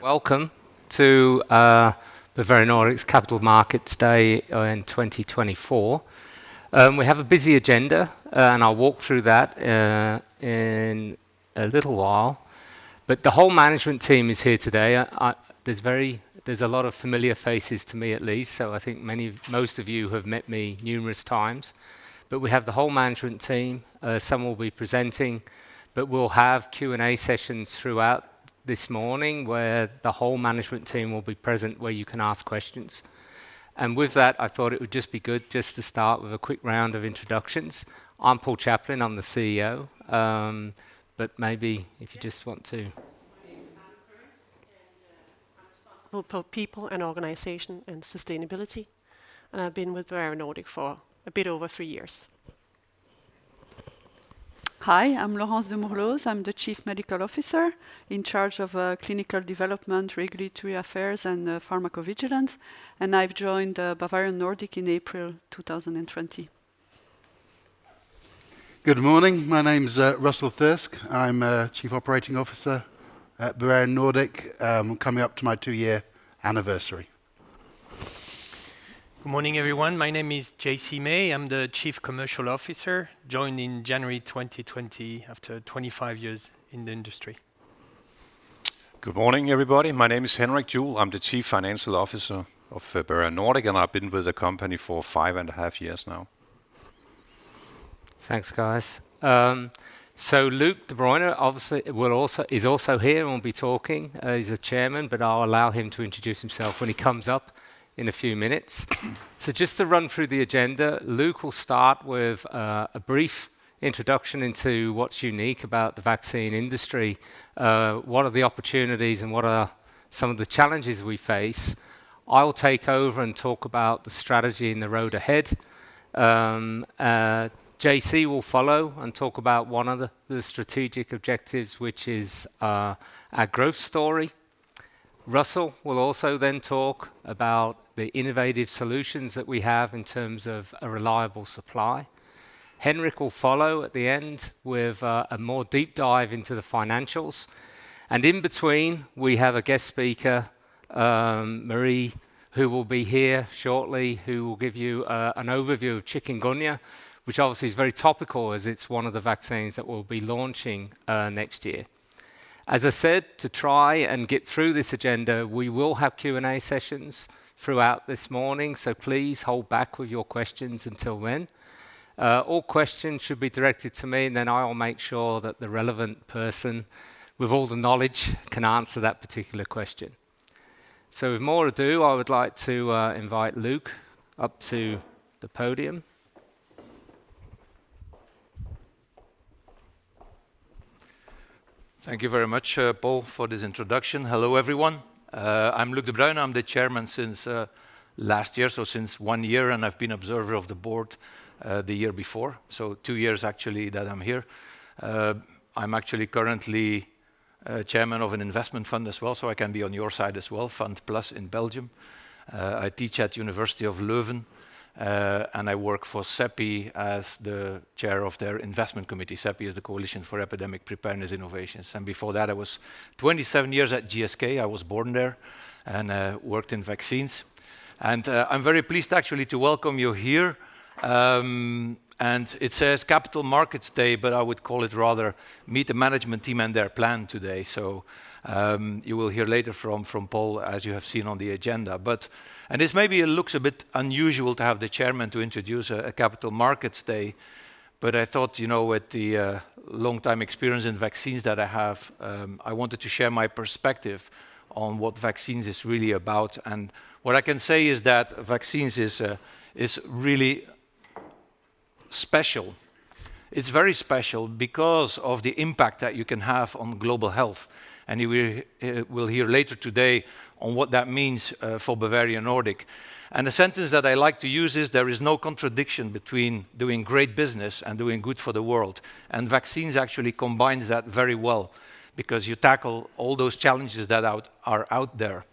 Welcome to the Bavarian Nordic's Capital Markets Day in 2024. We have a busy agenda, and I'll walk through that in a little while. But the whole management team is here today. There's a lot of familiar faces to me at least, so I think many of most of you have met me numerous times. But we have the whole management team. Some will be presenting, but we'll have Q&A sessions throughout this morning, where the whole management team will be present, where you can ask questions. And with that, I thought it would just be good just to start with a quick round of introductions. I'm Paul Chaplin. I'm the CEO, but maybe if you just want to- My name is Anu Helena Kerns, and I'm responsible for people and organization and sustainability, and I've been with Bavarian Nordic for a bit over three years. Hi, I'm Laurence De Moerlooze. I'm the Chief Medical Officer in charge of clinical development, regulatory affairs, and pharmacovigilance, and I've joined Bavarian Nordic in April 2020. Good morning. My name is Russell Thirsk. I'm Chief Operating Officer at Bavarian Nordic. Coming up to my two-year anniversary. Good morning, everyone. My name is JC May. I'm the Chief Commercial Officer, joined in January 2020 after 25 years in the industry. Good morning, everybody. My name is Henrik Juuel. I'm the Chief Financial Officer of Bavarian Nordic, and I've been with the company for five and a half years now. Thanks, guys. So Luc Debruyne, obviously, is also here and will be talking. He's the Chairman, but I'll allow him to introduce himself when he comes up in a few minutes. So just to run through the agenda, Luc will start with a brief introduction into what's unique about the vaccine industry, what are the opportunities, and what are some of the challenges we face. I will take over and talk about the strategy and the road ahead. JC will follow and talk about one of the strategic objectives, which is our growth story. Russell will also then talk about the innovative solutions that we have in terms of a reliable supply. Henrik will follow at the end with a more deep dive into the financials, and in between, we have a guest speaker, Marie, who will be here shortly, who will give you an overview of chikungunya, which obviously is very topical, as it's one of the vaccines that we'll be launching next year. As I said, to try and get through this agenda, we will have Q&A sessions throughout this morning, so please hold back with your questions until then. All questions should be directed to me, and then I will make sure that the relevant person with all the knowledge can answer that particular question. So with more ado, I would like to invite Luc up to the podium. Thank you very much, Paul, for this introduction. Hello, everyone. I'm Luc Debruyne. I'm the chairman since last year, so since one year, and I've been observer of the board the year before, so two years actually that I'm here. I'm actually currently chairman of an investment fund as well, so I can be on your side as well, Fund+ in Belgium. I teach at University of Leuven, and I work for CEPI as the chair of their investment committee. CEPI is the Coalition for Epidemic Preparedness Innovations, and before that, I was 27 years at GSK. I was born there and worked in vaccines. And, I'm very pleased actually to welcome you here. And it says Capital Markets Day, but I would call it rather, meet the management team and their plan today. So, you will hear later from Paul, as you have seen on the agenda. But this maybe it looks a bit unusual to have the chairman to introduce a capital markets day, but I thought, you know, with the long time experience in vaccines that I have, I wanted to share my perspective on what vaccines is really about. And what I can say is that vaccines is really special. It's very special because of the impact that you can have on global health, and you will hear later today on what that means for Bavarian Nordic. And the sentence that I like to use is, there is no contradiction between doing great business and doing good for the world, and vaccines actually combines that very well because you tackle all those challenges that are out there.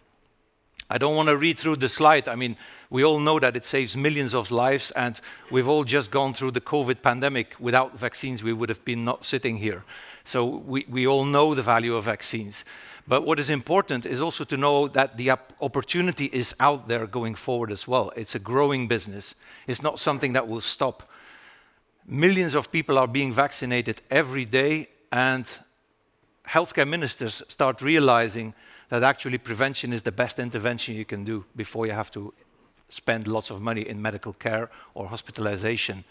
I don't wanna read through the slide. I mean, we all know that it saves millions of lives, and we've all just gone through the COVID pandemic. Without vaccines, we would have been not sitting here. So we, we all know the value of vaccines, but what is important is also to know that the opportunity is out there going forward as well. It's a growing business. It's not something that will stop. Millions of people are being vaccinated every day, and healthcare ministers start realizing that actually prevention is the best intervention you can do before you have to spend lots of money in medical care or hospitalization.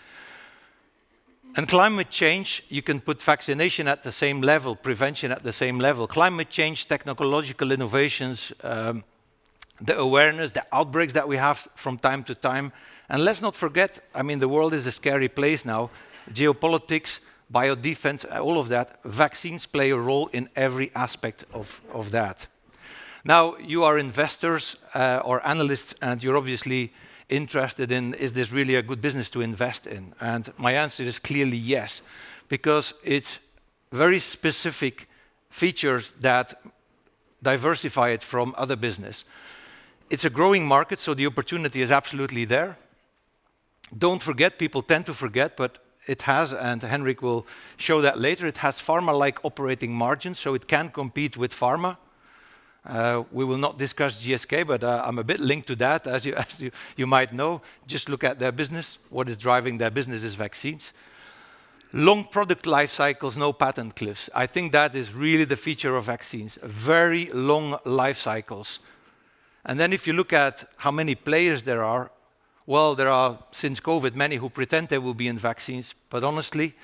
And climate change, you can put vaccination at the same level, prevention at the same level. Climate change, technological innovations, the awareness, the outbreaks that we have from time to time, and let's not forget, I mean, the world is a scary place now. Geopolitics, biodefense, all of that, vaccines play a role in every aspect of that. Now, you are investors or analysts, and you're obviously interested in, is this really a good business to invest in? And my answer is clearly yes, because it's very specific features that diversify it from other business. It's a growing market, so the opportunity is absolutely there. Don't forget, people tend to forget, but it has, and Henrik will show that later, it has pharma-like operating margins, so it can compete with pharma. We will not discuss GSK, but, I'm a bit linked to that, as you might know. Just look at their business. What is driving their business is vaccines. Long product life cycles, no patent cliffs. I think that is really the feature of vaccines, very long life cycles. And then if you look at how many players there are, well, there are, since COVID, many who pretend they will be in vaccines, but honestly,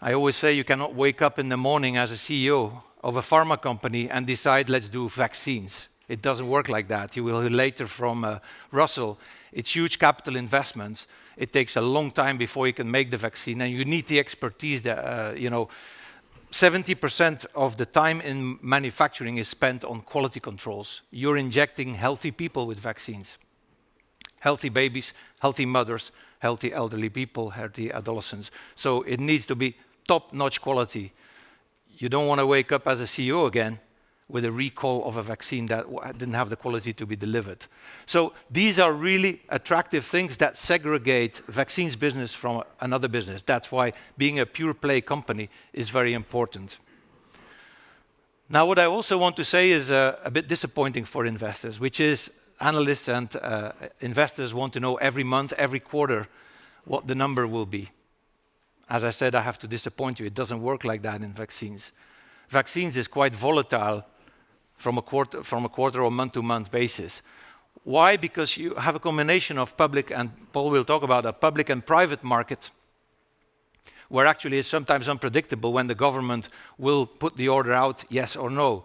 I always say you cannot wake up in the morning as a CEO of a pharma company and decide, "Let's do vaccines." It doesn't work like that. You will hear later from Russell, it's huge capital investments. It takes a long time before you can make the vaccine, and you need the expertise there. You know, 70% of the time in manufacturing is spent on quality controls. You're injecting healthy people with vaccines, healthy babies, healthy mothers, healthy elderly people, healthy adolescents, so it needs to be top-notch quality. You don't wanna wake up as a CEO again with a recall of a vaccine that didn't have the quality to be delivered. So these are really attractive things that segregate vaccines business from another business. That's why being a pure-play company is very important. Now, what I also want to say is a bit disappointing for investors, which is, analysts and investors want to know every month, every quarter, what the number will be. As I said, I have to disappoint you. It doesn't work like that in vaccines. Vaccines is quite volatile from a quarter or month-to-month basis. Why? Because you have a combination of public, and Paul will talk about that, public and private markets, where actually it's sometimes unpredictable when the government will put the order out, yes or no.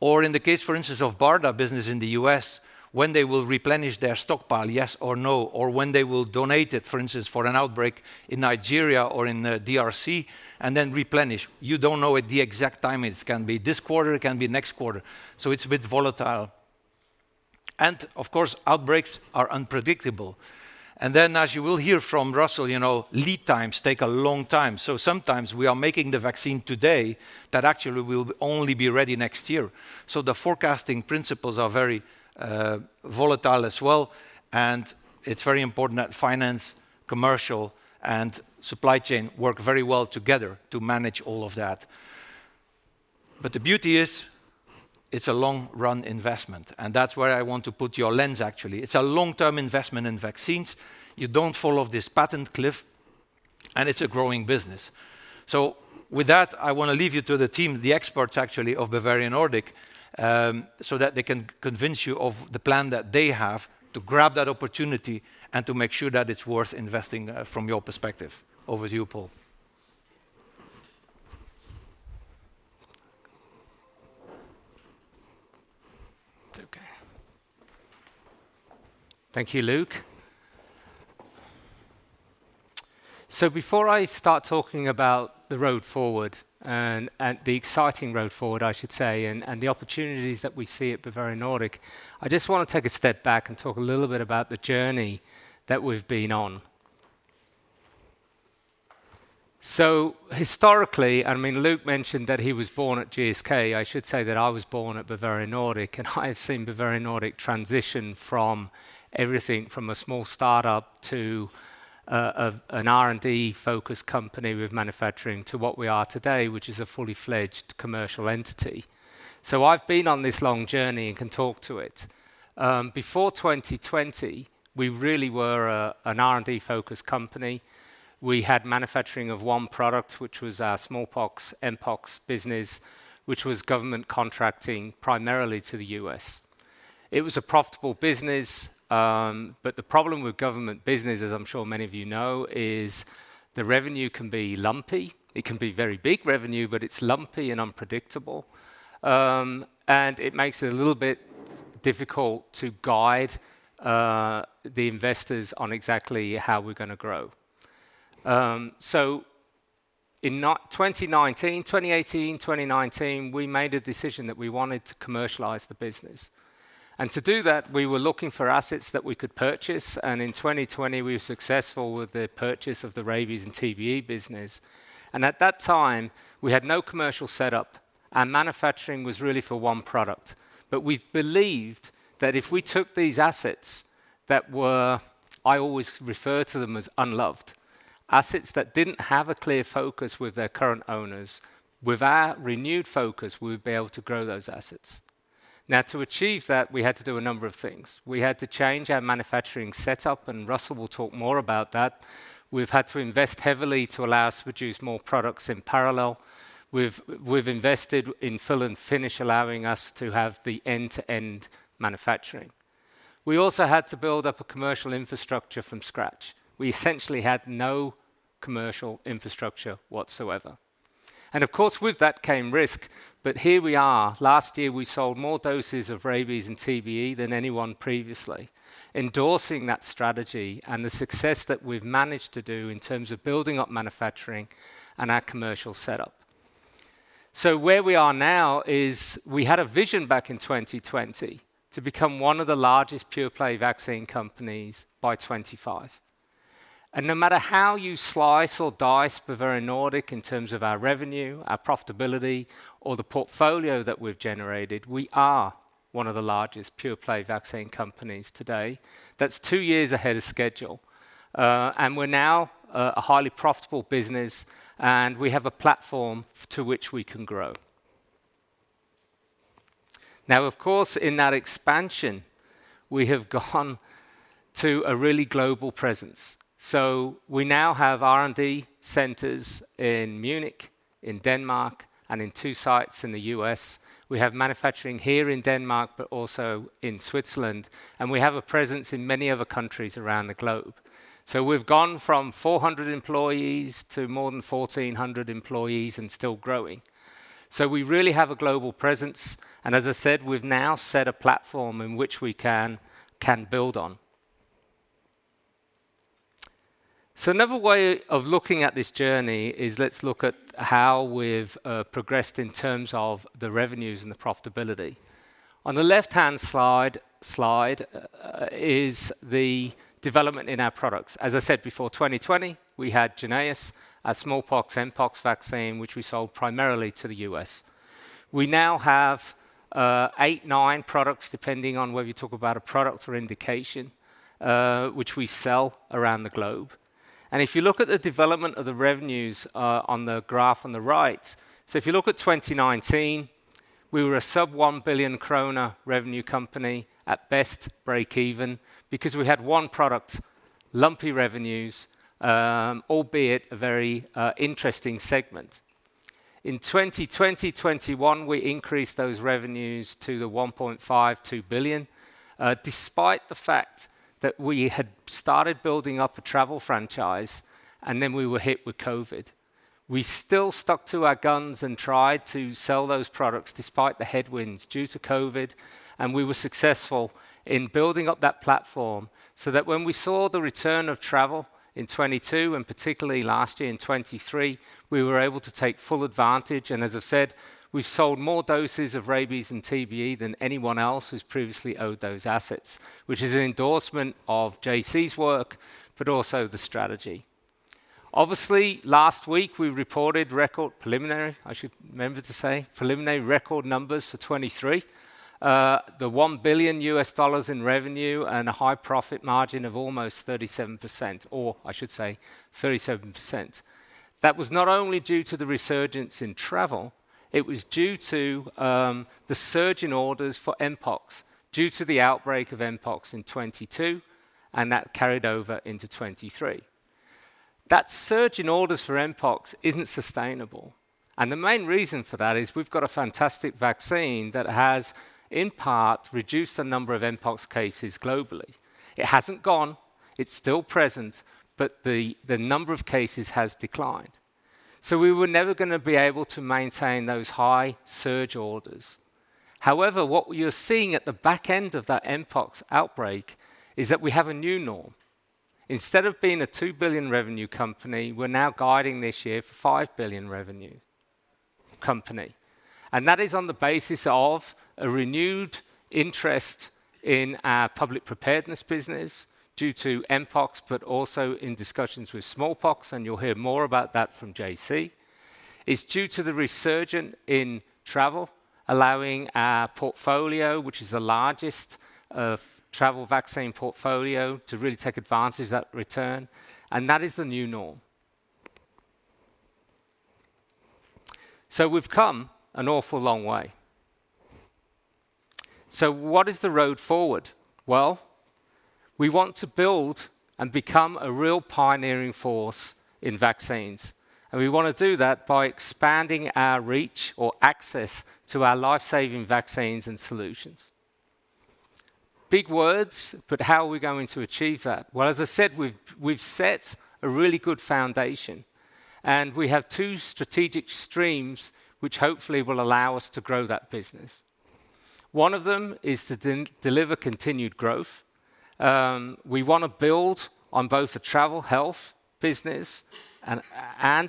Or in the case, for instance, of BARDA business in the U.S., when they will replenish their stockpile, yes or no, or when they will donate it, for instance, for an outbreak in Nigeria or in the DRC, and then replenish. You don't know at the exact time. It can be this quarter, it can be next quarter, so it's a bit volatile. And of course, outbreaks are unpredictable. And then, as you will hear from Russell, you know, lead times take a long time. So sometimes we are making the vaccine today that actually will only be ready next year. So the forecasting principles are very, volatile as well, and it's very important that finance, commercial, and supply chain work very well together to manage all of that. But the beauty is, it's a long-run investment, and that's where I want to put your lens, actually. It's a long-term investment in vaccines. You don't fall off this patent cliff, and it's a growing business. So with that, I wanna leave you to the team, the experts, actually, of Bavarian Nordic, so that they can convince you of the plan that they have to grab that opportunity and to make sure that it's worth investing, from your perspective. Over to you, Paul. It's okay. Thank you, Luc. So before I start talking about the road forward and the exciting road forward, I should say, and the opportunities that we see at Bavarian Nordic, I just wanna take a step back and talk a little bit about the journey that we've been on. So historically, I mean, Luc mentioned that he was born at GSK. I should say that I was born at Bavarian Nordic, and I have seen Bavarian Nordic transition from everything from a small start-up to an R&D-focused company with manufacturing, to what we are today, which is a fully fledged commercial entity. So I've been on this long journey and can talk to it. Before 2020, we really were an R&D-focused company. We had manufacturing of one product, which was our smallpox/mpox business, which was government contracting primarily to the U.S. It was a profitable business, but the problem with government business, as I'm sure many of you know, is the revenue can be lumpy. It can be very big revenue, but it's lumpy and unpredictable. It makes it a little bit difficult to guide the investors on exactly how we're gonna grow. In 2019, 2018, 2019, we made a decision that we wanted to commercialize the business. To do that, we were looking for assets that we could purchase, and in 2020, we were successful with the purchase of the rabies and TBE business. At that time, we had no commercial setup, and manufacturing was really for one product. But we believed that if we took these assets that were, I always refer to them as unloved, assets that didn't have a clear focus with their current owners, with our renewed focus, we would be able to grow those assets. Now, to achieve that, we had to do a number of things. We had to change our manufacturing setup, and Russell will talk more about that. We've had to invest heavily to allow us to produce more products in parallel. We've invested in fill and finish, allowing us to have the end-to-end manufacturing. We also had to build up a commercial infrastructure from scratch. We essentially had no commercial infrastructure whatsoever, and of course, with that came risk. But here we are. Last year, we sold more doses of rabies and TBE than anyone previously, endorsing that strategy and the success that we've managed to do in terms of building up manufacturing and our commercial setup. So where we are now is, we had a vision back in 2020 to become one of the largest pure-play vaccine companies by 2025. No matter how you slice or dice Bavarian Nordic in terms of our revenue, our profitability, or the portfolio that we've generated, we are one of the largest pure-play vaccine companies today. That's two years ahead of schedule. We're now a highly profitable business, and we have a platform to which we can grow. Now, of course, in that expansion, we have gone to a really global presence. So we now have R&D centers in Munich, in Denmark, and in two sites in the U.S. We have manufacturing here in Denmark, but also in Switzerland, and we have a presence in many other countries around the globe. So we've gone from 400 employees to more than 1,400 employees and still growing. So we really have a global presence, and as I said, we've now set a platform in which we can build on. So another way of looking at this journey is let's look at how we've progressed in terms of the revenues and the profitability. On the left-hand slide is the development in our products. As I said, before 2020, we had Jynneos, a smallpox mpox vaccine, which we sold primarily to the U.S. We now have eight, nine products, depending on whether you talk about a product or indication, which we sell around the globe. If you look at the development of the revenues on the graph on the right, so if you look at 2019, we were a sub-1 billion DKK revenue company, at best, break even, because we had one product, lumpy revenues, albeit a very interesting segment. In 2020, 2021, we increased those revenues to the 1.52 billion DKK, despite the fact that we had started building up a travel franchise, and then we were hit with COVID. We still stuck to our guns and tried to sell those products despite the headwinds due to COVID, and we were successful in building up that platform so that when we saw the return of travel in 2022, and particularly last year in 2023, we were able to take full advantage, and as I've said, we've sold more doses of rabies and TBE than anyone else who's previously owned those assets, which is an endorsement of JC's work, but also the strategy. Obviously, last week, we reported record preliminary, I should remember to say, preliminary record numbers for 2023. The $1 billion in revenue and a high profit margin of almost 37%, or I should say, 37%. That was not only due to the resurgence in travel, it was due to the surge in orders for mpox due to the outbreak of mpox in 2022, and that carried over into 2023. That surge in orders for mpox isn't sustainable, and the main reason for that is we've got a fantastic vaccine that has, in part, reduced the number of mpox cases globally. It hasn't gone, it's still present, but the number of cases has declined. So we were never gonna be able to maintain those high surge orders. However, what you're seeing at the back end of that mpox outbreak is that we have a new norm. Instead of being a 2 billion revenue company, we're now guiding this year for 5 billion revenue company, and that is on the basis of a renewed interest in our public preparedness business due to mpox, but also in discussions with smallpox, and you'll hear more about that from JC. It's due to the resurgence in travel, allowing our portfolio, which is the largest, travel vaccine portfolio, to really take advantage of that return, and that is the new norm. So we've come an awful long way. So what is the road forward? Well, we want to build and become a real pioneering force in vaccines, and we wanna do that by expanding our reach or access to our life-saving vaccines and solutions. Big words, but how are we going to achieve that? Well, as I said, we've, we've set a really good foundation, and we have two strategic streams, which hopefully will allow us to grow that business. One of them is to deliver continued growth. We wanna build on both the travel health business and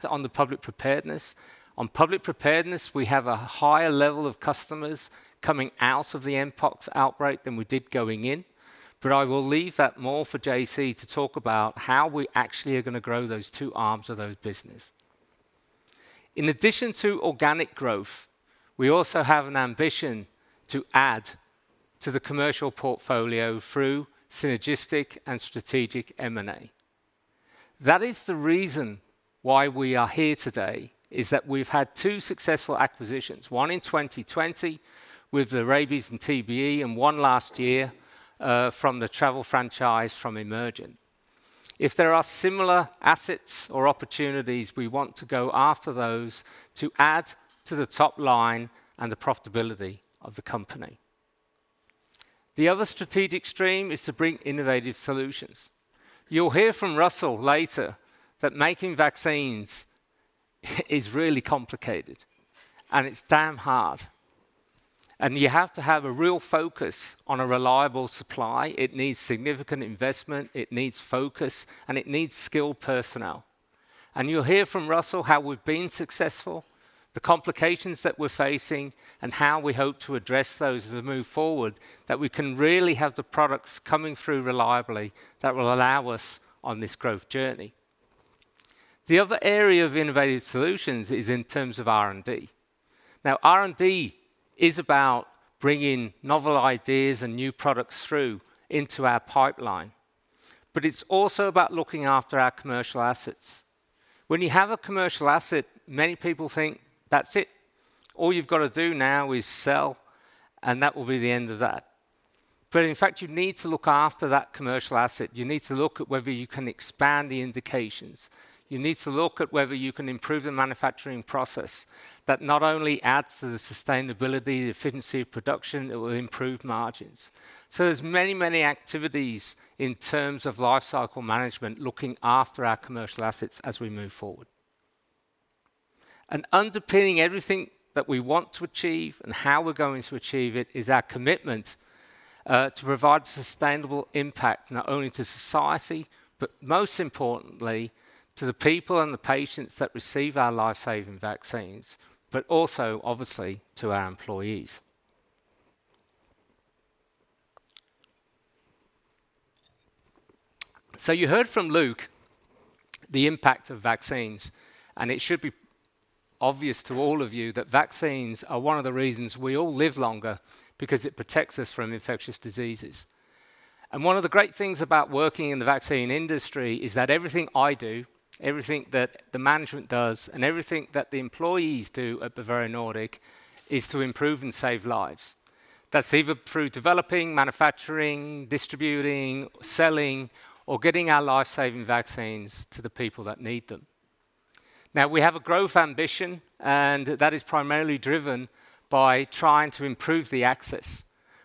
on the public preparedness. On public preparedness, we have a higher level of customers coming out of the mpox outbreak than we did going in, but I will leave that more for JC to talk about how we actually are gonna grow those two arms of those business. In addition to organic growth, we also have an ambition to add to the commercial portfolio through synergistic and strategic M&A. That is the reason why we are here today, is that we've had two successful acquisitions, one in 2020 with the rabies and TBE, and one last year from the travel franchise from Emergent. If there are similar assets or opportunities, we want to go after those to add to the top line and the profitability of the company. The other strategic stream is to bring innovative solutions. You'll hear from Russell later that making vaccines is really complicated, and it's damn hard, and you have to have a real focus on a reliable supply. It needs significant investment, it needs focus, and it needs skilled personnel. You'll hear from Russell how we've been successful, the complications that we're facing, and how we hope to address those as we move forward, that we can really have the products coming through reliably, that will allow us on this growth journey.... The other area of innovative solutions is in terms of R&D. Now, R&D is about bringing novel ideas and new products through into our pipeline, but it's also about looking after our commercial assets. When you have a commercial asset, many people think, "That's it. All you've got to do now is sell, and that will be the end of that." But in fact, you need to look after that commercial asset. You need to look at whether you can expand the indications. You need to look at whether you can improve the manufacturing process. That not only adds to the sustainability, the efficiency of production, it will improve margins. So there's many, many activities in terms of life cycle management, looking after our commercial assets as we move forward. Underpinning everything that we want to achieve and how we're going to achieve it is our commitment to provide sustainable impact, not only to society, but most importantly, to the people and the patients that receive our life-saving vaccines, but also, obviously, to our employees. So you heard from Luc the impact of vaccines, and it should be obvious to all of you that vaccines are one of the reasons we all live longer, because it protects us from infectious diseases. One of the great things about working in the vaccine industry is that everything I do, everything that the management does, and everything that the employees do at Bavarian Nordic, is to improve and save lives. That's either through developing, manufacturing, distributing, selling, or getting our life-saving vaccines to the people that need them. Now, we have a growth ambition, and that is primarily driven by trying to improve the access.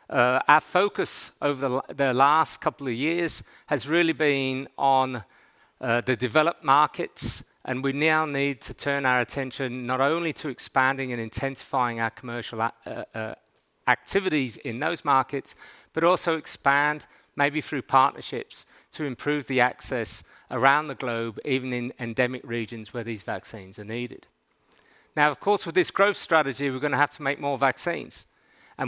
Our focus over the last couple of years has really been on the developed markets, and we now need to turn our attention not only to expanding and intensifying our commercial activities in those markets, but also expand, maybe through partnerships, to improve the access around the globe, even in endemic regions where these vaccines are needed. Now, of course, with this growth strategy, we're gonna have to make more vaccines.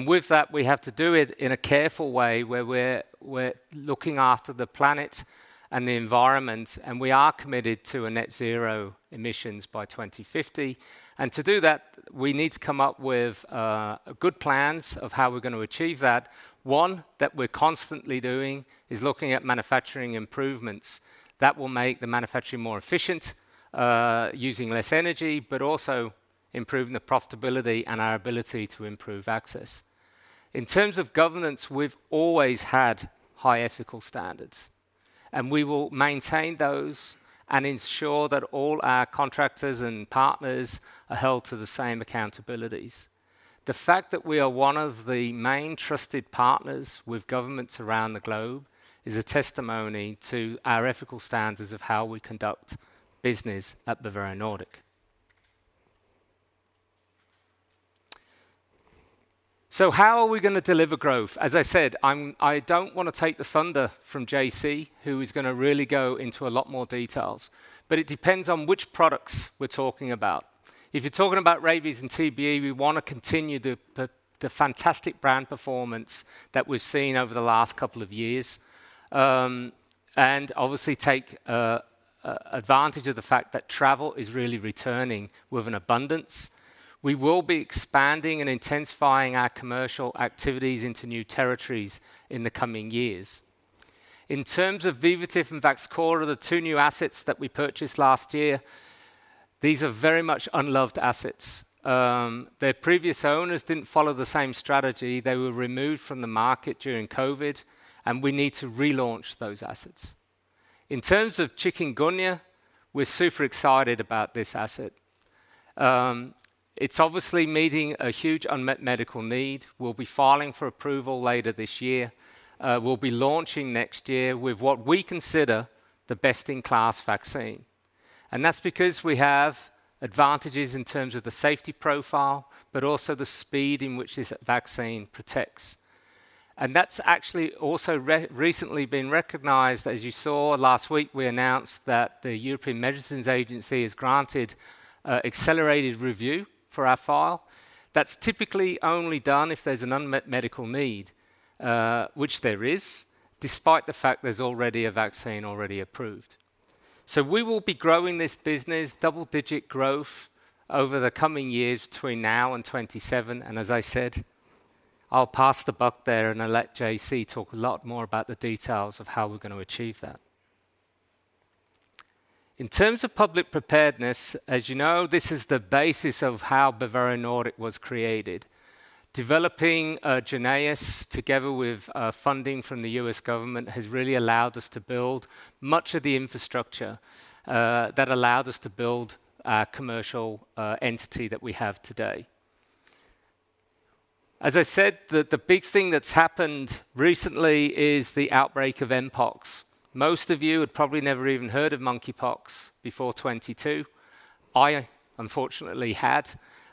With that, we have to do it in a careful way where we're looking after the planet and the environment, and we are committed to a net zero emissions by 2050. To do that, we need to come up with good plans of how we're gonna achieve that. One that we're constantly doing is looking at manufacturing improvements that will make the manufacturing more efficient, using less energy, but also improving the profitability and our ability to improve access. In terms of governance, we've always had high ethical standards, and we will maintain those and ensure that all our contractors and partners are held to the same accountabilities. The fact that we are one of the main trusted partners with governments around the globe is a testimony to our ethical standards of how we conduct business at Bavarian Nordic. So how are we gonna deliver growth? As I said, I don't wanna take the thunder from JC, who is gonna really go into a lot more details, but it depends on which products we're talking about. If you're talking about rabies and TBE, we want to continue the fantastic brand performance that we've seen over the last couple of years, and obviously take advantage of the fact that travel is really returning with an abundance. We will be expanding and intensifying our commercial activities into new territories in the coming years. In terms of Vivotif and Vaxchora, the two new assets that we purchased last year, these are very much unloved assets. Their previous owners didn't follow the same strategy. They were removed from the market during COVID, and we need to relaunch those assets. In terms of chikungunya, we're super excited about this asset. It's obviously meeting a huge unmet medical need. We'll be filing for approval later this year. We'll be launching next year with what we consider the best-in-class vaccine, and that's because we have advantages in terms of the safety profile, but also the speed in which this vaccine protects. And that's actually also recently been recognized. As you saw, last week, we announced that the European Medicines Agency has granted accelerated review for our file. That's typically only done if there's an unmet medical need, which there is, despite the fact there's already a vaccine already approved. So we will be growing this business, double-digit growth over the coming years between now and 2027, and as I said, I'll pass the buck there, and I'll let JC talk a lot more about the details of how we're gonna achieve that. In terms of public preparedness, as you know, this is the basis of how Bavarian Nordic was created. Developing Jynneos, together with funding from the US government, has really allowed us to build much of the infrastructure that allowed us to build our commercial entity that we have today. As I said, the big thing that's happened recently is the outbreak of mpox. Most of you had probably never even heard of monkeypox before 2022. I unfortunately had.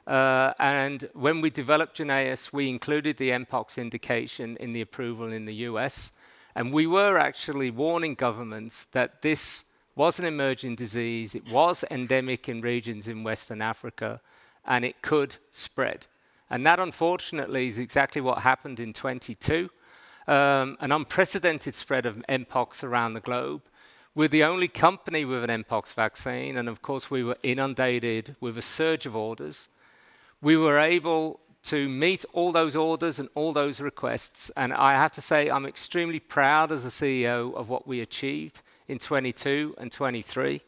and when we developed Jynneos, we included the mpox indication in the approval in the U.S., and we were actually warning governments that this was an emerging disease, it was endemic in regions in Western Africa, and it could spread. And that, unfortunately, is exactly what happened in 2022. An unprecedented spread of mpox around the globe. We're the only company with an mpox vaccine, and of course, we were inundated with a surge of orders.... We were able to meet all those orders and all those requests, and I have to say, I'm extremely proud as a CEO of what we achieved in 2022 and 2023.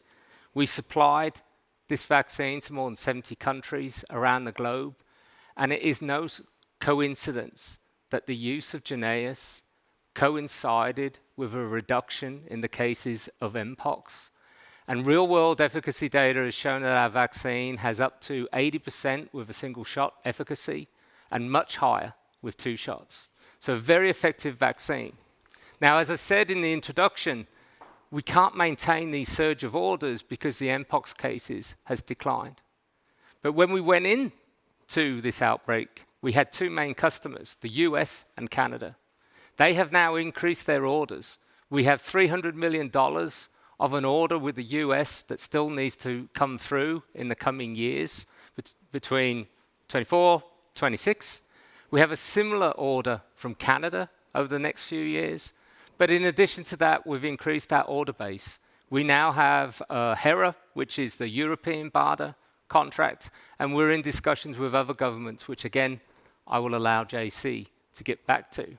We supplied this vaccine to more than 70 countries around the globe, and it is no coincidence that the use of Jynneos coincided with a reduction in the cases of mpox. And real-world efficacy data has shown that our vaccine has up to 80% with a single-shot efficacy and much higher with two shots. So a very effective vaccine. Now, as I said in the introduction, we can't maintain the surge of orders because the mpox cases has declined. But when we went in to this outbreak, we had two main customers, the U.S. and Canada. They have now increased their orders. We have $300 million of an order with the U.S. that still needs to come through in the coming years, between 2024-2026. We have a similar order from Canada over the next few years, but in addition to that, we've increased our order base. We now have HERA, which is the European BARDA contract, and we're in discussions with other governments, which again, I will allow JC to get back to.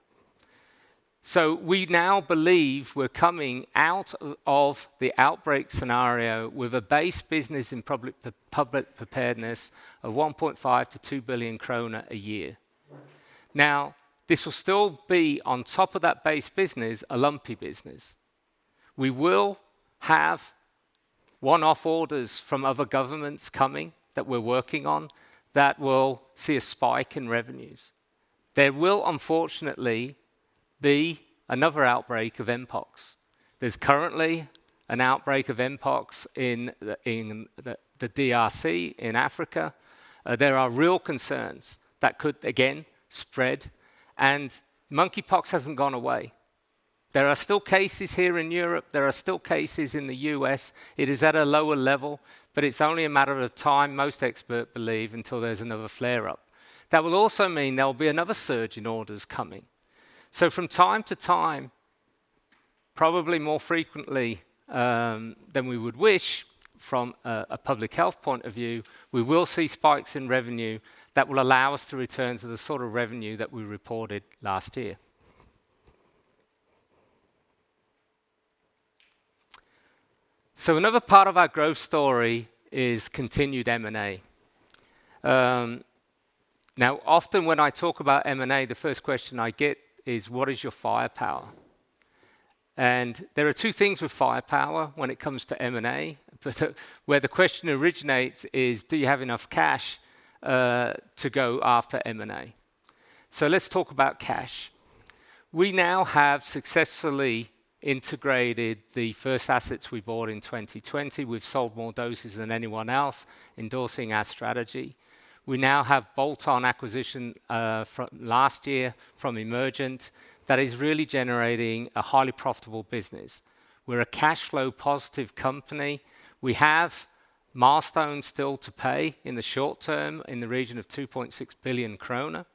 So we now believe we're coming out of the outbreak scenario with a base business in public preparedness of 1.5 billion-2 billion kroner a year. Now, this will still be on top of that base business, a lumpy business. We will have one-off orders from other governments coming, that we're working on, that will see a spike in revenues. There will, unfortunately, be another outbreak of mpox. There's currently an outbreak of mpox in the DRC, in Africa. There are real concerns that could again spread, and monkeypox hasn't gone away. There are still cases here in Europe. There are still cases in the U.S. It is at a lower level, but it's only a matter of time, most experts believe, until there's another flare-up. That will also mean there will be another surge in orders coming. So from time to time, probably more frequently than we would wish from a public health point of view, we will see spikes in revenue that will allow us to return to the sort of revenue that we reported last year. So another part of our growth story is continued M&A. Now, often when I talk about M&A, the first question I get is: What is your firepower? And there are two things with firepower when it comes to M&A, but where the question originates is: Do you have enough cash to go after M&A? So let's talk about cash. We now have successfully integrated the first assets we bought in 2020. We've sold more doses than anyone else, endorsing our strategy. We now have bolt-on acquisition from last year from Emergent that is really generating a highly profitable business. We're a cash flow positive company. We have milestones still to pay in the short term, in the region of 2.6 billion kroner.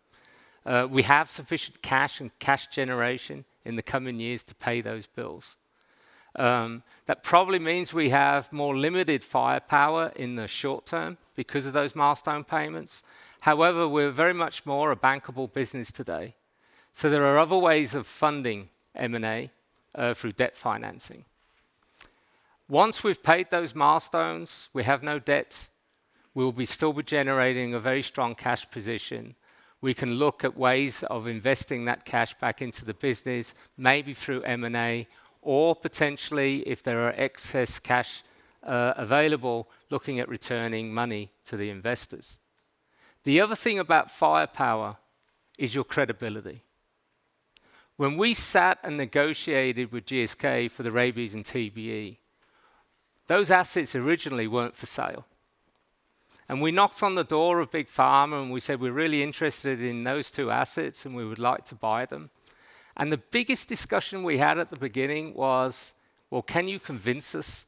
We have sufficient cash and cash generation in the coming years to pay those bills. That probably means we have more limited firepower in the short term because of those milestone payments. However, we're very much more a bankable business today, so there are other ways of funding M&A through debt financing. Once we've paid those milestones, we have no debts. We'll still be generating a very strong cash position. We can look at ways of investing that cash back into the business, maybe through M&A or potentially, if there are excess cash available, looking at returning money to the investors. The other thing about firepower is your credibility. When we sat and negotiated with GSK for the rabies and TBE, those assets originally weren't for sale. We knocked on the door of Big Pharma, and we said, "We're really interested in those two assets, and we would like to buy them." The biggest discussion we had at the beginning was, "Well, can you convince us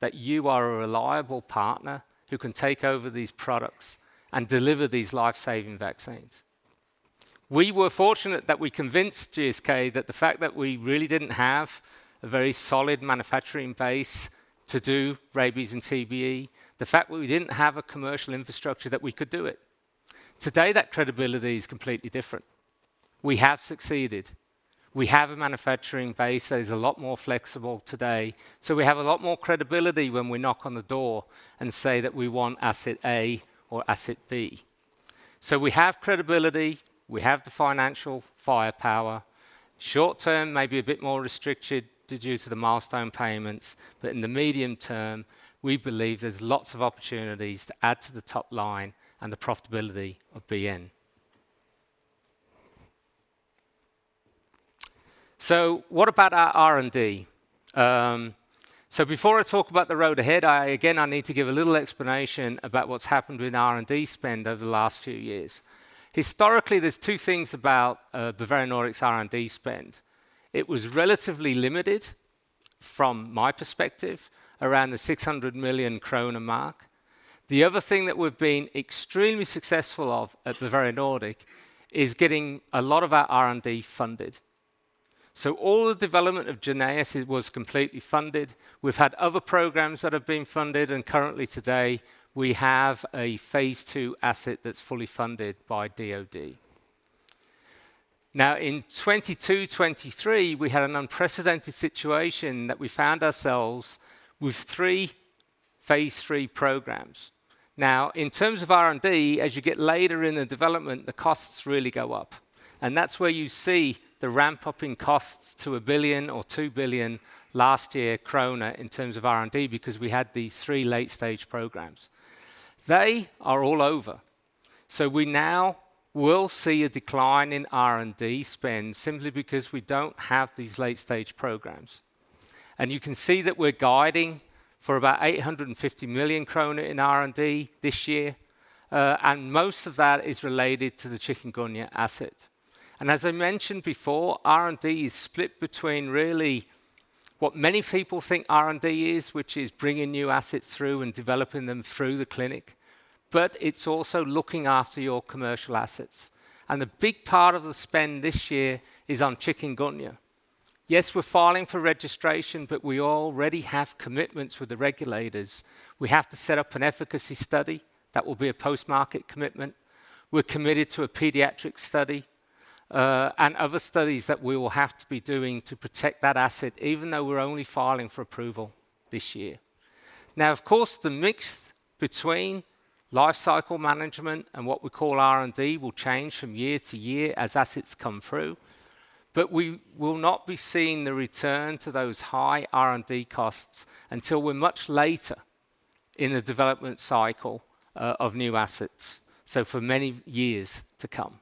that you are a reliable partner who can take over these products and deliver these life-saving vaccines?" We were fortunate that we convinced GSK that the fact that we really didn't have a very solid manufacturing base to do rabies and TBE, the fact that we didn't have a commercial infrastructure, that we could do it. Today, that credibility is completely different. We have succeeded. We have a manufacturing base that is a lot more flexible today, so we have a lot more credibility when we knock on the door and say that we want asset A or asset B. So we have credibility, we have the financial firepower. Short-term, maybe a bit more restricted due to the milestone payments, but in the medium term, we believe there's lots of opportunities to add to the top line and the profitability of BN. So what about our R&D? So before I talk about the road ahead, I again, I need to give a little explanation about what's happened with R&D spend over the last few years. Historically, there's two things about Bavarian Nordic's R&D spend. It was relatively limited from my perspective, around the 600 million kroner mark. The other thing that we've been extremely successful at Bavarian Nordic is getting a lot of our R&D funded. So all the development of Jynneos was completely funded. We've had other programs that have been funded, and currently today, we have a phase II asset that's fully funded by DoD. Now, in 2022, 2023, we had an unprecedented situation that we found ourselves with three phase III programs. Now, in terms of R&D, as you get later in the development, the costs really go up, and that's where you see the ramp-up in costs to 1 billion or 2 billion last year in terms of R&D, because we had these three late-stage programs. They are all over. So we now will see a decline in R&D spend simply because we don't have these late-stage programs. You can see that we're guiding for about 850 million kroner in R&D this year, and most of that is related to the chikungunya asset. As I mentioned before, R&D is split between really what many people think R&D is, which is bringing new assets through and developing them through the clinic, but it's also looking after your commercial assets. A big part of the spend this year is on chikungunya. Yes, we're filing for registration, but we already have commitments with the regulators. We have to set up an efficacy study that will be a post-market commitment. We're committed to a pediatric study, and other studies that we will have to be doing to protect that asset, even though we're only filing for approval this year. Now, of course, the mix between life cycle management and what we call R&D will change from year to year as assets come through, but we will not be seeing the return to those high R&D costs until we're much later in the development cycle of new assets, so for many years to come.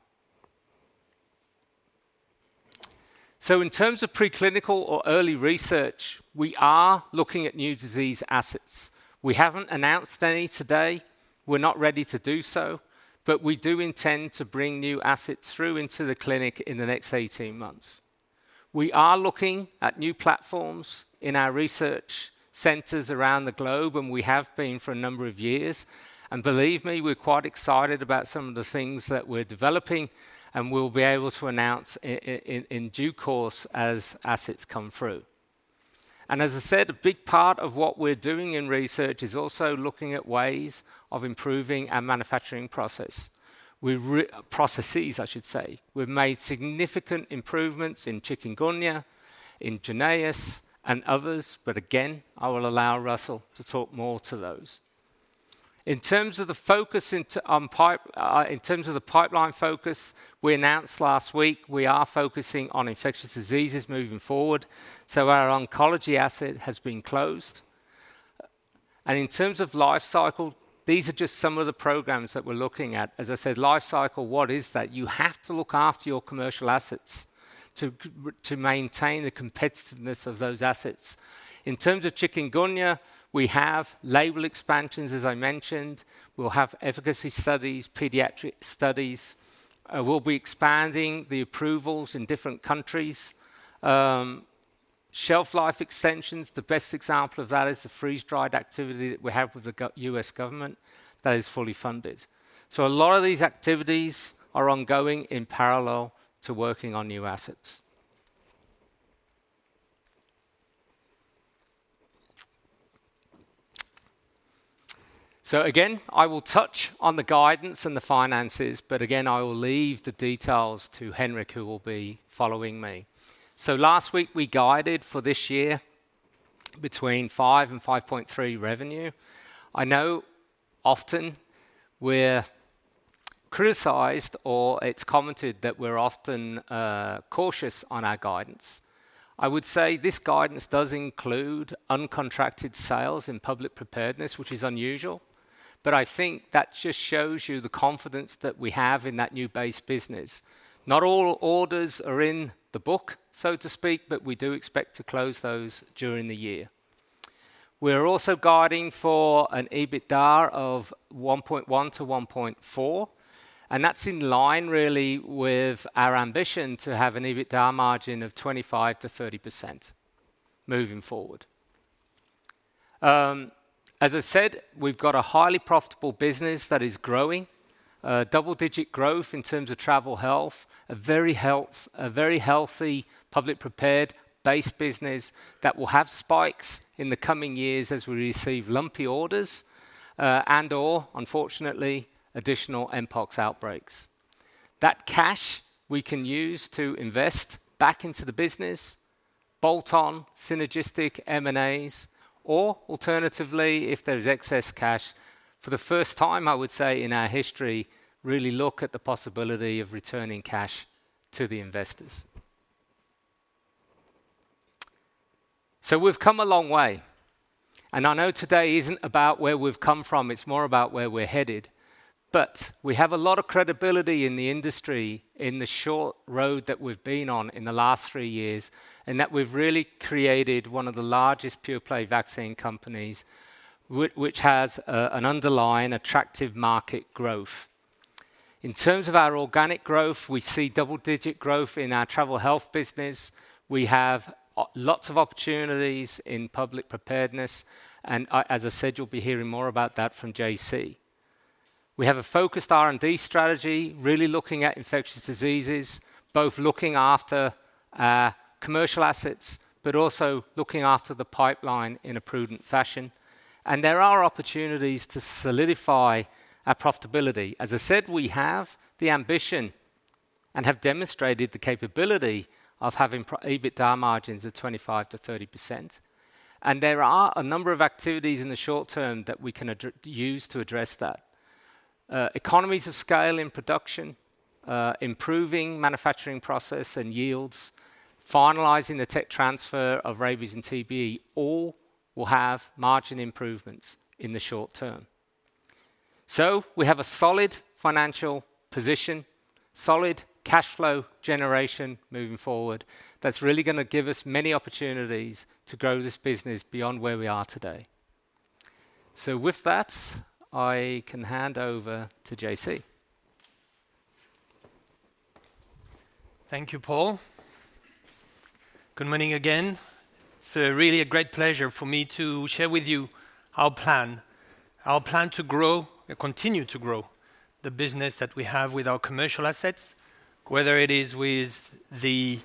So in terms of preclinical or early research, we are looking at new disease assets. We haven't announced any today. We're not ready to do so, but we do intend to bring new assets through into the clinic in the next 18 months. We are looking at new platforms in our research centers around the globe, and we have been for a number of years. And believe me, we're quite excited about some of the things that we're developing, and we'll be able to announce in due course as assets come through. As I said, a big part of what we're doing in research is also looking at ways of improving our manufacturing process. We're processes, I should say. We've made significant improvements in chikungunya, in Jynneos, and others, but again, I will allow Russell to talk more to those. In terms of the focus into on, in terms of the pipeline focus, we announced last week, we are focusing on infectious diseases moving forward, so our oncology asset has been closed. And in terms of life cycle, these are just some of the programs that we're looking at. As I said, life cycle, what is that? You have to look after your commercial assets to to maintain the competitiveness of those assets. In terms of chikungunya, we have label expansions, as I mentioned. We'll have efficacy studies, pediatric studies, we'll be expanding the approvals in different countries. Shelf life extensions, the best example of that is the freeze-dried activity that we have with the U.S. government that is fully funded. So a lot of these activities are ongoing in parallel to working on new assets. So again, I will touch on the guidance and the finances, but again, I will leave the details to Henrik, who will be following me. So last week, we guided for this year between 5 billion-5.3 billion revenue. I know often we're criticized or it's commented that we're often cautious on our guidance. I would say this guidance does include uncontracted sales in public preparedness, which is unusual, but I think that just shows you the confidence that we have in that new base business. Not all orders are in the book, so to speak, but we do expect to close those during the year. We're also guiding for an EBITDA of 1.1 billion-1.4 billion, and that's in line really with our ambition to have an EBITDA margin of 25%-30% moving forward. As I said, we've got a highly profitable business that is growing, double-digit growth in terms of travel health, a very healthy public prepared base business that will have spikes in the coming years as we receive lumpy orders, and or unfortunately, additional mpox outbreaks. That cash we can use to invest back into the business, bolt on synergistic M&As, or alternatively, if there is excess cash, for the first time, I would say, in our history, really look at the possibility of returning cash to the investors. So we've come a long way, and I know today isn't about where we've come from, it's more about where we're headed. But we have a lot of credibility in the industry, in the short road that we've been on in the last three years, and that we've really created one of the largest pure-play vaccine companies, which has an underlying attractive market growth. In terms of our organic growth, we see double-digit growth in our travel health business. We have lots of opportunities in public preparedness, and, as I said, you'll be hearing more about that from JC.... We have a focused R&D strategy, really looking at infectious diseases, both looking after commercial assets, but also looking after the pipeline in a prudent fashion. And there are opportunities to solidify our profitability. As I said, we have the ambition, and have demonstrated the capability, of having pro-EBITDA margins of 25%-30%. There are a number of activities in the short term that we can use to address that. Economies of scale in production, improving manufacturing process and yields, finalizing the tech transfer of rabies and TBE, all will have margin improvements in the short term. We have a solid financial position, solid cashflow generation moving forward, that's really going to give us many opportunities to grow this business beyond where we are today. With that, I can hand over to JC. Thank you, Paul. Good morning again. It's really a great pleasure for me to share with you our plan. Our plan to grow, and continue to grow, the business that we have with our commercial assets, whether it is with the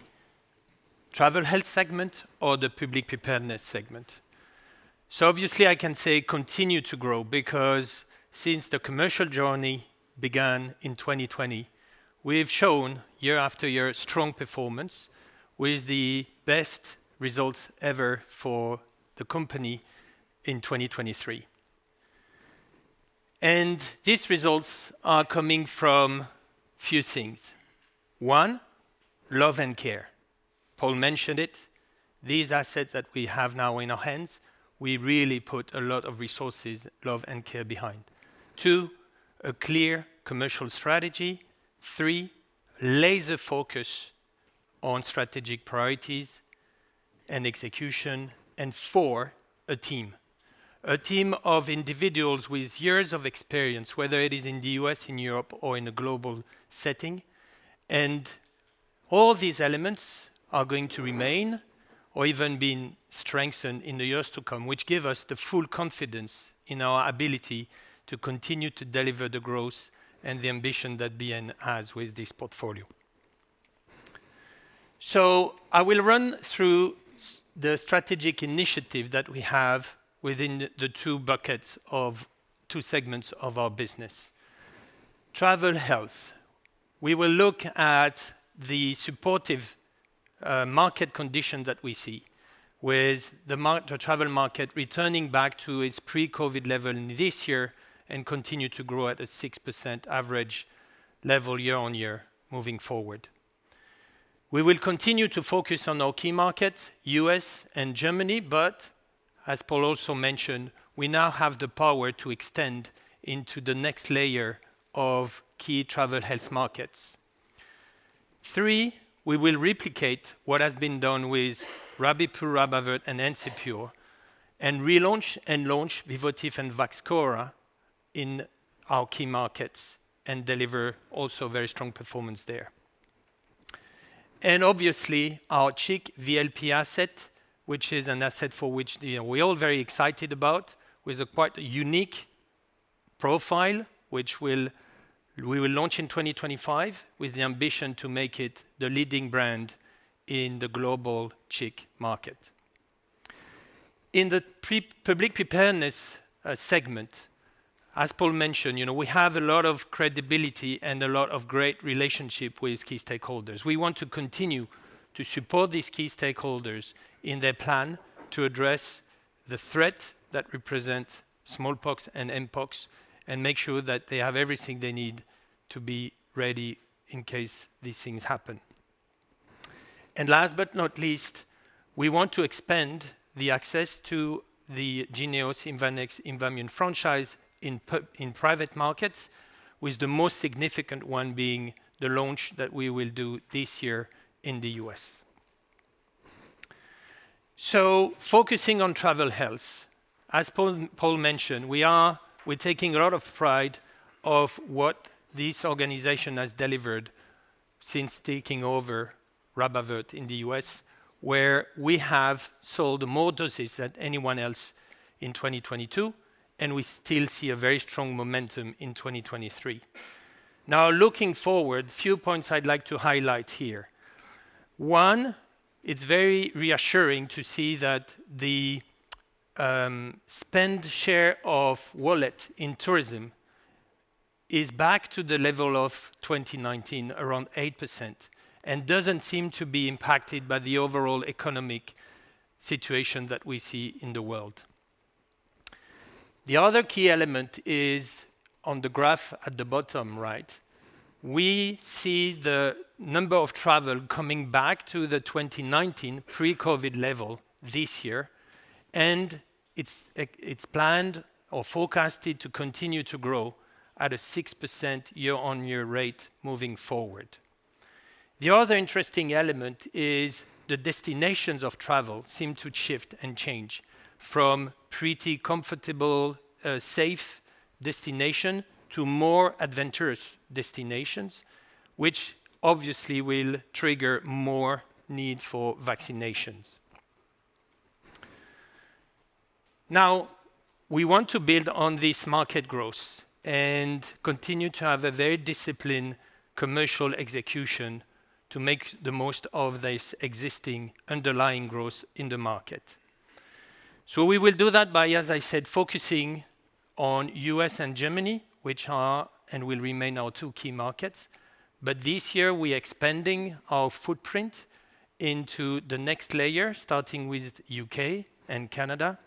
travel health segment or the public preparedness segment. So obviously, I can say continue to grow, because since the commercial journey began in 2020, we've shown year after year, strong performance, with the best results ever for the company in 2023. And these results are coming from few things. One, love and care. Paul mentioned it. These assets that we have now in our hands, we really put a lot of resources, love, and care behind. Two, a clear commercial strategy. Three, laser focus on strategic priorities and execution. And four, a team. A team of individuals with years of experience, whether it is in the U.S., in Europe, or in a global setting. And all these elements are going to remain, or even been strengthened in the years to come, which give us the full confidence in our ability to continue to deliver the growth and the ambition that BN has with this portfolio. So I will run through the strategic initiative that we have within the two buckets of two segments of our business. Travel health. We will look at the supportive, market condition that we see, with the travel market returning back to its pre-COVID level this year, and continue to grow at a 6% average level year-on-year moving forward. We will continue to focus on our key markets, U.S. and Germany, but as Paul also mentioned, we now have the power to extend into the next layer of key travel health markets. Three, we will replicate what has been done with Rabipur, RabAvert, and Encepur, and relaunch and launch VIVOTIF and VAXCHORA in our key markets, and deliver also very strong performance there. And obviously, our chikungunya VLP asset, which is an asset for which, you know, we're all very excited about, with a quite unique profile, which we will launch in 2025, with the ambition to make it the leading brand in the global chikungunya market. In the pre-public preparedness segment, as Paul mentioned, you know, we have a lot of credibility and a lot of great relationship with key stakeholders. We want to continue to support these key stakeholders in their plan to address the threat that represents smallpox and mpox, and make sure that they have everything they need to be ready in case these things happen. Last but not least, we want to expand the access to the Jynneos, IMVANEX, IMVAMUNE franchise in private markets, with the most significant one being the launch that we will do this year in the U.S. Focusing on travel health, as Paul, Paul mentioned, we're taking a lot of pride of what this organization has delivered since taking over RabAvert in the U.S., where we have sold more doses than anyone else in 2022, and we still see a very strong momentum in 2023. Now, looking forward, few points I'd like to highlight here. One, it's very reassuring to see that the spend share of wallet in tourism is back to the level of 2019, around 8%, and doesn't seem to be impacted by the overall economic situation that we see in the world. The other key element is on the graph at the bottom right. We see the number of travel coming back to the 2019 pre-COVID level this year, and it's planned or forecasted to continue to grow at a 6% year-on-year rate moving forward. The other interesting element is the destinations of travel seem to shift and change from pretty comfortable, safe destination, to more adventurous destinations, which obviously will trigger more need for vaccinations.... Now, we want to build on this market growth and continue to have a very disciplined commercial execution to make the most of this existing underlying growth in the market. So we will do that by, as I said, focusing on U.S. and Germany, which are and will remain our two key markets. But this year, we are expanding our footprint into the next layer, starting with U.K. and Canada,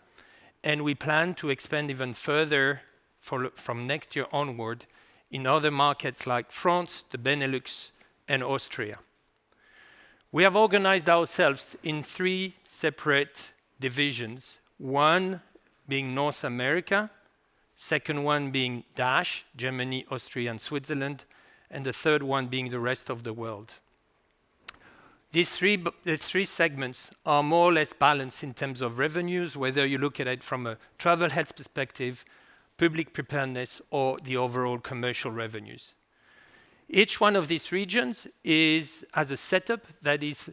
and we plan to expand even further from next year onward in other markets like France, the Benelux, and Austria. We have organized ourselves in three separate divisions, one being North America, second one being DACH, Germany, Austria, and Switzerland, and the third one being the rest of the world. These three segments are more or less balanced in terms of revenues, whether you look at it from a travel health perspective, public preparedness, or the overall commercial revenues. Each one of these regions is, has a setup that is,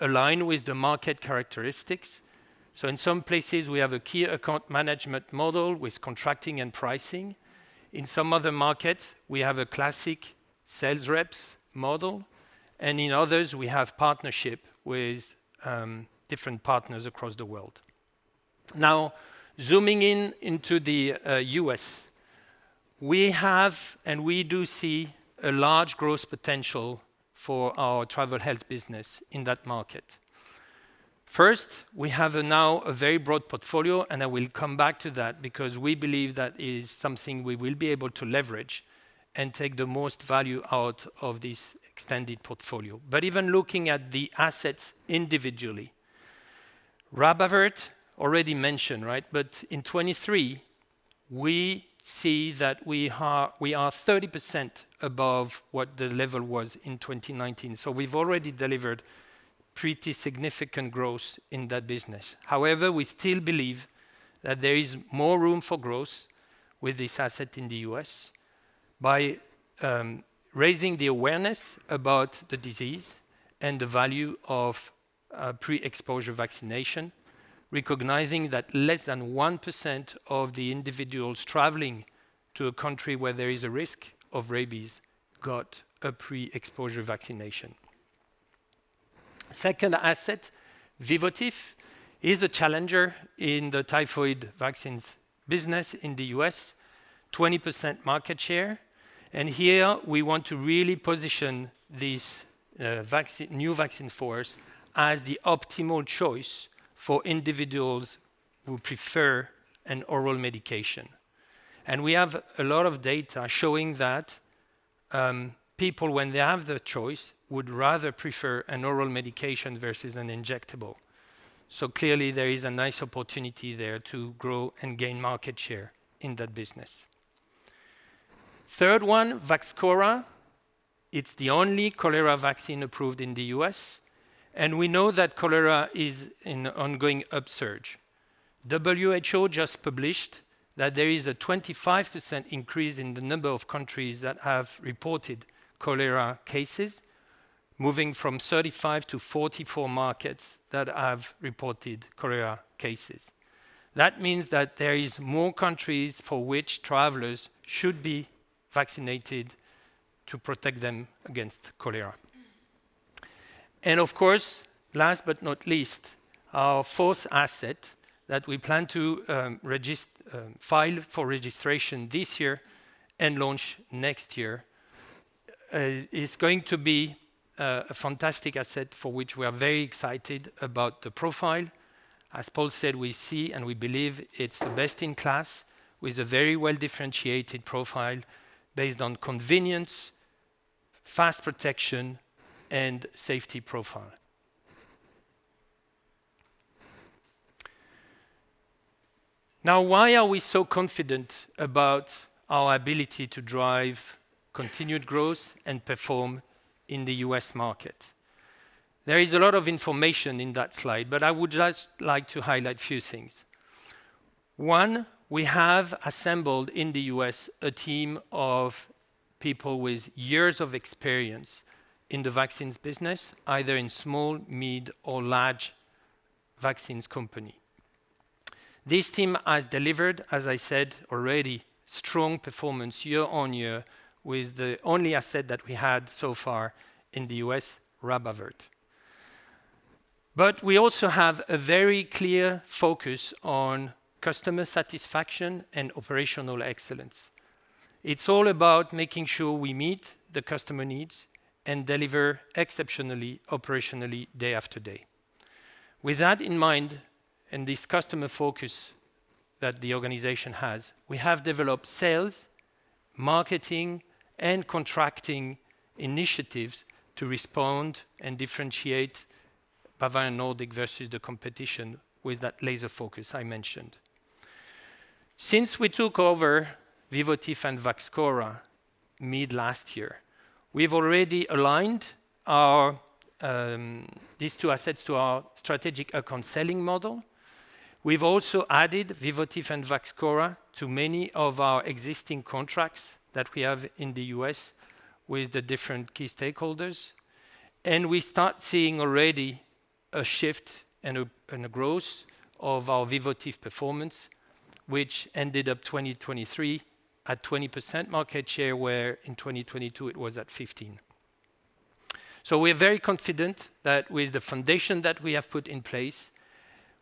aligned with the market characteristics. So in some places, we have a key account management model with contracting and pricing. In some other markets, we have a classic sales reps model, and in others, we have partnership with different partners across the world. Now, zooming in into the U.S., we have, and we do see a large growth potential for our travel health business in that market. First, we have now a very broad portfolio, and I will come back to that because we believe that is something we will be able to leverage and take the most value out of this extended portfolio. But even looking at the assets individually, RabAvert already mentioned, right? But in 2023, we see that we are 30% above what the level was in 2019. So we've already delivered pretty significant growth in that business. However, we still believe that there is more room for growth with this asset in the U.S. by raising the awareness about the disease and the value of pre-exposure vaccination, recognizing that less than 1% of the individuals traveling to a country where there is a risk of rabies got a pre-exposure vaccination. Second asset, VIVOTIF, is a challenger in the typhoid vaccines business in the U.S., 20% market share. And here we want to really position this vaccine, new vaccine for us, as the optimal choice for individuals who prefer an oral medication. And we have a lot of data showing that people, when they have the choice, would rather prefer an oral medication versus an injectable. So clearly, there is a nice opportunity there to grow and gain market share in that business. Third one, VAXCHORA. It's the only cholera vaccine approved in the U.S., and we know that cholera is in ongoing upsurge. WHO just published that there is a 25% increase in the number of countries that have reported cholera cases, moving from 35 to 44 markets that have reported cholera cases. That means that there is more countries for which travelers should be vaccinated to protect them against cholera. And of course, last but not least, our fourth asset that we plan to file for registration this year and launch next year is going to be a fantastic asset for which we are very excited about the profile. As Paul said, we see and we believe it's the best-in-class, with a very well-differentiated profile based on convenience, fast protection, and safety profile. Now, why are we so confident about our ability to drive continued growth and perform in the U.S. market? There is a lot of information in that slide, but I would just like to highlight a few things. One, we have assembled in the U.S. a team of people with years of experience in the vaccines business, either in small, mid, or large vaccines company. This team has delivered, as I said, already, strong performance year on year with the only asset that we had so far in the U.S., RabAvert. But we also have a very clear focus on customer satisfaction and operational excellence. It's all about making sure we meet the customer needs and deliver exceptionally operationally day after day. With that in mind, and this customer focus that the organization has, we have developed sales, marketing, and contracting initiatives to respond and differentiate Bavarian Nordic versus the competition with that laser focus I mentioned. Since we took over VIVOTIF and VAXCHORA mid last year, we've already aligned our these two assets to our strategic account selling model. We've also added VIVOTIF and VAXCHORA to many of our existing contracts that we have in the U.S. with the different key stakeholders, and we start seeing already a shift and a growth of our VIVOTIF performance, which ended up 2023 at 20% market share, where in 2022 it was at 15. So we're very confident that with the foundation that we have put in place,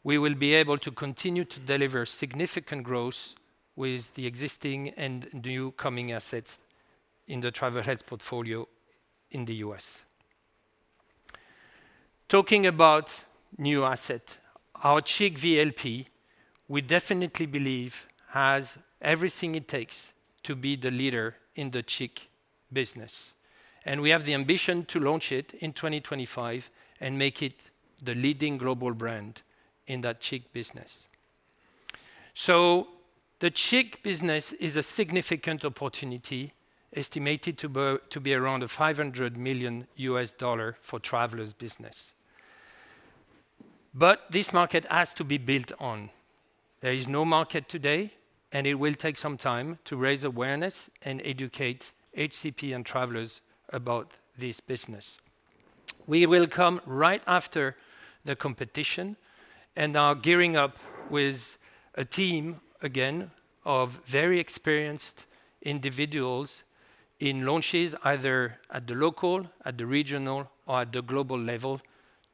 we will be able to continue to deliver significant growth with the existing and new coming assets in the Travel Health portfolio in the US. Talking about new asset, our CHIKV VLP, we definitely believe has everything it takes to be the leader in the chik business, and we have the ambition to launch it in 2025 and make it the leading global brand in that chik business. So the chik business is a significant opportunity, estimated to be around $500 million for travelers business. But this market has to be built on. There is no market today, and it will take some time to raise awareness and educate HCP and travelers about this business. We will come right after the competition and are gearing up with a team, again, of very experienced individuals in launches, either at the local, at the regional, or at the global level,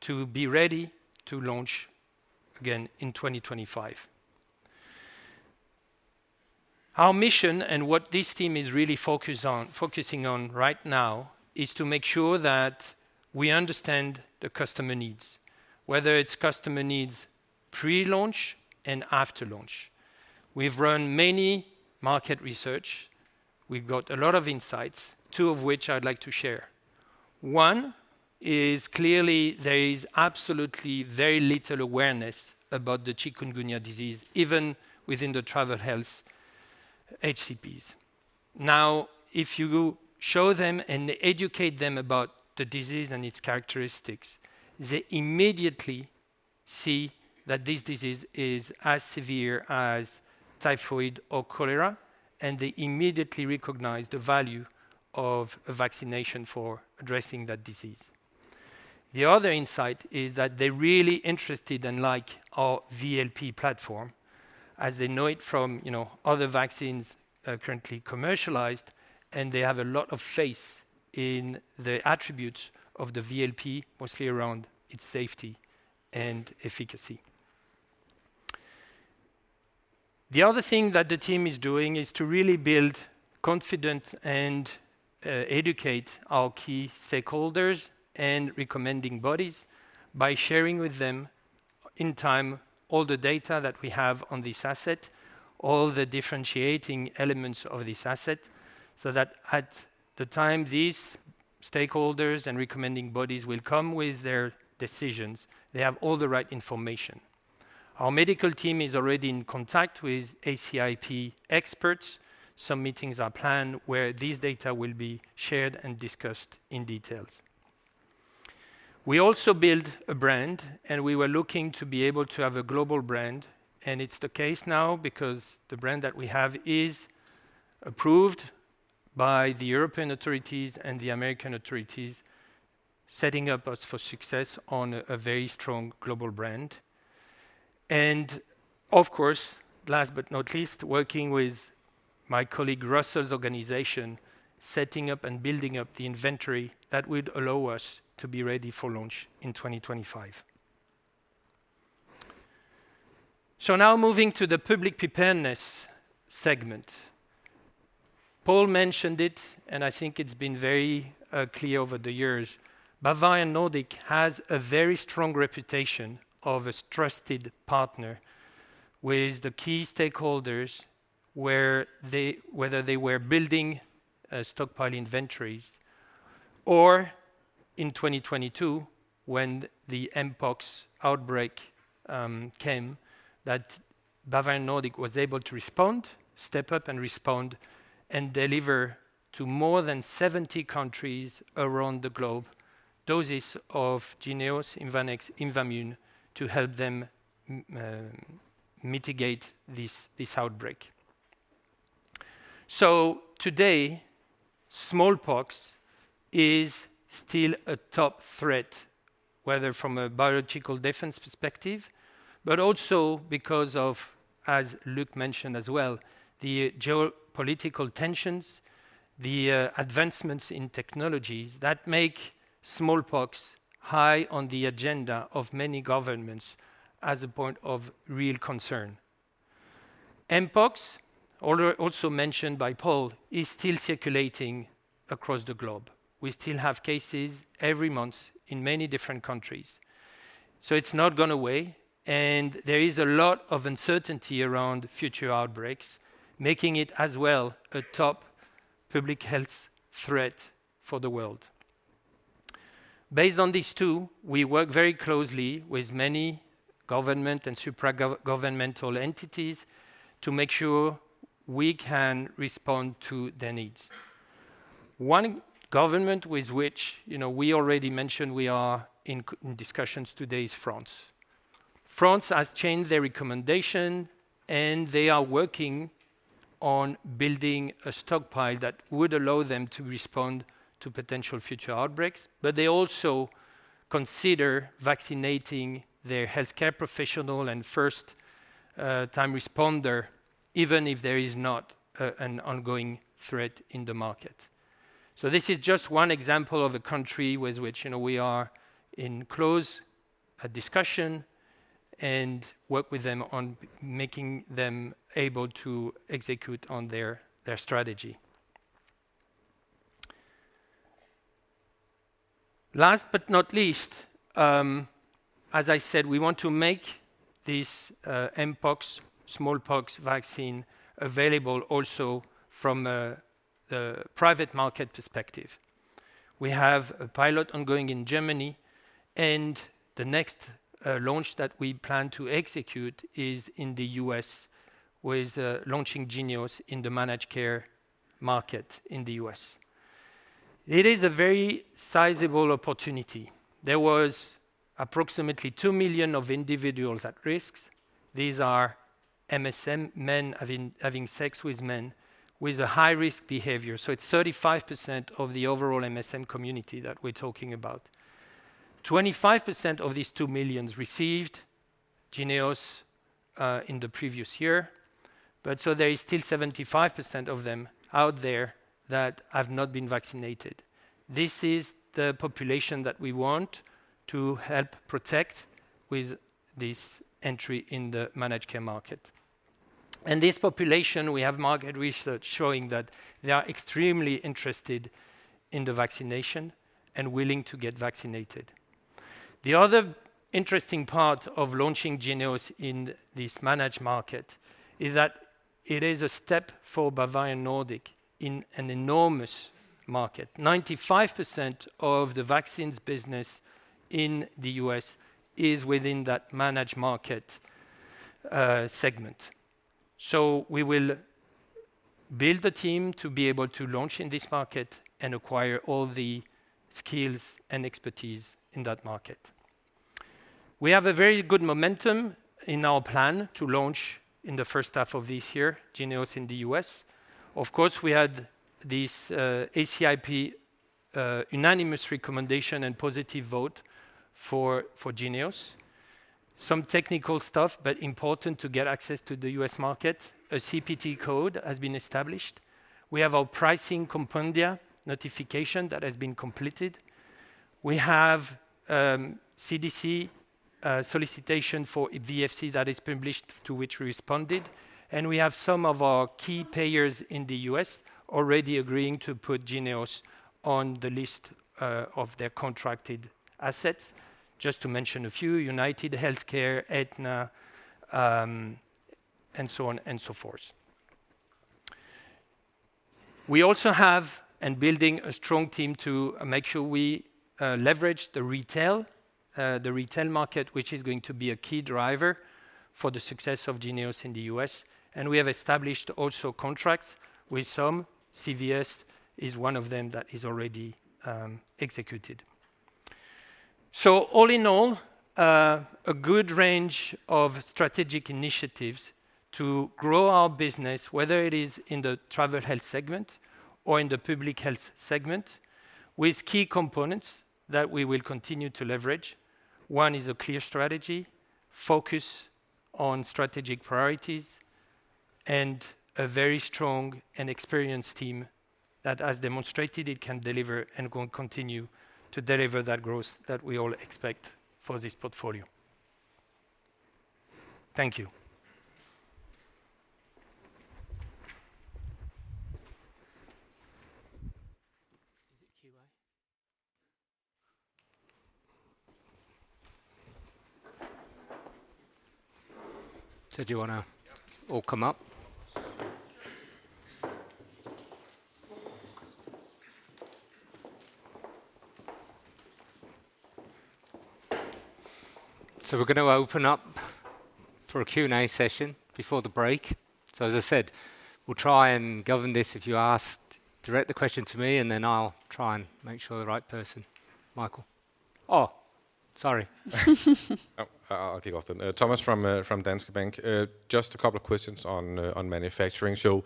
to be ready to launch again in 2025. Our mission, and what this team is really focused on, focusing on right now, is to make sure that we understand the customer needs, whether it's customer needs pre-launch and after launch. We've run many market research. We've got a lot of insights, two of which I'd like to share. One is clearly there is absolutely very little awareness about the chikungunya disease, even within the travel health HCPs. Now, if you show them and educate them about the disease and its characteristics, they immediately see that this disease is as severe as typhoid or cholera, and they immediately recognize the value of a vaccination for addressing that disease. The other insight is that they're really interested and like our VLP platform, as they know it from, you know, other vaccines, currently commercialized, and they have a lot of faith in the attributes of the VLP, mostly around its safety and efficacy. The other thing that the team is doing is to really build confidence and, educate our key stakeholders and recommending bodies by sharing with them, in time, all the data that we have on this asset, all the differentiating elements of this asset, so that at the time these stakeholders and recommending bodies will come with their decisions, they have all the right information. Our medical team is already in contact with ACIP experts. Some meetings are planned where these data will be shared and discussed in detail. We also build a brand, and we were looking to be able to have a global brand, and it's the case now because the brand that we have is approved by the European authorities and the American authorities, setting up us for success on a very strong global brand. And of course, last but not least, working with my colleague Russell's organization, setting up and building up the inventory that would allow us to be ready for launch in 2025. So now moving to the public preparedness segment. Paul mentioned it, and I think it's been very clear over the years. Bavarian Nordic has a very strong reputation of a trusted partner with the key stakeholders, where they, whether they were building stockpile inventories or in 2022, when the mpox outbreak came, that Bavarian Nordic was able to respond, step up and respond, and deliver to more than 70 countries around the globe, doses of Jynneos, IMVANEX, IMVAMUNE to help them mitigate this, this outbreak. So today, smallpox is still a top threat, whether from a biological defense perspective, but also because of, as Luc mentioned as well, the geopolitical tensions, the advancements in technologies that make smallpox high on the agenda of many governments as a point of real concern. Mpox, also mentioned by Paul, is still circulating across the globe. We still have cases every month in many different countries, so it's not gone away, and there is a lot of uncertainty around future outbreaks, making it as well a top public health threat for the world. Based on these two, we work very closely with many government and supra-governmental entities to make sure we can respond to their needs. One government with which, you know, we already mentioned we are in discussions today is France. France has changed their recommendation, and they are working on building a stockpile that would allow them to respond to potential future outbreaks, but they also consider vaccinating their healthcare professional and first-line responder, even if there is not an ongoing threat in the market. So this is just one example of a country with which, you know, we are in close discussion and work with them on making them able to execute on their strategy. Last but not least, as I said, we want to make this mpox, smallpox vaccine available also from the private market perspective. We have a pilot ongoing in Germany, and the next launch that we plan to execute is in the U.S., with launching Jynneos in the managed care market in the U.S. It is a very sizable opportunity. There was approximately 2 million individuals at risk. These are MSM, men having sex with men, with a high-risk behavior. So it's 35% of the overall MSM community that we're talking about. 25% of these 2 million received Jynneos in the previous year, but so there is still 75% of them out there that have not been vaccinated. This is the population that we want to help protect with this entry in the managed care market. And this population, we have market research showing that they are extremely interested in the vaccination and willing to get vaccinated. The other interesting part of launching Jynneos in this managed market is that it is a step for Bavarian Nordic in an enormous market. 95% of the vaccines business in the U.S. is within that managed market segment. So we will build the team to be able to launch in this market and acquire all the skills and expertise in that market. We have a very good momentum in our plan to launch in the first half of this year, Jynneos in the U.S. Of course, we had this ACIP unanimous recommendation and positive vote for Jynneos. Some technical stuff, but important to get access to the U.S. market. A CPT code has been established. We have our pricing compendia notification that has been completed. We have CDC solicitation for VFC that is published, to which we responded, and we have some of our key players in the U.S. already agreeing to put Jynneos on the list of their contracted assets. Just to mention a few, UnitedHealthcare, Aetna, and so on and so forth. We also have, and building a strong team to make sure we, leverage the retail, the retail market, which is going to be a key driver for the success of Jynneos in the U.S. We have established also contracts with some. CVS is one of them that is already executed. So all in all, a good range of strategic initiatives to grow our business, whether it is in the travel health segment or in the public health segment, with key components that we will continue to leverage. One is a clear strategy, focus on strategic priorities, and a very strong and experienced team that has demonstrated it can deliver and going to continue to deliver that growth that we all expect for this portfolio. Thank you. Is it QA? So do you wanna- Yep. -all come up? So we're gonna open up for a Q&A session before the break. So as I said, we'll try and govern this. If you ask, direct the question to me, and then I'll try and make sure the right person... Michael. Oh, sorry. Oh, I'll kick off then. Thomas from Danske Bank. Just a couple of questions on manufacturing. So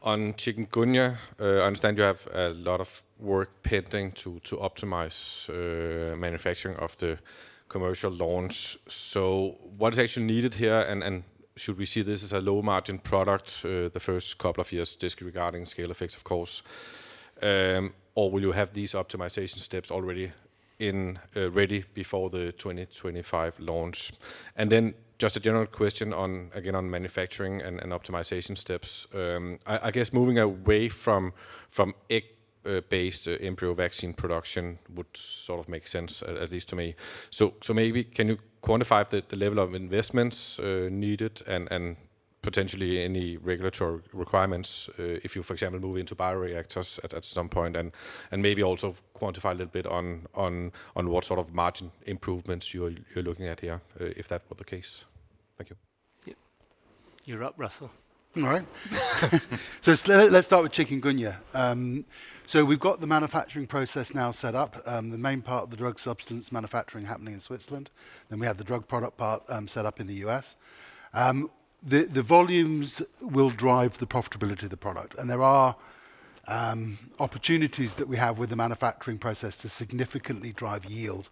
on chikungunya, I understand you have a lot of work pending to optimize manufacturing of the commercial launch. So what is actually needed here, and should we see this as a low-margin product, the first couple of years, just regarding scale effects, of course? Or will you have these optimization steps already in ready before the 2025 launch? And then just a general question on, again, on manufacturing and optimization steps. I guess moving away from egg-based embryo vaccine production would sort of make sense, at least to me. So maybe can you quantify the level of investments needed and potentially any regulatory requirements, if you, for example, move into bioreactors at some point, and maybe also quantify a little bit on what sort of margin improvements you're looking at here, if that were the case? Thank you. Yeah. You're up, Russell. All right. So let's start with chikungunya. So we've got the manufacturing process now set up. The main part of the drug substance manufacturing happening in Switzerland, then we have the drug product part set up in the U.S. The volumes will drive the profitability of the product, and there are-... opportunities that we have with the manufacturing process to significantly drive yield.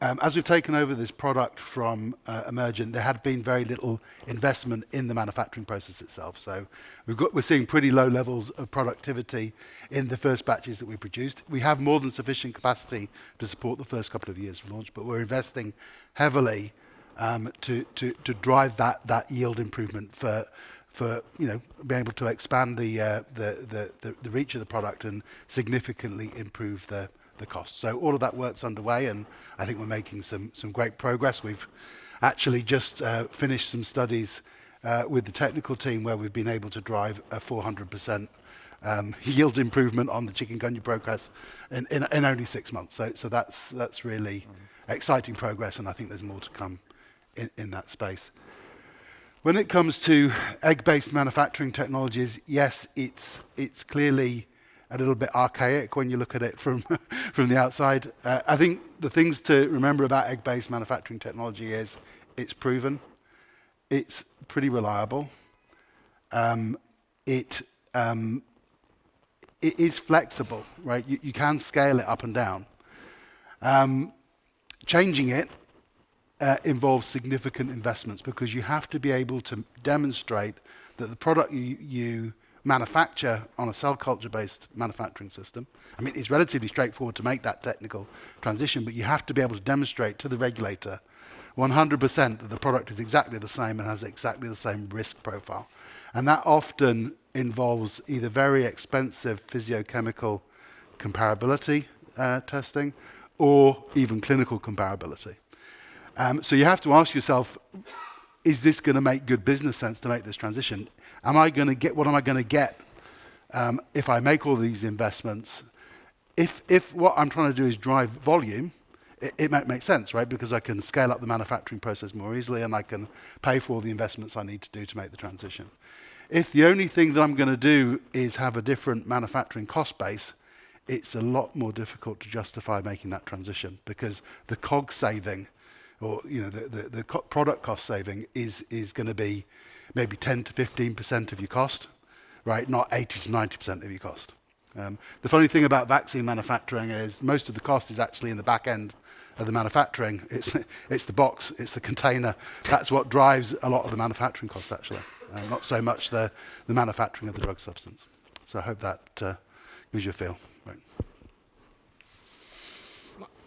As we've taken over this product from Emergent, there had been very little investment in the manufacturing process itself. So we're seeing pretty low levels of productivity in the first batches that we produced. We have more than sufficient capacity to support the first couple of years from launch, but we're investing heavily to drive that yield improvement for, you know, being able to expand the reach of the product and significantly improve the cost. So all of that work's underway, and I think we're making some great progress. We've actually just finished some studies with the technical team, where we've been able to drive a 400% yield improvement on the chikungunya progress in only six months. So that's really exciting progress, and I think there's more to come in that space. When it comes to egg-based manufacturing technologies, yes, it's clearly a little bit archaic when you look at it from the outside. I think the things to remember about egg-based manufacturing technology is it's proven, it's pretty reliable, it is flexible, right? You can scale it up and down. Changing it involves significant investments because you have to be able to demonstrate that the product you manufacture on a cell culture-based manufacturing system... I mean, it's relatively straightforward to make that technical transition, but you have to be able to demonstrate to the regulator 100% that the product is exactly the same and has exactly the same risk profile. That often involves either very expensive physicochemical comparability testing or even clinical comparability. So you have to ask yourself, "Is this gonna make good business sense to make this transition? Am I gonna get- what am I gonna get, if I make all these investments?" If what I'm trying to do is drive volume, it might make sense, right? Because I can scale up the manufacturing process more easily, and I can pay for all the investments I need to do to make the transition. If the only thing that I'm gonna do is have a different manufacturing cost base, it's a lot more difficult to justify making that transition because the COGS saving or, you know, the co-product cost saving is gonna be maybe 10%-15% of your cost, right? Not 80%-90% of your cost. The funny thing about vaccine manufacturing is most of the cost is actually in the back end of the manufacturing. It's the box, it's the container. That's what drives a lot of the manufacturing costs, actually. Not so much the manufacturing of the drug substance. So I hope that gives you a feel. Right.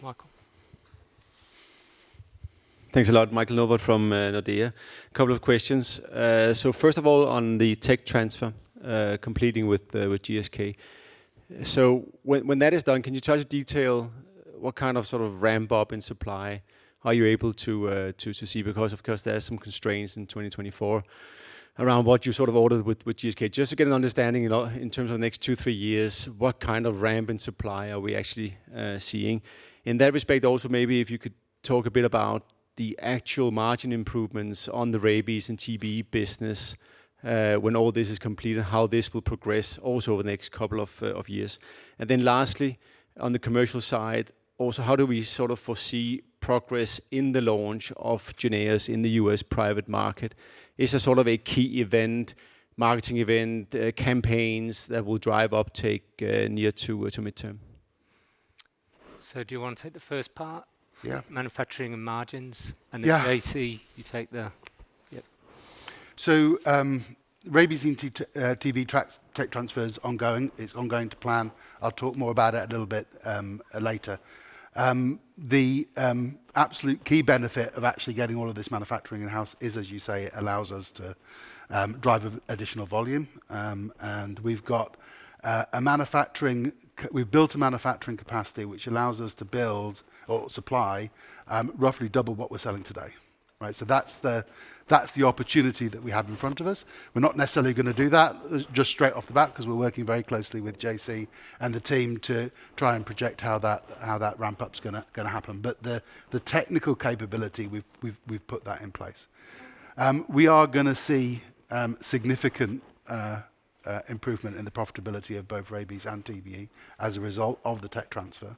Michael? Thanks a lot. Michael Novod from Nordea. Couple of questions. So first of all, on the tech transfer, completing with GSK. So when that is done, can you try to detail what kind of sort of ramp-up in supply are you able to see? Because, of course, there are some constraints in 2024 around what you sort of ordered with GSK. Just to get an understanding, you know, in terms of the next two, three years, what kind of ramp in supply are we actually seeing? In that respect, also, maybe if you could talk a bit about the actual margin improvements on the rabies and TBE business, when all this is complete, and how this will progress also over the next couple of years. And then lastly, on the commercial side, also, how do we sort of foresee progress in the launch of Jynneos in the U.S. private market? Is there sort of a key event, marketing event, campaigns that will drive uptake, near-term or to midterm? Do you want to take the first part? Yeah. Manufacturing and margins- Yeah... and then, JC, you take the... Yep. So, rabies and TBE tech transfer is ongoing. It's ongoing to plan. I'll talk more about it a little bit later. The absolute key benefit of actually getting all of this manufacturing in-house is, as you say, it allows us to drive additional volume. And we've got a manufacturing—we've built a manufacturing capacity which allows us to build or supply roughly double what we're selling today, right? So that's the opportunity that we have in front of us. We're not necessarily gonna do that just straight off the bat 'cause we're working very closely with JC and the team to try and project how that ramp-up's gonna happen. But the technical capability, we've put that in place. We are gonna see significant improvement in the profitability of both rabies and TBE as a result of the tech transfer.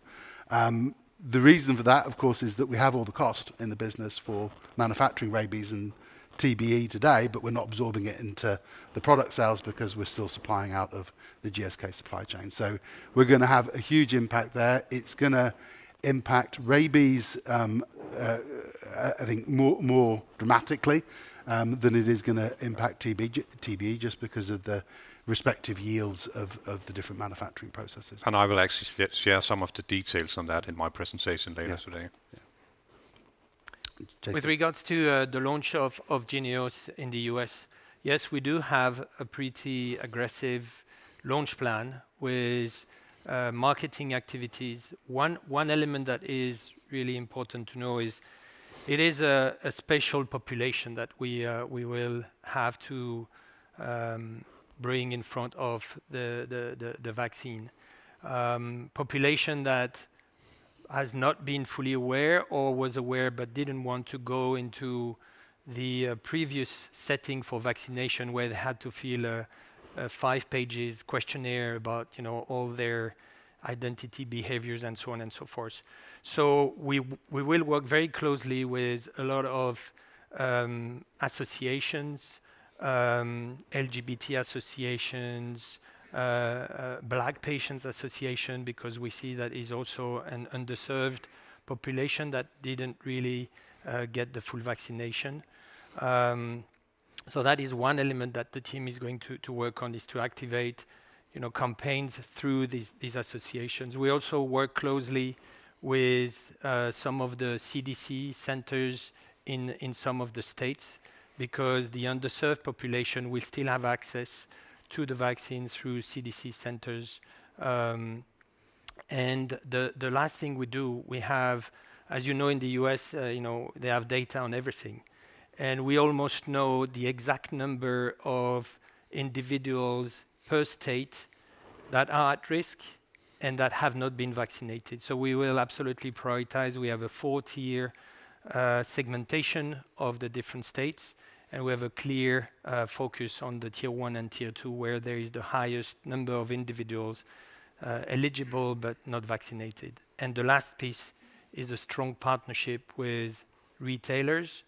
The reason for that, of course, is that we have all the cost in the business for manufacturing rabies and TBE today, but we're not absorbing it into the product sales because we're still supplying out of the GSK supply chain. So we're gonna have a huge impact there. It's gonna impact rabies, I think, more dramatically than it is gonna impact TBE, just because of the respective yields of the different manufacturing processes. I will actually share some of the details on that in my presentation later today. Yeah. Yeah. JC? With regards to the launch of Jynneos in the U.S., yes, we do have a pretty aggressive launch plan with marketing activities. One element that is really important to know is it is a special population that we will have to bring in front of the vaccine, population that has not been fully aware or was aware but didn't want to go into the previous setting for vaccination, where they had to fill a five-page questionnaire about, you know, all their identity, behaviors, and so on and so forth. So we will work very closely with a lot of associations, LGBT associations, Black patients association, because we see that is also an underserved population that didn't really get the full vaccination. So that is one element that the team is going to to work on, is to activate, you know, campaigns through these these associations. We also work closely with some of the CDC centers in some of the states, because the underserved population will still have access to the vaccine through CDC centers. And the last thing we do, we have... As you know, in the U.S., you know, they have data on everything, and we almost know the exact number of individuals per state that are at risk and that have not been vaccinated. So we will absolutely prioritize. We have a four-tier segmentation of the different states, and we have a clear focus on the tier one and tier two, where there is the highest number of individuals eligible but not vaccinated. The last piece is a strong partnership with retailers,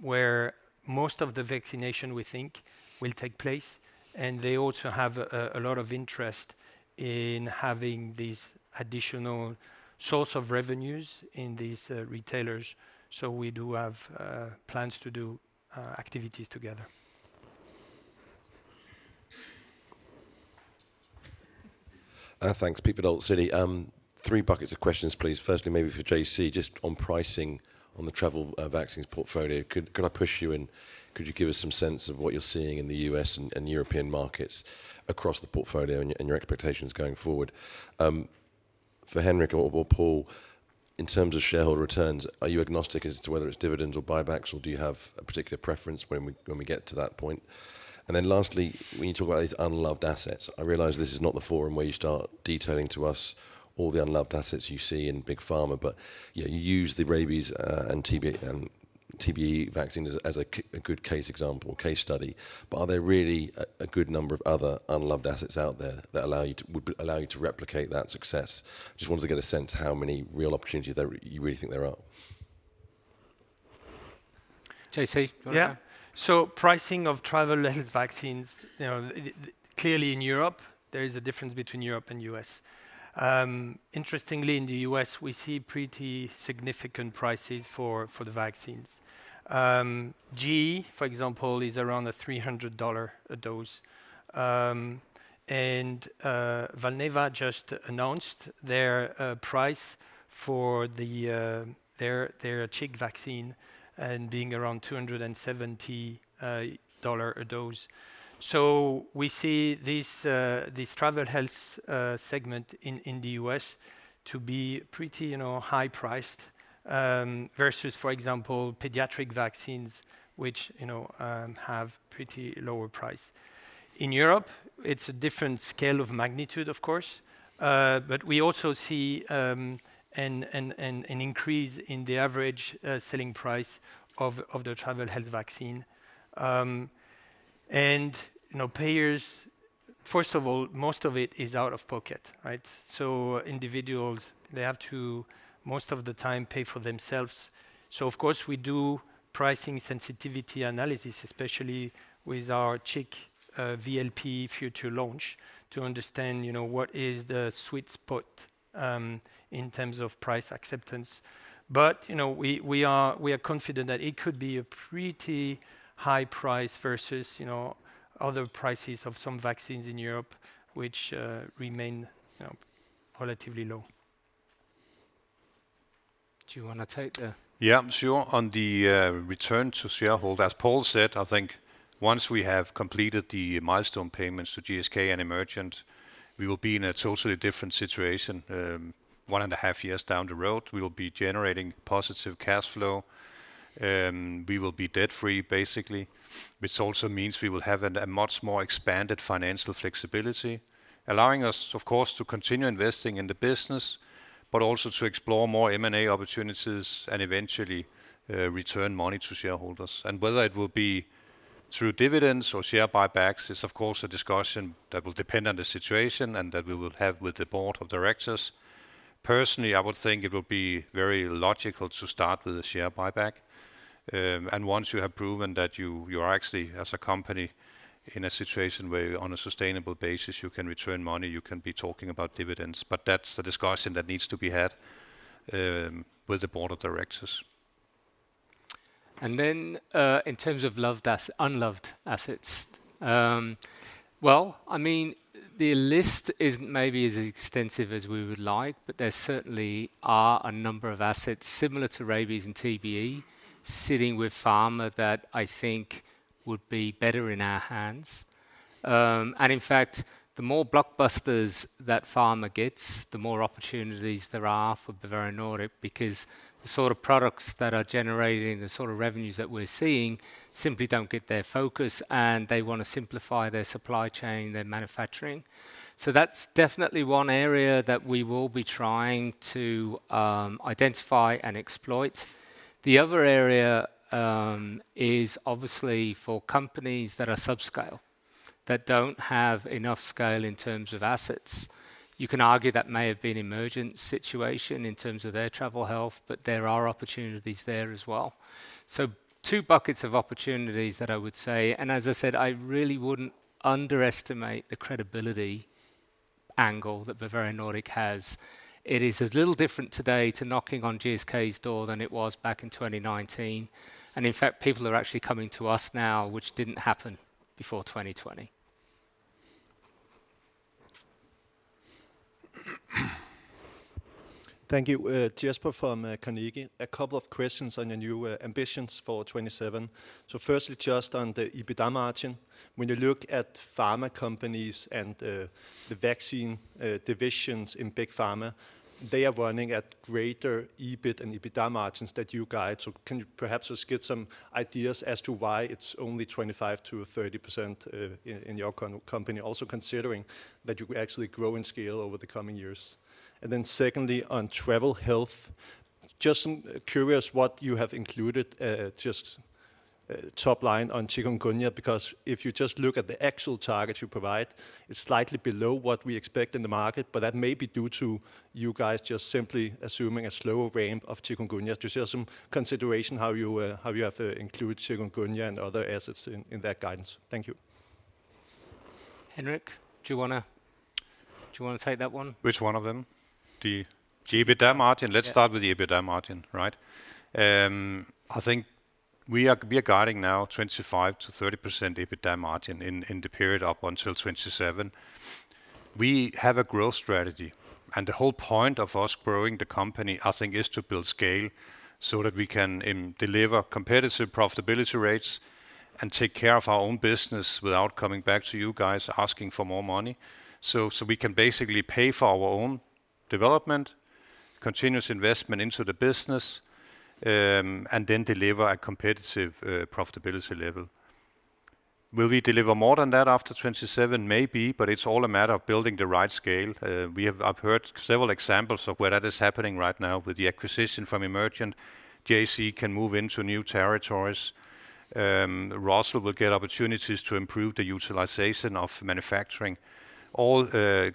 where most of the vaccination, we think, will take place, and they also have a lot of interest in having these additional source of revenues in these retailers. We do have plans to do activities together. Thanks. Pete Verdult, Citi. Three buckets of questions, please. Firstly, maybe for JC, just on pricing on the travel vaccines portfolio, could I push you, and could you give us some sense of what you're seeing in the U.S. and European markets across the portfolio and your expectations going forward? For Henrik or Paul, in terms of shareholder returns, are you agnostic as to whether it's dividends or buybacks, or do you have a particular preference when we get to that point? And then lastly, when you talk about these unloved assets, I realize this is not the forum where you start detailing to us all the unloved assets you see in Big Pharma, but you know, you use the rabies and TBE vaccine as a good case example, case study. Are there really a good number of other unloved assets out there that allow you to, would allow you to replicate that success? Just wanted to get a sense how many real opportunities there, you really think there are. J.C., do you want to- Yeah. So pricing of travel health vaccines, you know, it clearly in Europe, there is a difference between Europe and US. Interestingly, in the US, we see pretty significant prices for the vaccines. JE, for example, is around a $300 a dose. And Valneva just announced their price for their chik vaccine, and being around a $270 a dose. So we see this travel health segment in the US to be pretty, you know, high priced, versus, for example, pediatric vaccines, which, you know, have pretty lower price. In Europe, it's a different scale of magnitude, of course, but we also see an increase in the average selling price of the travel health vaccine. You know, payers, first of all, most of it is out of pocket, right? So individuals, they have to, most of the time, pay for themselves. So of course, we do pricing sensitivity analysis, especially with our chikungunya VLP future launch, to understand, you know, what is the sweet spot in terms of price acceptance. But, you know, we are confident that it could be a pretty high price versus, you know, other prices of some vaccines in Europe, which remain, you know, relatively low. Do you want to take the- Yeah, sure. On the return to shareholder, as Paul said, I think once we have completed the milestone payments to GSK and Emergent, we will be in a totally different situation. 1.5 years down the road, we will be generating positive cash flow, we will be debt-free, basically, which also means we will have a much more expanded financial flexibility, allowing us, of course, to continue investing in the business, but also to explore more M&A opportunities and eventually, return money to shareholders. And whether it will be through dividends or share buybacks is, of course, a discussion that will depend on the situation and that we will have with the board of directors. Personally, I would think it would be very logical to start with a share buyback. Once you have proven that you are actually, as a company, in a situation where on a sustainable basis, you can return money, you can be talking about dividends, but that's a discussion that needs to be had with the board of directors. And then, in terms of unloved assets, well, I mean, the list isn't maybe as extensive as we would like, but there certainly are a number of assets similar to rabies and TBE, sitting with pharma, that I think would be better in our hands. And in fact, the more blockbusters that pharma gets, the more opportunities there are for Bavarian Nordic, because the sort of products that are generating the sort of revenues that we're seeing simply don't get their focus, and they want to simplify their supply chain, their manufacturing. So that's definitely one area that we will be trying to identify and exploit. The other area is obviously for companies that are subscale.... that don't have enough scale in terms of assets. You can argue that may have been emergent situation in terms of their travel health, but there are opportunities there as well. So two buckets of opportunities that I would say, and as I said, I really wouldn't underestimate the credibility angle that Bavarian Nordic has. It is a little different today to knocking on GSK's door than it was back in 2019, and in fact, people are actually coming to us now, which didn't happen before 2020. Thank you. Jesper from Carnegie. A couple of questions on your new ambitions for 2027. So firstly, just on the EBITDA margin. When you look at pharma companies and the vaccine divisions in big pharma, they are running at greater EBIT and EBITDA margins than you guide. So can you perhaps just give some ideas as to why it's only 25%-30% in your current company? Also, considering that you actually grow in scale over the coming years. And then secondly, on travel health, just curious what you have included, just top line on chikungunya, because if you just look at the actual targets you provide, it's slightly below what we expect in the market. But that may be due to you guys just simply assuming a slower rate of chikungunya. Just some consideration how you have to include chikungunya and other assets in that guidance. Thank you. Henrik, do you wanna take that one? Which one of them? The EBITDA margin? Yeah. Let's start with the EBITDA margin, right? I think we are guiding now 25%-30% EBITDA margin in the period up until 2027. We have a growth strategy, and the whole point of us growing the company, I think, is to build scale so that we can deliver competitive profitability rates and take care of our own business without coming back to you guys asking for more money. So we can basically pay for our own development, continuous investment into the business, and then deliver a competitive profitability level. Will we deliver more than that after 2027? Maybe, but it's all a matter of building the right scale. We have... I've heard several examples of where that is happening right now with the acquisition from Emergent. JC can move into new territories. Russell will get opportunities to improve the utilization of manufacturing. All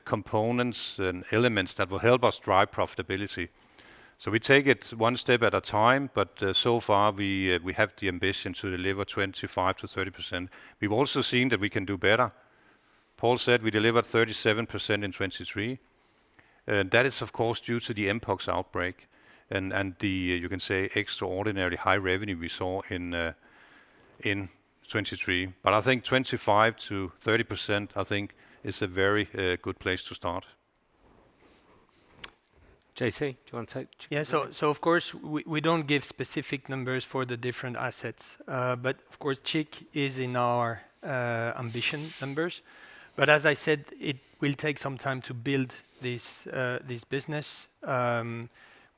components and elements that will help us drive profitability. So we take it one step at a time, but so far we have the ambition to deliver 25%-30%. We've also seen that we can do better. Paul said we delivered 37% in 2023, and that is, of course, due to the mpox outbreak and the, you can say, extraordinary high revenue we saw in 2023. But I think 25%-30%, I think, is a very good place to start. J.C., do you want to take Chik? Yeah. So of course, we don't give specific numbers for the different assets. But of course, Chik is in our ambition numbers. But as I said, it will take some time to build this business,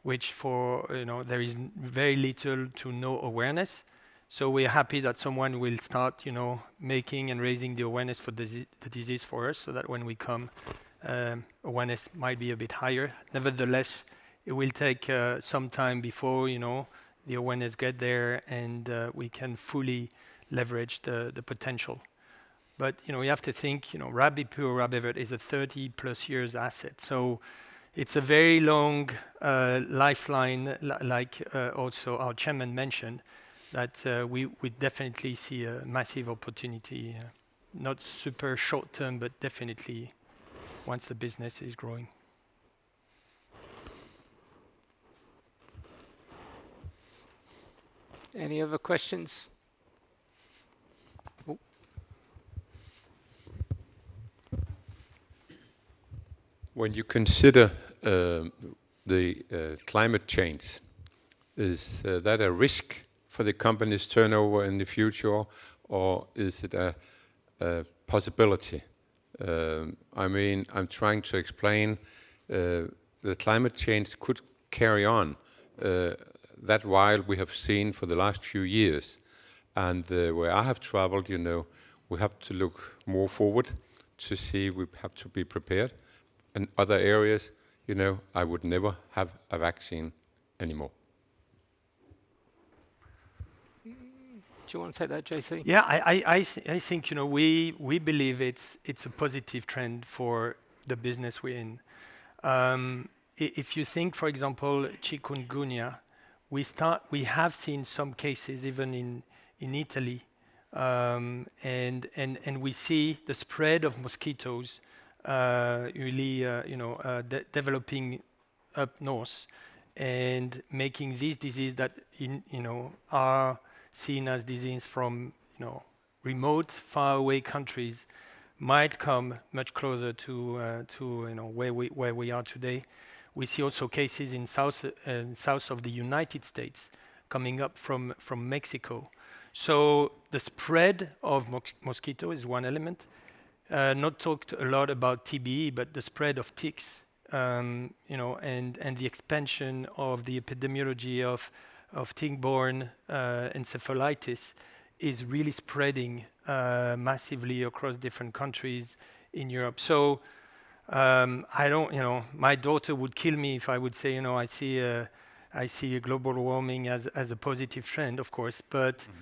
which for, you know, there is very little to no awareness. So we're happy that someone will start, you know, making and raising the awareness for the disease for us, so that when we come, awareness might be a bit higher. Nevertheless, it will take some time before, you know, the awareness get there and we can fully leverage the potential. But, you know, we have to think, you know, Rabipur or Rabies is a 30+ years asset, so it's a very long lifeline. Like, also our chairman mentioned that we definitely see a massive opportunity, not super short term, but definitely once the business is growing. Any other questions? Oh. When you consider the climate change, is that a risk for the company's turnover in the future or is it a possibility? I mean, I'm trying to explain, the climate change could carry on that while we have seen for the last few years and where I have traveled, you know, we have to look more forward to see. We have to be prepared. In other areas, you know, I would never have a vaccine anymore. Do you want to take that, J.C.? Yeah, I think, you know, we believe it's a positive trend for the business we're in. If you think, for example, chikungunya, we have seen some cases even in Italy. And we see the spread of mosquitoes really developing up north and making this disease that are seen as disease from remote, faraway countries, might come much closer to where we are today. We see also cases in south of the United States coming up from Mexico. So the spread of mosquito is one element. Not talked a lot about TBE, but the spread of ticks, you know, and the expansion of the epidemiology of tick-borne encephalitis is really spreading massively across different countries in Europe. I don't, you know, my daughter would kill me if I would say, you know, I see global warming as a positive trend, of course. But- Mm-hmm.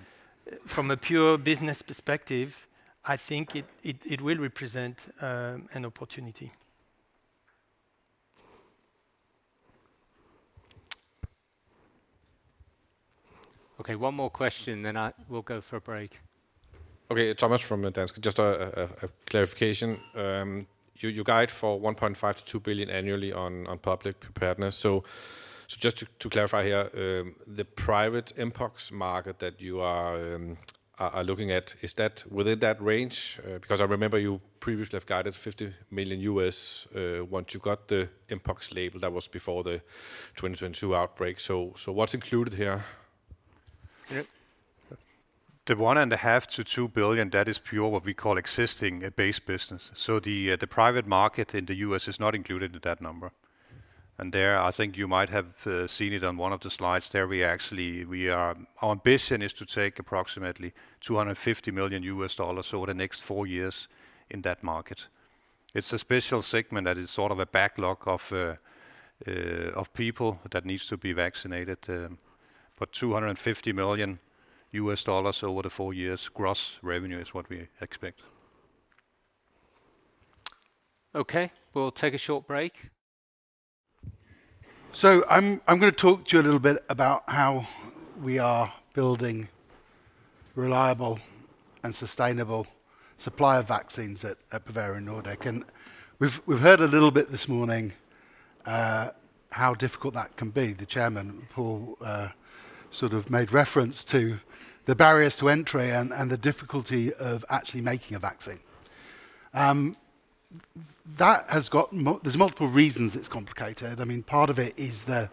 From a pure business perspective, I think it will represent an opportunity. Okay, one more question, then we'll go for a break. Okay. Thomas from Danske. Just a clarification. You guide for 1.5 billion-2 billion annually on public preparedness. So just to clarify here, the private mpox market that you are looking at, is that within that range? Because I remember you previously have guided $50 million once you got the mpox label. That was before the 2022 outbreak. So what's included here? Yeah. The 1.5 billion-2 billion, that is pure what we call existing base business. So the private market in the US is not included in that number. And there, I think you might have seen it on one of the slides there, we actually... our ambition is to take approximately $250 million over the next four years in that market. It's a special segment that is sort of a backlog of of people that needs to be vaccinated. but $250 million over the four years gross revenue is what we expect. Okay, we'll take a short break. So I'm gonna talk to you a little bit about how we are building reliable and sustainable supply of vaccines at Bavarian Nordic. And we've heard a little bit this morning how difficult that can be. The chairman, Paul, sort of made reference to the barriers to entry and the difficulty of actually making a vaccine. There's multiple reasons it's complicated. I mean, part of it is the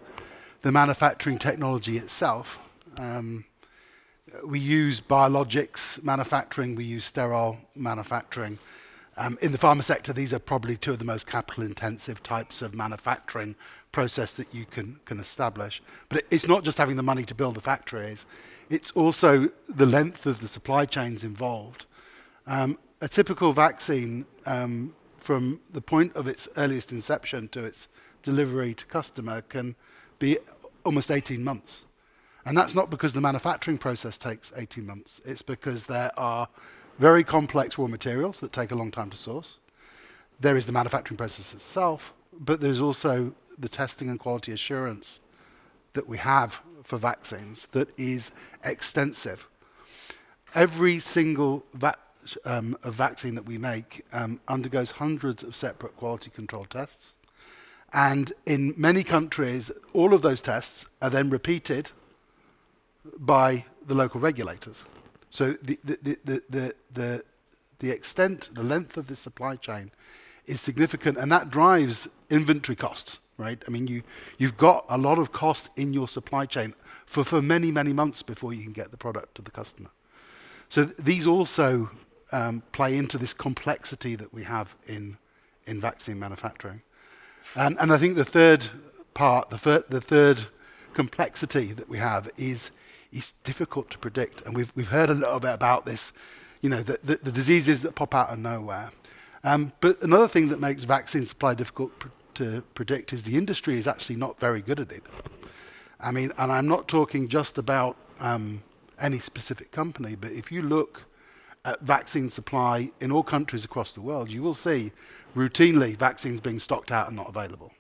manufacturing technology itself. We use biologics manufacturing, we use sterile manufacturing. In the pharma sector, these are probably two of the most capital-intensive types of manufacturing process that you can establish. But it's not just having the money to build the factories, it's also the length of the supply chains involved. A typical vaccine, from the point of its earliest inception to its delivery to customer, can be almost 18 months. And that's not because the manufacturing process takes 18 months, it's because there are very complex raw materials that take a long time to source. There is the manufacturing process itself, but there's also the testing and quality assurance that we have for vaccines that is extensive. Every single vaccine that we make undergoes hundreds of separate quality control tests, and in many countries, all of those tests are then repeated by the local regulators. So the extent, the length of the supply chain is significant, and that drives inventory costs, right? I mean, you've got a lot of cost in your supply chain for many, many months before you can get the product to the customer. So these also play into this complexity that we have in vaccine manufacturing. And I think the third part, the third complexity that we have is, it's difficult to predict, and we've heard a little bit about this, you know, the diseases that pop out of nowhere. But another thing that makes vaccine supply difficult to predict is the industry is actually not very good at it. I mean, and I'm not talking just about any specific company, but if you look at vaccine supply in all countries across the world, you will see routinely vaccines being stocked out and not available.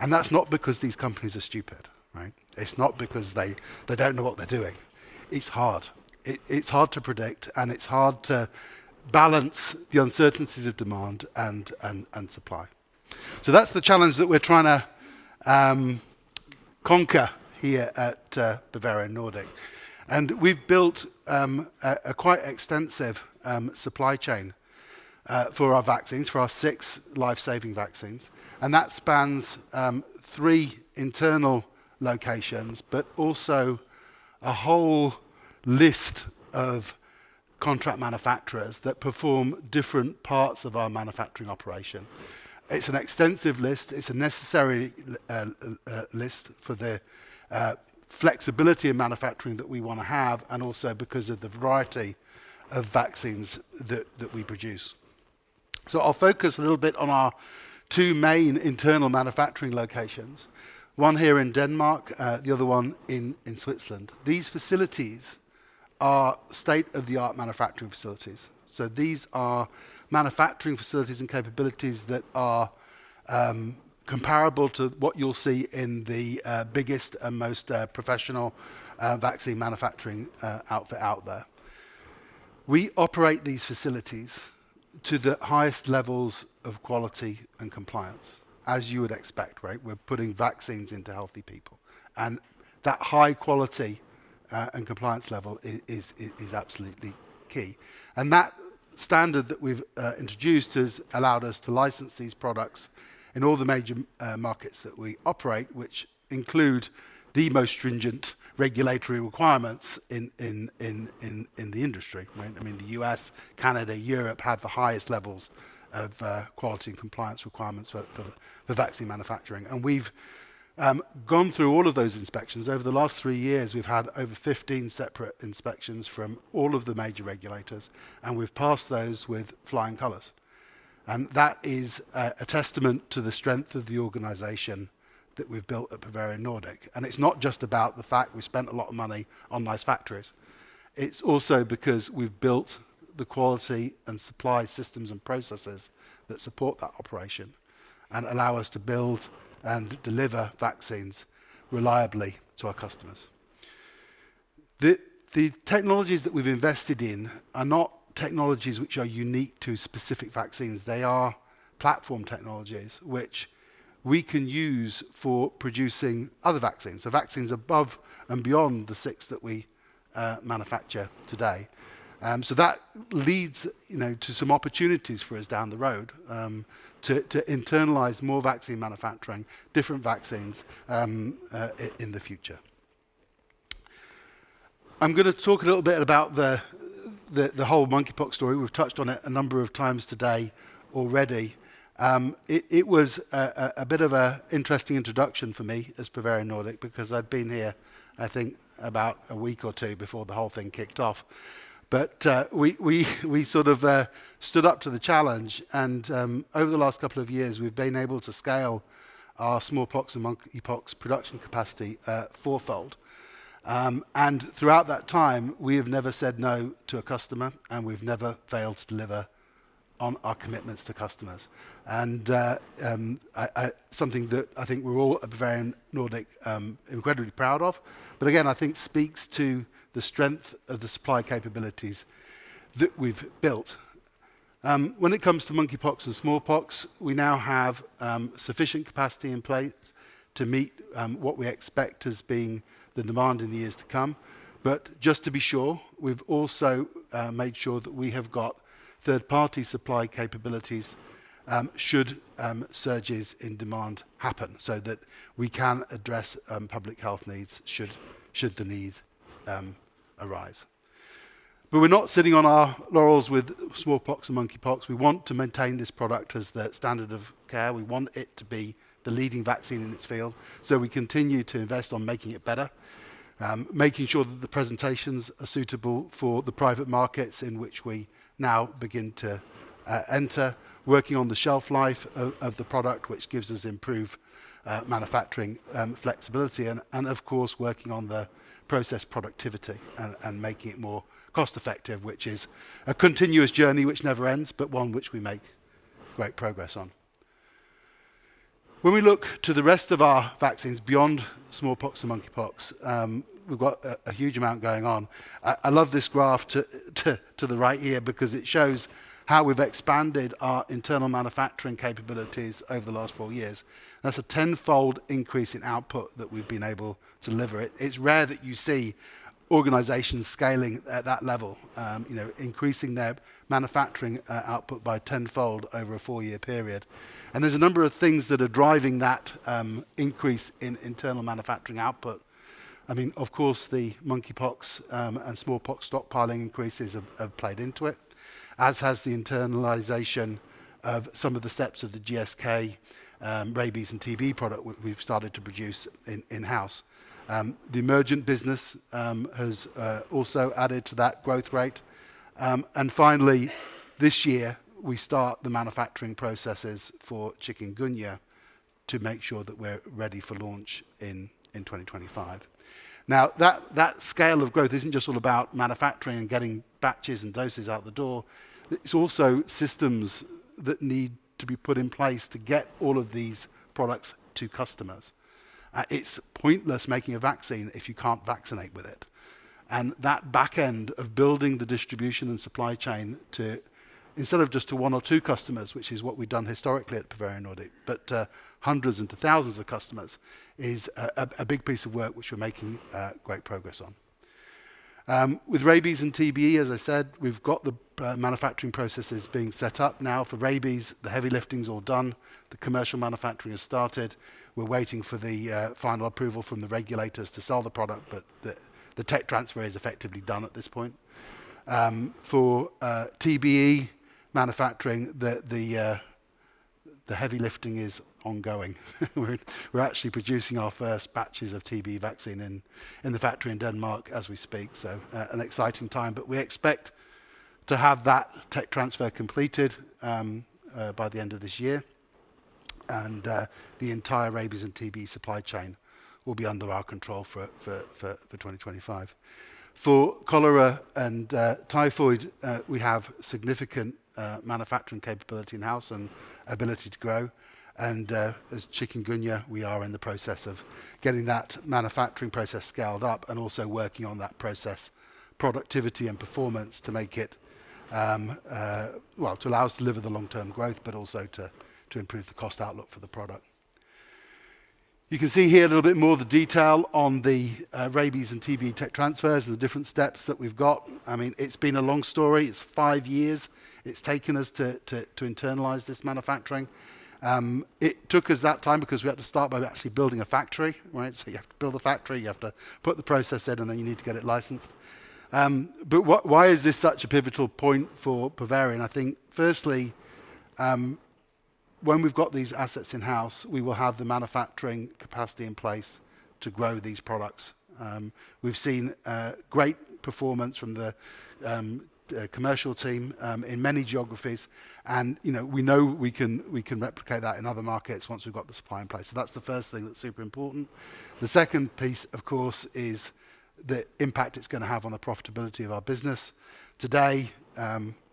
And that's not because these companies are stupid, right? It's not because they don't know what they're doing. It's hard. It's hard to predict, and it's hard to balance the uncertainties of demand and supply. So that's the challenge that we're trying to conquer here at Bavarian Nordic. We've built a quite extensive supply chain for our vaccines, for our six life-saving vaccines, and that spans three internal locations, but also a whole list of contract manufacturers that perform different parts of our manufacturing operation. It's an extensive list. It's a necessary list for the flexibility in manufacturing that we wanna have, and also because of the variety of vaccines that we produce. I'll focus a little bit on our two main internal manufacturing locations, one here in Denmark, the other one in Switzerland. These facilities are state-of-the-art manufacturing facilities. So these are manufacturing facilities and capabilities that are comparable to what you'll see in the biggest and most professional vaccine manufacturing outfit out there. We operate these facilities to the highest levels of quality and compliance, as you would expect, right? We're putting vaccines into healthy people, and that high quality and compliance level is absolutely key. And that standard that we've introduced has allowed us to license these products in all the major markets that we operate, which include the most stringent regulatory requirements in the industry, right? I mean, the U.S., Canada, Europe have the highest levels of quality and compliance requirements for vaccine manufacturing, and we've gone through all of those inspections. Over the last three years, we've had over 15 separate inspections from all of the major regulators, and we've passed those with flying colors. That is a testament to the strength of the organization that we've built at Bavarian Nordic. It's not just about the fact we spent a lot of money on nice factories. It's also because we've built the quality and supply systems and processes that support that operation, and allow us to build and deliver vaccines reliably to our customers. The technologies that we've invested in are not technologies which are unique to specific vaccines. They are platform technologies, which we can use for producing other vaccines. So vaccines above and beyond the six that we manufacture today. So that leads, you know, to some opportunities for us down the road, to internalize more vaccine manufacturing, different vaccines, in the future. I'm gonna talk a little bit about the whole monkeypox story. We've touched on it a number of times today already. It was a bit of an interesting introduction for me as Bavarian Nordic, because I'd been here, I think, about a week or two before the whole thing kicked off. But, we sort of stood up to the challenge, and, over the last couple of years, we've been able to scale our smallpox and monkeypox production capacity, fourfold. And throughout that time, we have never said no to a customer, and we've never failed to deliver on our commitments to customers. And, I... Something that I think we're all at Bavarian Nordic incredibly proud of, but again, I think speaks to the strength of the supply capabilities that we've built. When it comes to monkeypox and smallpox, we now have sufficient capacity in place to meet what we expect as being the demand in the years to come. But just to be sure, we've also made sure that we have got third-party supply capabilities, should surges in demand happen, so that we can address public health needs, should the need arise. But we're not sitting on our laurels with smallpox and monkeypox. We want to maintain this product as the standard of care. We want it to be the leading vaccine in its field, so we continue to invest on making it better, making sure that the presentations are suitable for the private markets in which we now begin to enter. Working on the shelf life of the product, which gives us improved manufacturing flexibility and, of course, working on the process productivity and making it more cost-effective, which is a continuous journey which never ends, but one which we make great progress on. When we look to the rest of our vaccines beyond smallpox and monkeypox, we've got a huge amount going on. I love this graph to the right here because it shows how we've expanded our internal manufacturing capabilities over the last four years. That's a tenfold increase in output that we've been able to deliver. It's rare that you see organizations scaling at that level, you know, increasing their manufacturing output by tenfold over a four-year period. There's a number of things that are driving that increase in internal manufacturing output. I mean, of course, the monkeypox and smallpox stockpiling increases have played into it, as has the internalization of some of the steps of the GSK rabies and TBE product we've started to produce in-house. The Emergent business has also added to that growth rate. And finally, this year, we start the manufacturing processes for chikungunya to make sure that we're ready for launch in 2025. Now, that scale of growth isn't just all about manufacturing and getting batches and doses out the door. It's also systems that need to be put in place to get all of these products to customers. It's pointless making a vaccine if you can't vaccinate with it. And that back end of building the distribution and supply chain to, instead of just to one or two customers, which is what we've done historically at Bavarian Nordic, but hundreds into thousands of customers, is a big piece of work, which we're making great progress on. With rabies and TB, as I said, we've got the manufacturing processes being set up now for rabies. The heavy lifting is all done. The commercial manufacturing has started. We're waiting for the final approval from the regulators to sell the product, but the tech transfer is effectively done at this point. For TBE manufacturing, the heavy lifting is ongoing. We're actually producing our first batches of TBE vaccine in the factory in Denmark as we speak, so, an exciting time. But we expect to have that tech transfer completed by the end of this year, and, the entire rabies and TBE supply chain will be under our control for 2025. For cholera and, typhoid, we have significant manufacturing capability in-house and ability to grow. And, as chikungunya, we are in the process of getting that manufacturing process scaled up and also working on that process, productivity and performance to make it, well, to allow us to deliver the long-term growth, but also to improve the cost outlook for the product. You can see here a little bit more of the detail on the rabies and TBE tech transfers and the different steps that we've got. I mean, it's been a long story. It's five years it's taken us to, to, to internalize this manufacturing. It took us that time because we had to start by actually building a factory, right? So you have to build a factory, you have to put the process in, and then you need to get it licensed. But why, why is this such a pivotal point for Bavarian? I think firstly, when we've got these assets in-house, we will have the manufacturing capacity in place to grow these products. We've seen great performance from the commercial team in many geographies, and you know, we know we can replicate that in other markets once we've got the supply in place. So that's the first thing that's super important. The second piece, of course, is the impact it's gonna have on the profitability of our business. Today,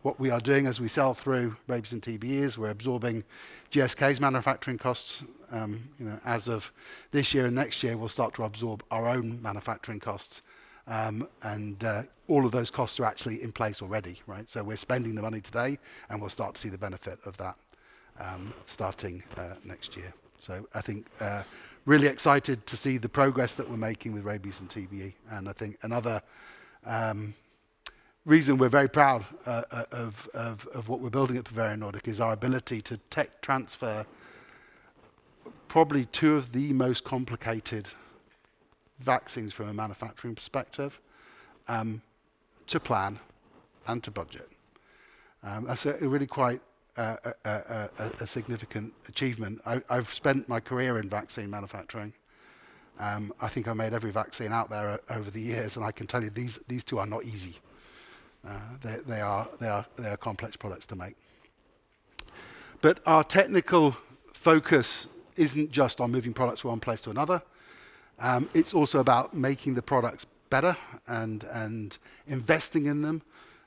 what we are doing as we sell through rabies and TBEs, we're absorbing GSK's manufacturing costs. You know, as of this year and next year, we'll start to absorb our own manufacturing costs. And all of those costs are actually in place already, right? So we're spending the money today, and we'll start to see the benefit of that, starting next year. So I think really excited to see the progress that we're making with rabies and TBE. I think another reason we're very proud of what we're building at Bavarian Nordic is our ability to tech transfer probably two of the most complicated vaccines from a manufacturing perspective to plan and to budget. That's a really quite a significant achievement. I've spent my career in vaccine manufacturing. I think I made every vaccine out there over the years, and I can tell you, these two are not easy. They are complex products to make. But our technical focus isn't just on moving products from one place to another, it's also about making the products better and investing in them.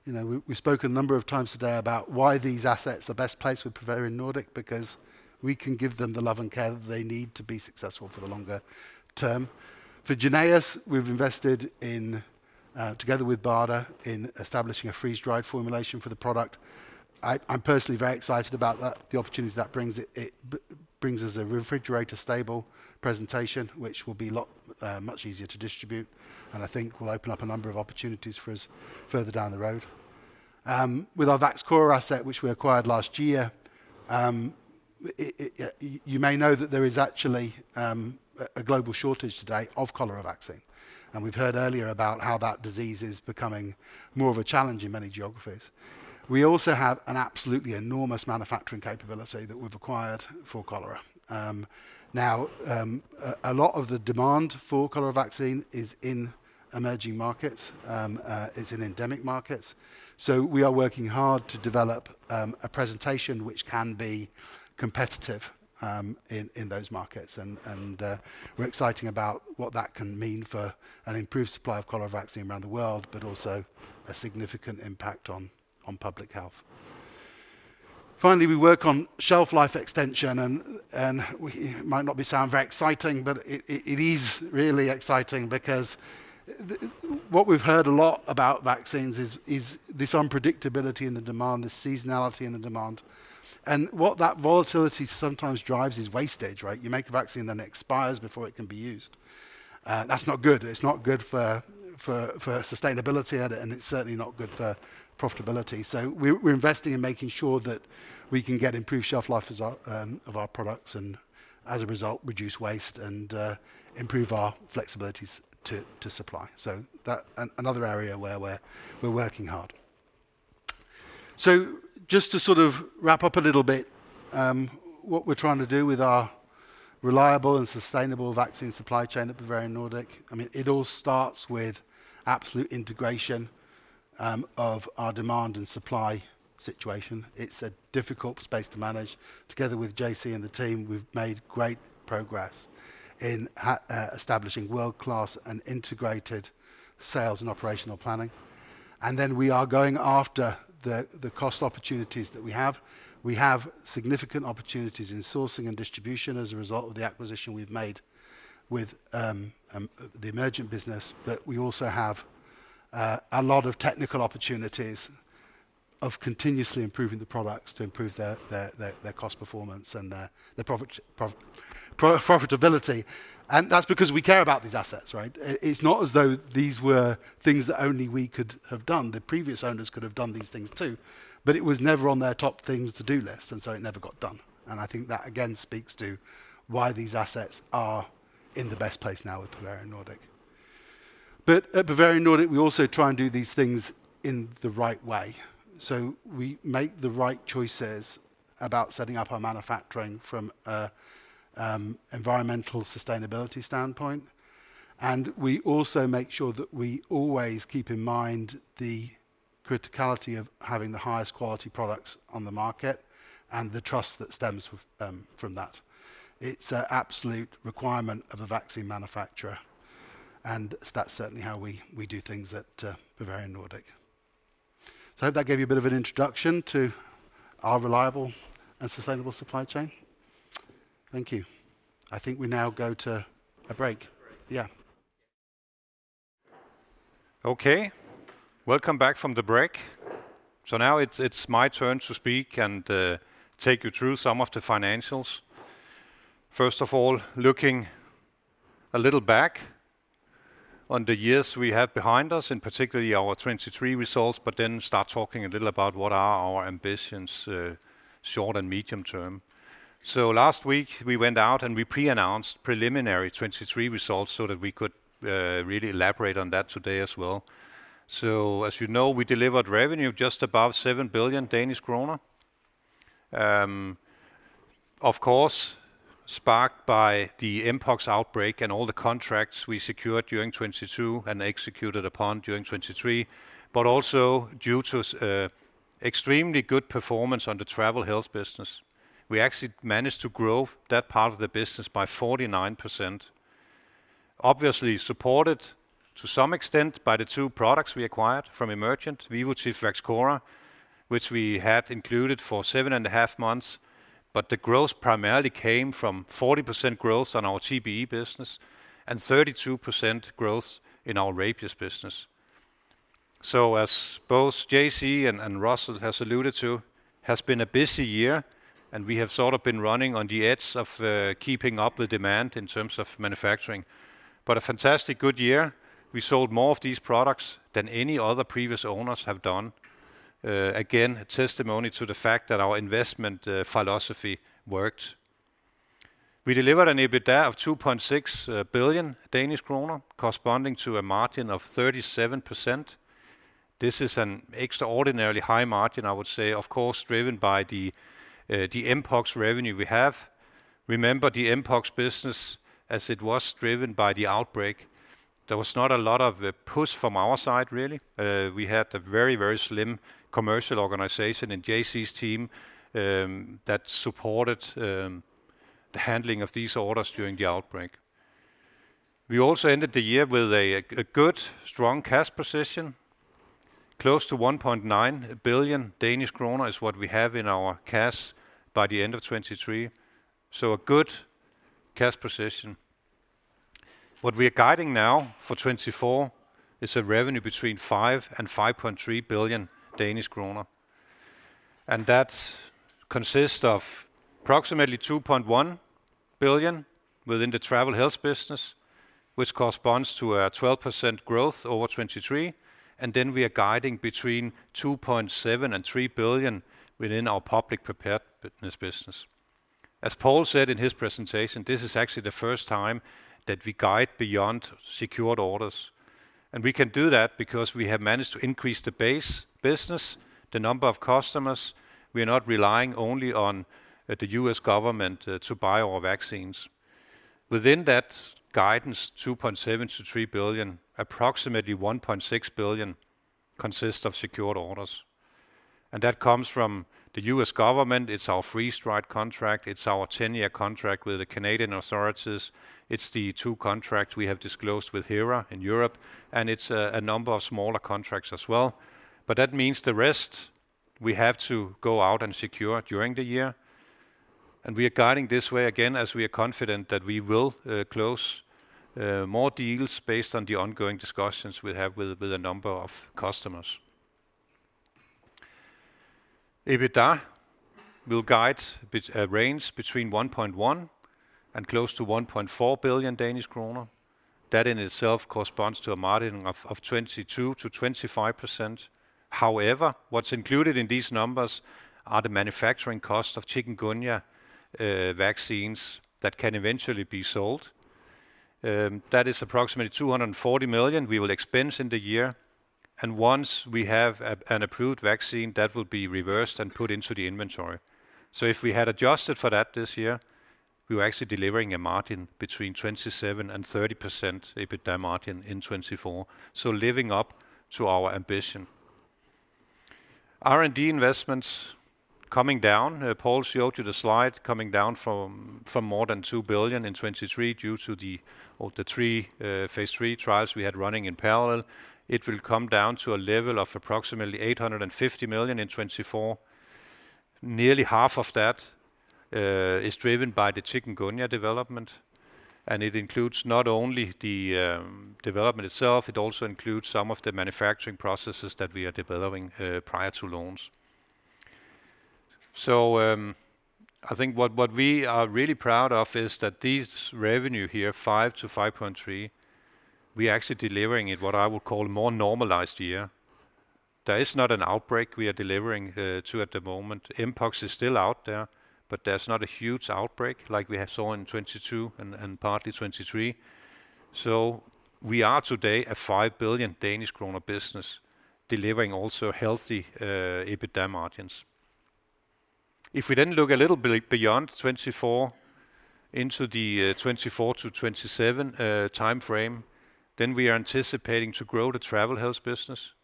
You know, we spoke a number of times today about why these assets are best placed with Bavarian Nordic, because we can give them the love and care that they need to be successful for the longer term. For Jynneos, we've invested in together with BARDA, in establishing a freeze-dried formulation for the product. I, I'm personally very excited about that, the opportunity that brings. It brings us a refrigerator stable presentation, which will be much easier to distribute, and I think will open up a number of opportunities for us further down the road. With our VAXCHORA asset, which we acquired last year, you may know that there is actually a global shortage today of cholera vaccine, and we've heard earlier about how that disease is becoming more of a challenge in many geographies. We also have an absolutely enormous manufacturing capability that we've acquired for cholera. Now, a lot of the demand for cholera vaccine is in emerging markets. It's in endemic markets. So we are working hard to develop a presentation which can be competitive in those markets. And we're excited about what that can mean for an improved supply of cholera vaccine around the world, but also a significant impact on public health. Finally, we work on shelf life extension, and we—it might not sound very exciting, but it is really exciting because what we've heard a lot about vaccines is this unpredictability in the demand, the seasonality in the demand. And what that volatility sometimes drives is wastage, right? You make a vaccine, then it expires before it can be used. That's not good. It's not good for sustainability, and it's certainly not good for profitability. So we're investing in making sure that we can get improved shelf life of our products, and as a result, reduce waste and improve our flexibilities to supply. So that's another area where we're working hard. So just to sort of wrap up a little bit, what we're trying to do with our reliable and sustainable vaccine supply chain at Bavarian Nordic, I mean, it all starts with absolute integration of our demand and supply situation. It's a difficult space to manage. Together with JC and the team, we've made great progress in establishing world-class and integrated sales and operational planning. And then we are going after the cost opportunities that we have. We have significant opportunities in sourcing and distribution as a result of the acquisition we've made with the Emergent business. But we also have a lot of technical opportunities of continuously improving the products to improve their cost performance and their profitability. And that's because we care about these assets, right? It's not as though these were things that only we could have done. The previous owners could have done these things, too, but it was never on their top things to-do list, and so it never got done. And I think that, again, speaks to why these assets are in the best place now with Bavarian Nordic. But at Bavarian Nordic, we also try and do these things in the right way. So we make the right choices about setting up our manufacturing from a environmental sustainability standpoint, and we also make sure that we always keep in mind the criticality of having the highest quality products on the market and the trust that stems from that. It's an absolute requirement of a vaccine manufacturer, and that's certainly how we do things at Bavarian Nordic. So I hope that gave you a bit of an introduction to our reliable and sustainable supply chain. Thank you. I think we now go to a break. A break. Yeah. Okay, welcome back from the break. So now it's my turn to speak and take you through some of the financials. First of all, looking a little back on the years we have behind us, and particularly our 2023 results, but then start talking a little about what are our ambitions, short and medium term. So last week we went out, and we pre-announced preliminary 2023 results so that we could really elaborate on that today as well. So as you know, we delivered revenue of just above 7 billion Danish kroner. Of course, sparked by the mpox outbreak and all the contracts we secured during 2022 and executed upon during 2023, but also due to extremely good performance on the travel health business. We actually managed to grow that part of the business by 49%. Obviously, supported to some extent by the two products we acquired from Emergent, VIVOTIF and VAXCHORA, which we had included for 7.5 months, but the growth primarily came from 40% growth on our TBE business and 32% growth in our rabies business. So as both JC and Russell has alluded to, has been a busy year, and we have sort of been running on the edge of keeping up with demand in terms of manufacturing. But a fantastic, good year. We sold more of these products than any other previous owners have done. Again, a testimony to the fact that our investment philosophy worked. We delivered an EBITDA of 2.6 billion Danish kroner, corresponding to a margin of 37%. This is an extraordinarily high margin, I would say, of course, driven by the, the mpox revenue we have. Remember, the mpox business, as it was driven by the outbreak, there was not a lot of, push from our side, really. We had a very, very slim commercial organization in JC's team, that supported, the handling of these orders during the outbreak. We also ended the year with a, a good, strong cash position. Close to 1.9 billion Danish kroner is what we have in our cash by the end of 2023. So a good cash position. What we are guiding now for 2024 is a revenue between 5-5.3 billion Danish kroner, and that consists of approximately 2.1 billion within the travel health business, which corresponds to a 12% growth over 2023. Then we are guiding between 2.7 billion and 3 billion within our public preparedness business. As Paul said in his presentation, this is actually the first time that we guide beyond secured orders, and we can do that because we have managed to increase the base business, the number of customers. We are not relying only on the U.S. government to buy our vaccines. Within that guidance, 2.7 billion-3 billion, approximately 1.6 billion consists of secured orders, and that comes from the U.S. government. It's our freeze-dried contract. It's our 10-year contract with the Canadian authorities. It's the two contracts we have disclosed with HERA in Europe, and it's a number of smaller contracts as well. But that means the rest we have to go out and secure during the year, and we are guiding this way again, as we are confident that we will close more deals based on the ongoing discussions we have with a number of customers. EBITDA will guide to a range between 1.1 billion and close to 1.4 billion Danish kroner. That in itself corresponds to a margin of 22%-25%. However, what's included in these numbers are the manufacturing costs of chikungunya vaccines that can eventually be sold. That is approximately 240 million we will expense in the year, and once we have an approved vaccine, that will be reversed and put into the inventory. So if we had adjusted for that this year, we were actually delivering a margin between 27% and 30% EBITDA margin in 2024, so living up to our ambition. R&D investments coming down. Paul showed you the slide, coming down from more than 2 billion in 2023 due to the all the three Phase III trials we had running in parallel. It will come down to a level of approximately 850 million in 2024. Nearly half of that is driven by the chikungunya development, and it includes not only the development itself, it also includes some of the manufacturing processes that we are developing prior to launch. I think what we are really proud of is that this revenue here, 5 billion-5.3 billion, we are actually delivering it, what I would call a more normalized year. There is not an outbreak we are delivering to at the moment. Mpox is still out there, but there's not a huge outbreak like we have saw in 2022 and partly 2023. So we are today a 5 billion Danish kroner business, delivering also healthy EBITDA margins. If we then look a little bit beyond 2024, into the 2024 to 2027 time frame, then we are anticipating to grow the travel health business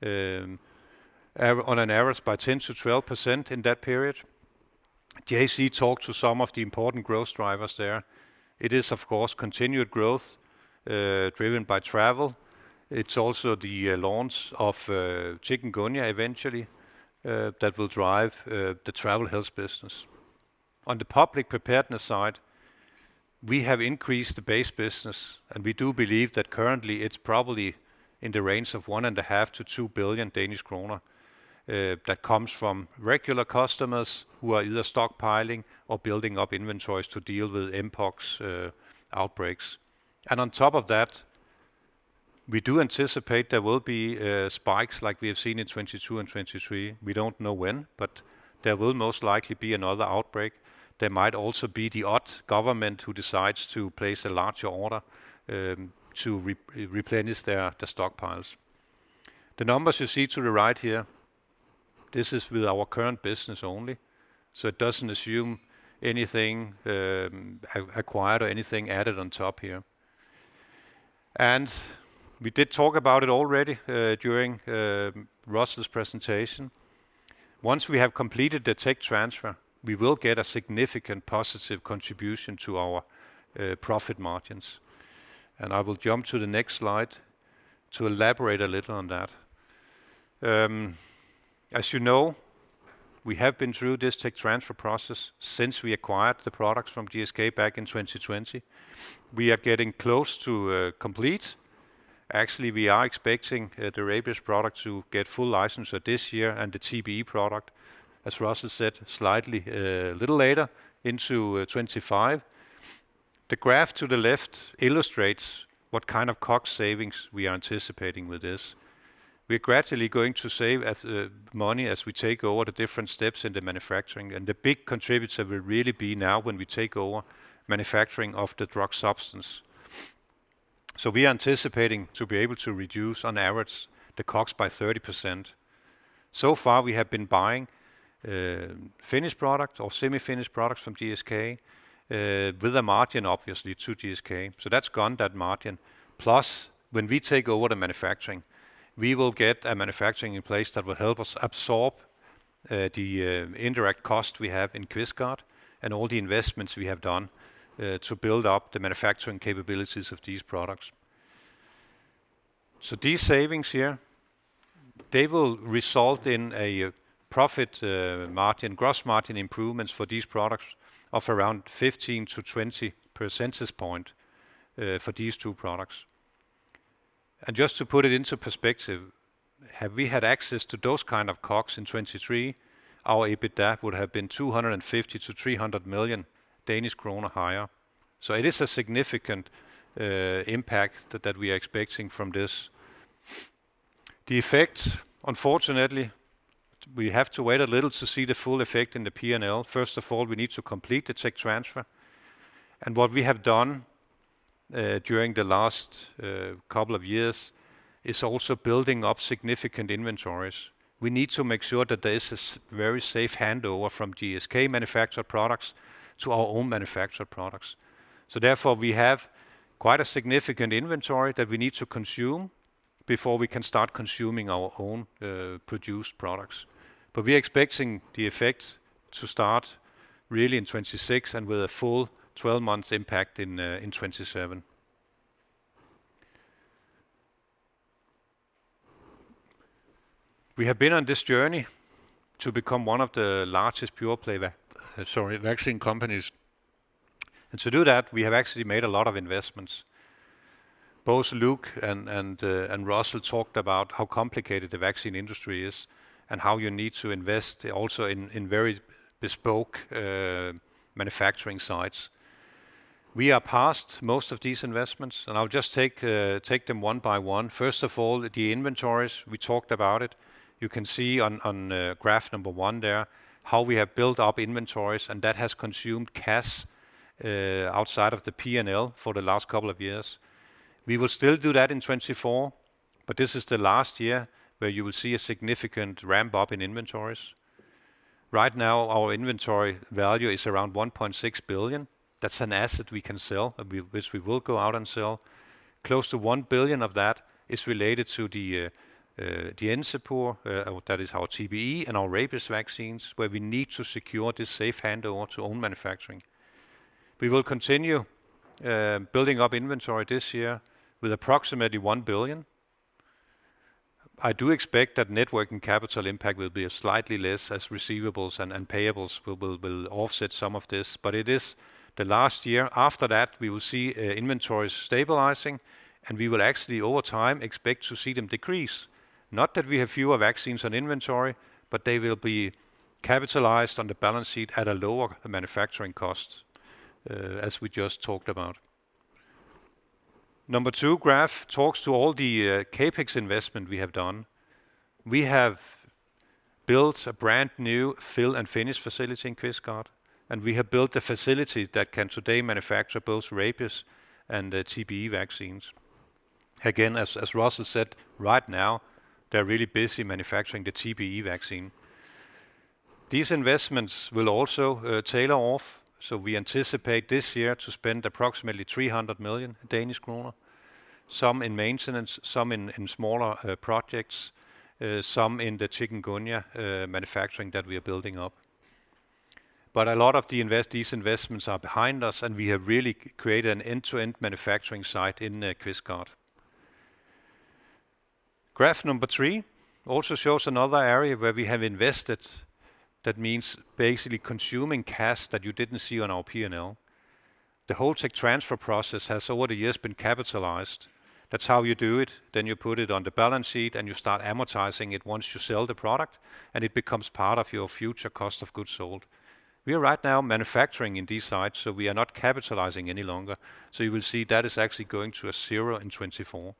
on an average by 10%-12% in that period. JC talked to some of the important growth drivers there. It is, of course, continued growth driven by travel. It's also the launch of chikungunya eventually that will drive the travel health business. On the public preparedness side, we have increased the base business, and we do believe that currently it's probably in the range of 1.5-2 billion Danish kroner that comes from regular customers who are either stockpiling or building up inventories to deal with mpox outbreaks. And on top of that, we do anticipate there will be spikes like we have seen in 2022 and 2023. We don't know when, but there will most likely be another outbreak. There might also be the odd government who decides to place a larger order to replenish their stockpiles. The numbers you see to the right here, this is with our current business only, so it doesn't assume anything, acquired or anything added on top here. And we did talk about it already, during Russell's presentation. Once we have completed the tech transfer, we will get a significant positive contribution to our, profit margins. And I will jump to the next slide to elaborate a little on that. As you know, we have been through this tech transfer process since we acquired the products from GSK back in 2020. We are getting close to complete. Actually, we are expecting the rabies product to get full license this year and the TBE product, as Russell said, slightly, a little later into 2025. The graph to the left illustrates what kind of COGS savings we are anticipating with this. We are gradually going to save as much money as we take over the different steps in the manufacturing, and the big contributor will really be now when we take over manufacturing of the drug substance. So we are anticipating to be able to reduce on average the COGS by 30%. So far, we have been buying finished product or semi-finished products from GSK with a margin obviously to GSK. So that's gone, that margin. Plus, when we take over the manufacturing, we will get a manufacturing in place that will help us absorb the indirect cost we have in Kvistgård and all the investments we have done to build up the manufacturing capabilities of these products. So these savings here, they will result in a profit margin, gross margin improvements for these products of around 15-20 percentage point for these two products. Just to put it into perspective, had we had access to those kind of COGS in 2023, our EBITDA would have been 250-300 million Danish kroner higher. So it is a significant impact that we are expecting from this. The effect, unfortunately, we have to wait a little to see the full effect in the P&L. First of all, we need to complete the tech transfer, and what we have done during the last couple of years is also building up significant inventories. We need to make sure that there is a very safe handover from GSK manufactured products to our own manufactured products. So therefore, we have quite a significant inventory that we need to consume before we can start consuming our own produced products. But we are expecting the effect to start really in 2026 and with a full 12 months impact in 2027. We have been on this journey to become one of the largest pure-play vaccine companies. And to do that, we have actually made a lot of investments. Both Luc and Russell talked about how complicated the vaccine industry is and how you need to invest also in very bespoke manufacturing sites. We are past most of these investments, and I'll just take them one by one. First of all, the inventories, we talked about it. You can see on graph number one there, how we have built up inventories, and that has consumed cash outside of the PNL for the last couple of years. We will still do that in 2024, but this is the last year where you will see a significant ramp-up in inventories. Right now, our inventory value is around 1.6 billion. That's an asset we can sell, and we, which we will go out and sell. Close to 1 billion of that is related to the Encepur, that is our TBE and our rabies vaccines, where we need to secure this safe handover to own manufacturing. We will continue building up inventory this year with approximately 1 billion. I do expect that net working capital impact will be slightly less, as receivables and payables will offset some of this, but it is the last year. After that, we will see inventories stabilizing, and we will actually, over time, expect to see them decrease. Not that we have fewer vaccines on inventory, but they will be capitalized on the balance sheet at a lower manufacturing cost, as we just talked about. Number two graph talks to all the CapEx investment we have done. We have built a brand-new fill and finish facility in Kvistgård, and we have built a facility that can today manufacture both rabies and TBE vaccines. Again, as Russell said, right now, they're really busy manufacturing the TBE vaccine. These investments will also taper off, so we anticipate this year to spend approximately 300 million Danish kroner, some in maintenance, some in smaller projects, some in the chikungunya manufacturing that we are building up. But a lot of the investments are behind us, and we have really created an end-to-end manufacturing site in Kvistgård. Graph number three also shows another area where we have invested. That means basically consuming cash that you didn't see on our PNL. The whole tech transfer process has over the years been capitalized. That's how you do it. Then you put it on the balance sheet, and you start amortizing it once you sell the product, and it becomes part of your future cost of goods sold. We are right now manufacturing in these sites, so we are not capitalizing any longer. So you will see that is actually going to zero in 2024.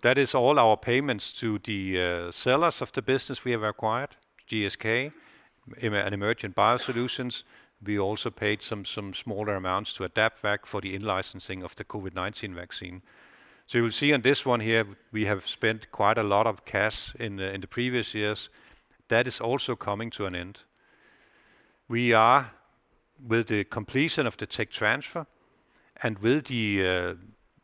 That is all our payments to the sellers of the business we have acquired, GSK and Emergent BioSolutions. We also paid some smaller amounts to AdaptVac for the in-licensing of the COVID-19 vaccine. So you will see on this one here, we have spent quite a lot of cash in the previous years. That is also coming to an end. We are, with the completion of the tech transfer, and with the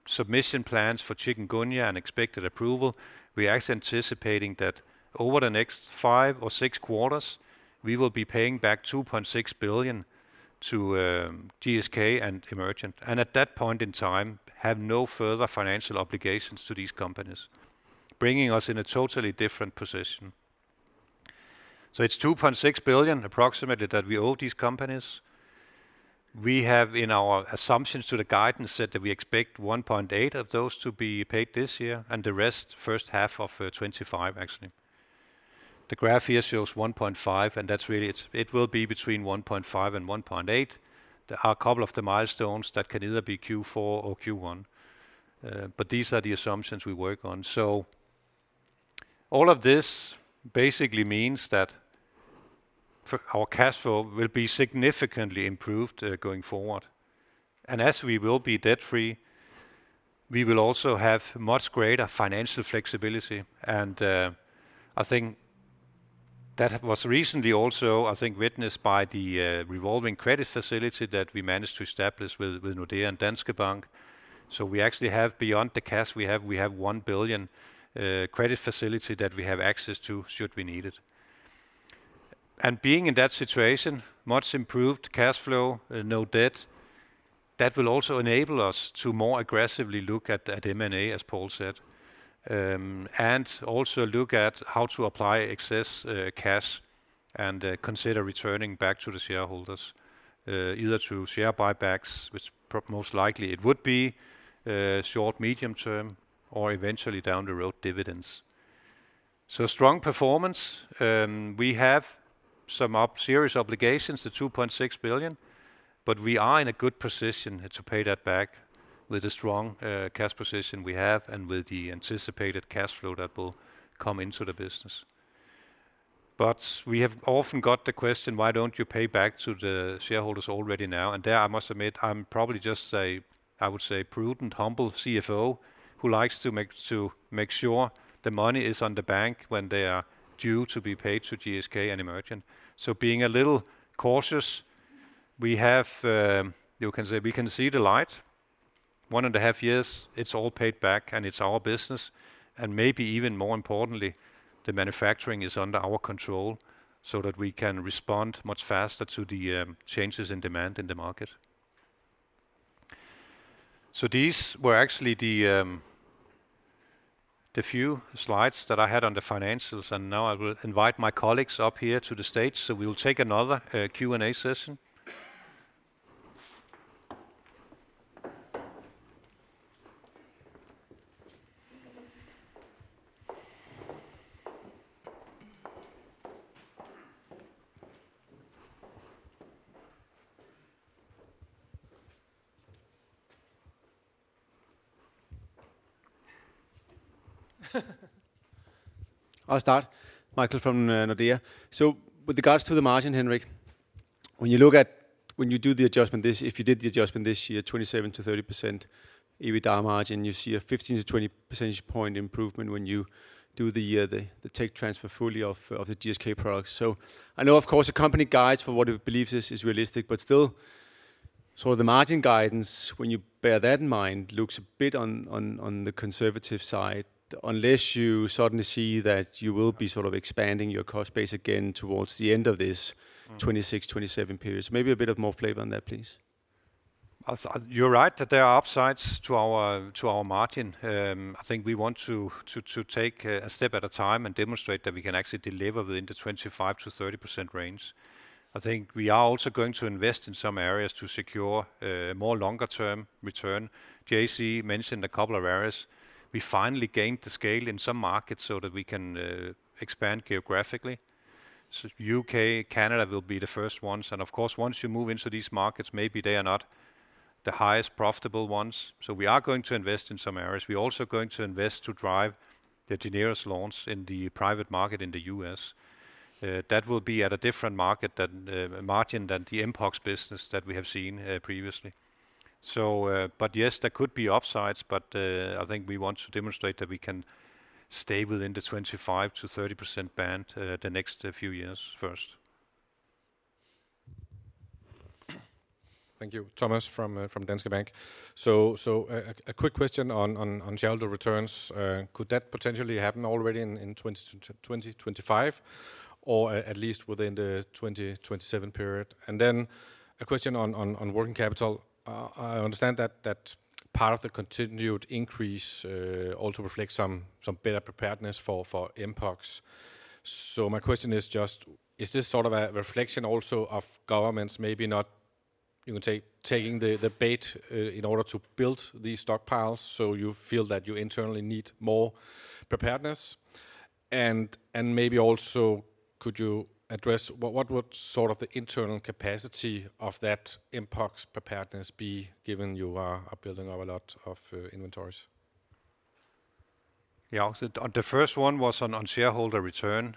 submission plans for chikungunya and expected approval, anticipating that over the next five or six quarters, we will be paying back 2.6 billion to GSK and Emergent, and at that point in time, have no further financial obligations to these companies, bringing us in a totally different position. So it's 2.6 billion approximately, that we owe these companies. We have, in our assumptions to the guidance, said that we expect 1.8 billion of those to be paid this year, and the rest first half of 2025, actually. The graph here shows 1.5 billion, and that's really it will be between 1.5 billion and 1.8 billion. There are a couple of the milestones that can either be Q4 or Q1, but these are the assumptions we work on. So all of this basically means that our cash flow will be significantly improved, going forward. And as we will be debt-free, we will also have much greater financial flexibility, and I think that was recently also, I think, witnessed by the revolving credit facility that we managed to establish with Nordea and Danske Bank. So we actually have, beyond the cash we have, we have 1 billion credit facility that we have access to should we need it. And being in that situation, much improved cash flow, no debt, that will also enable us to more aggressively look at, at M&A, as Paul said. And also look at how to apply excess cash and consider returning back to the shareholders, either through share buybacks, which most likely it would be, short, medium term, or eventually down the road, dividends. So strong performance. We have some obvious serious obligations, the 2.6 billion, but we are in a good position to pay that back with the strong cash position we have and with the anticipated cash flow that will come into the business. But we have often got the question: Why don't you pay back to the shareholders already now? And there, I must admit, I'm probably just a, I would say, prudent, humble CFO, who likes to make, to make sure the money is on the bank when they are due to be paid to GSK and Emergent. So being a little cautious, we have... You can say, we can see the light. 1.5 years, it's all paid back, and it's our business, and maybe even more importantly, the manufacturing is under our control so that we can respond much faster to the changes in demand in the market. So these were actually the few slides that I had on the financials, and now I will invite my colleagues up here to the stage. So we will take another Q&A session. I'll start. Michael from Nordea. So with regards to the margin, Henrik, when you look at when you do the adjustment this. If you did the adjustment this year, 27%-30% EBITDA margin, you see a 15-20 percentage point improvement when you do the tech transfer fully of the GSK products. So I know, of course, the company guides for what it believes is realistic, but still, so the margin guidance, when you bear that in mind, looks a bit on the conservative side, unless you suddenly see that you will be sort of expanding your cost base again towards the end of this 2026, 2027 periods. Maybe a bit of more flavor on that, please. So you're right that there are upsides to our margin. I think we want to take a step at a time and demonstrate that we can actually deliver within the 25%-30% range. I think we are also going to invest in some areas to secure more longer-term return. JC mentioned a couple of areas. We finally gained the scale in some markets so that we can expand geographically. So U.K., Canada will be the first ones, and of course, once you move into these markets, maybe they are not the highest profitable ones. So we are going to invest in some areas. We are also going to invest to drive the Jynneos launch in the private market in the U.S. That will be at a different margin than the mpox business that we have seen previously. So, but yes, there could be upsides, but, I think we want to demonstrate that we can stay within the 25%-30% band the next few years first. Thank you. Thomas from Danske Bank. So a quick question on shareholder returns. Could that potentially happen already in 2025, or at least within the 2027 period? And then a question on working capital. I understand that part of the continued increase also reflects some better preparedness for mpox. So my question is just, is this sort of a reflection also of governments maybe not, you can say, taking the bait in order to build these stockpiles, so you feel that you internally need more-... preparedness, and maybe also could you address what would sort of the internal capacity of that mpox preparedness be, given you are building up a lot of inventories? Yeah, so the first one was on shareholder return.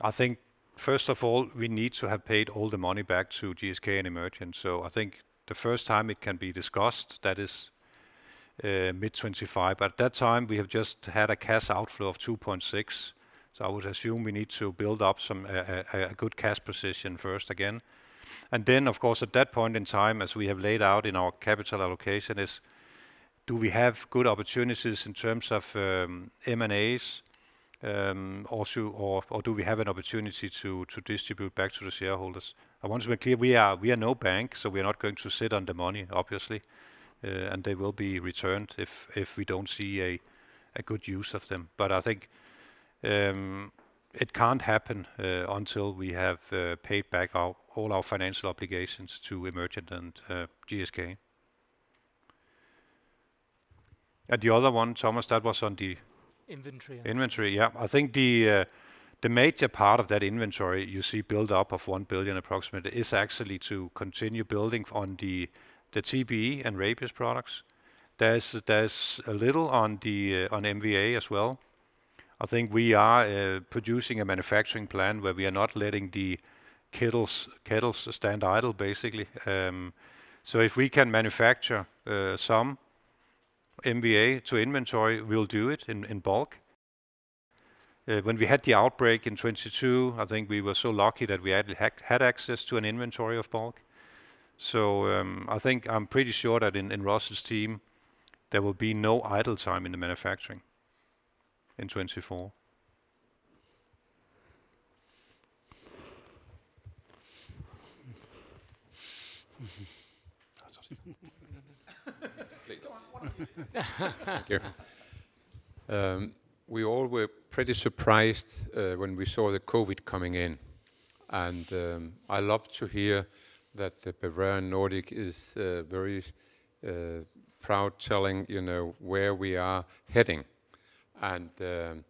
I think first of all, we need to have paid all the money back to GSK and Emergent. So I think the first time it can be discussed, that is, mid-2025. At that time, we have just had a cash outflow of 2.6, so I would assume we need to build up some a good cash position first again. And then, of course, at that point in time, as we have laid out in our capital allocation, is do we have good opportunities in terms of M&As? Also or do we have an opportunity to distribute back to the shareholders? I want to be clear, we are no bank, so we are not going to sit on the money, obviously, and they will be returned if we don't see a good use of them. But I think it can't happen until we have paid back all our financial obligations to Emergent and GSK. And the other one, Thomas, that was on the- Inventory. Inventory, yeah. I think the major part of that inventory you see build up of 1 billion approximately, is actually to continue building on the TBE and rabies products. There's a little on the on MVA as well. I think we are producing a manufacturing plan where we are not letting the kettles stand idle, basically. So if we can manufacture some MVA to inventory, we'll do it in bulk. When we had the outbreak in 2022, I think we were so lucky that we had access to an inventory of bulk. So I think I'm pretty sure that in Russell's team, there will be no idle time in the manufacturing in 2024. Thank you. We all were pretty surprised when we saw the Covid coming in, and I love to hear that the Bavarian Nordic is very proud telling, you know, where we are heading. Can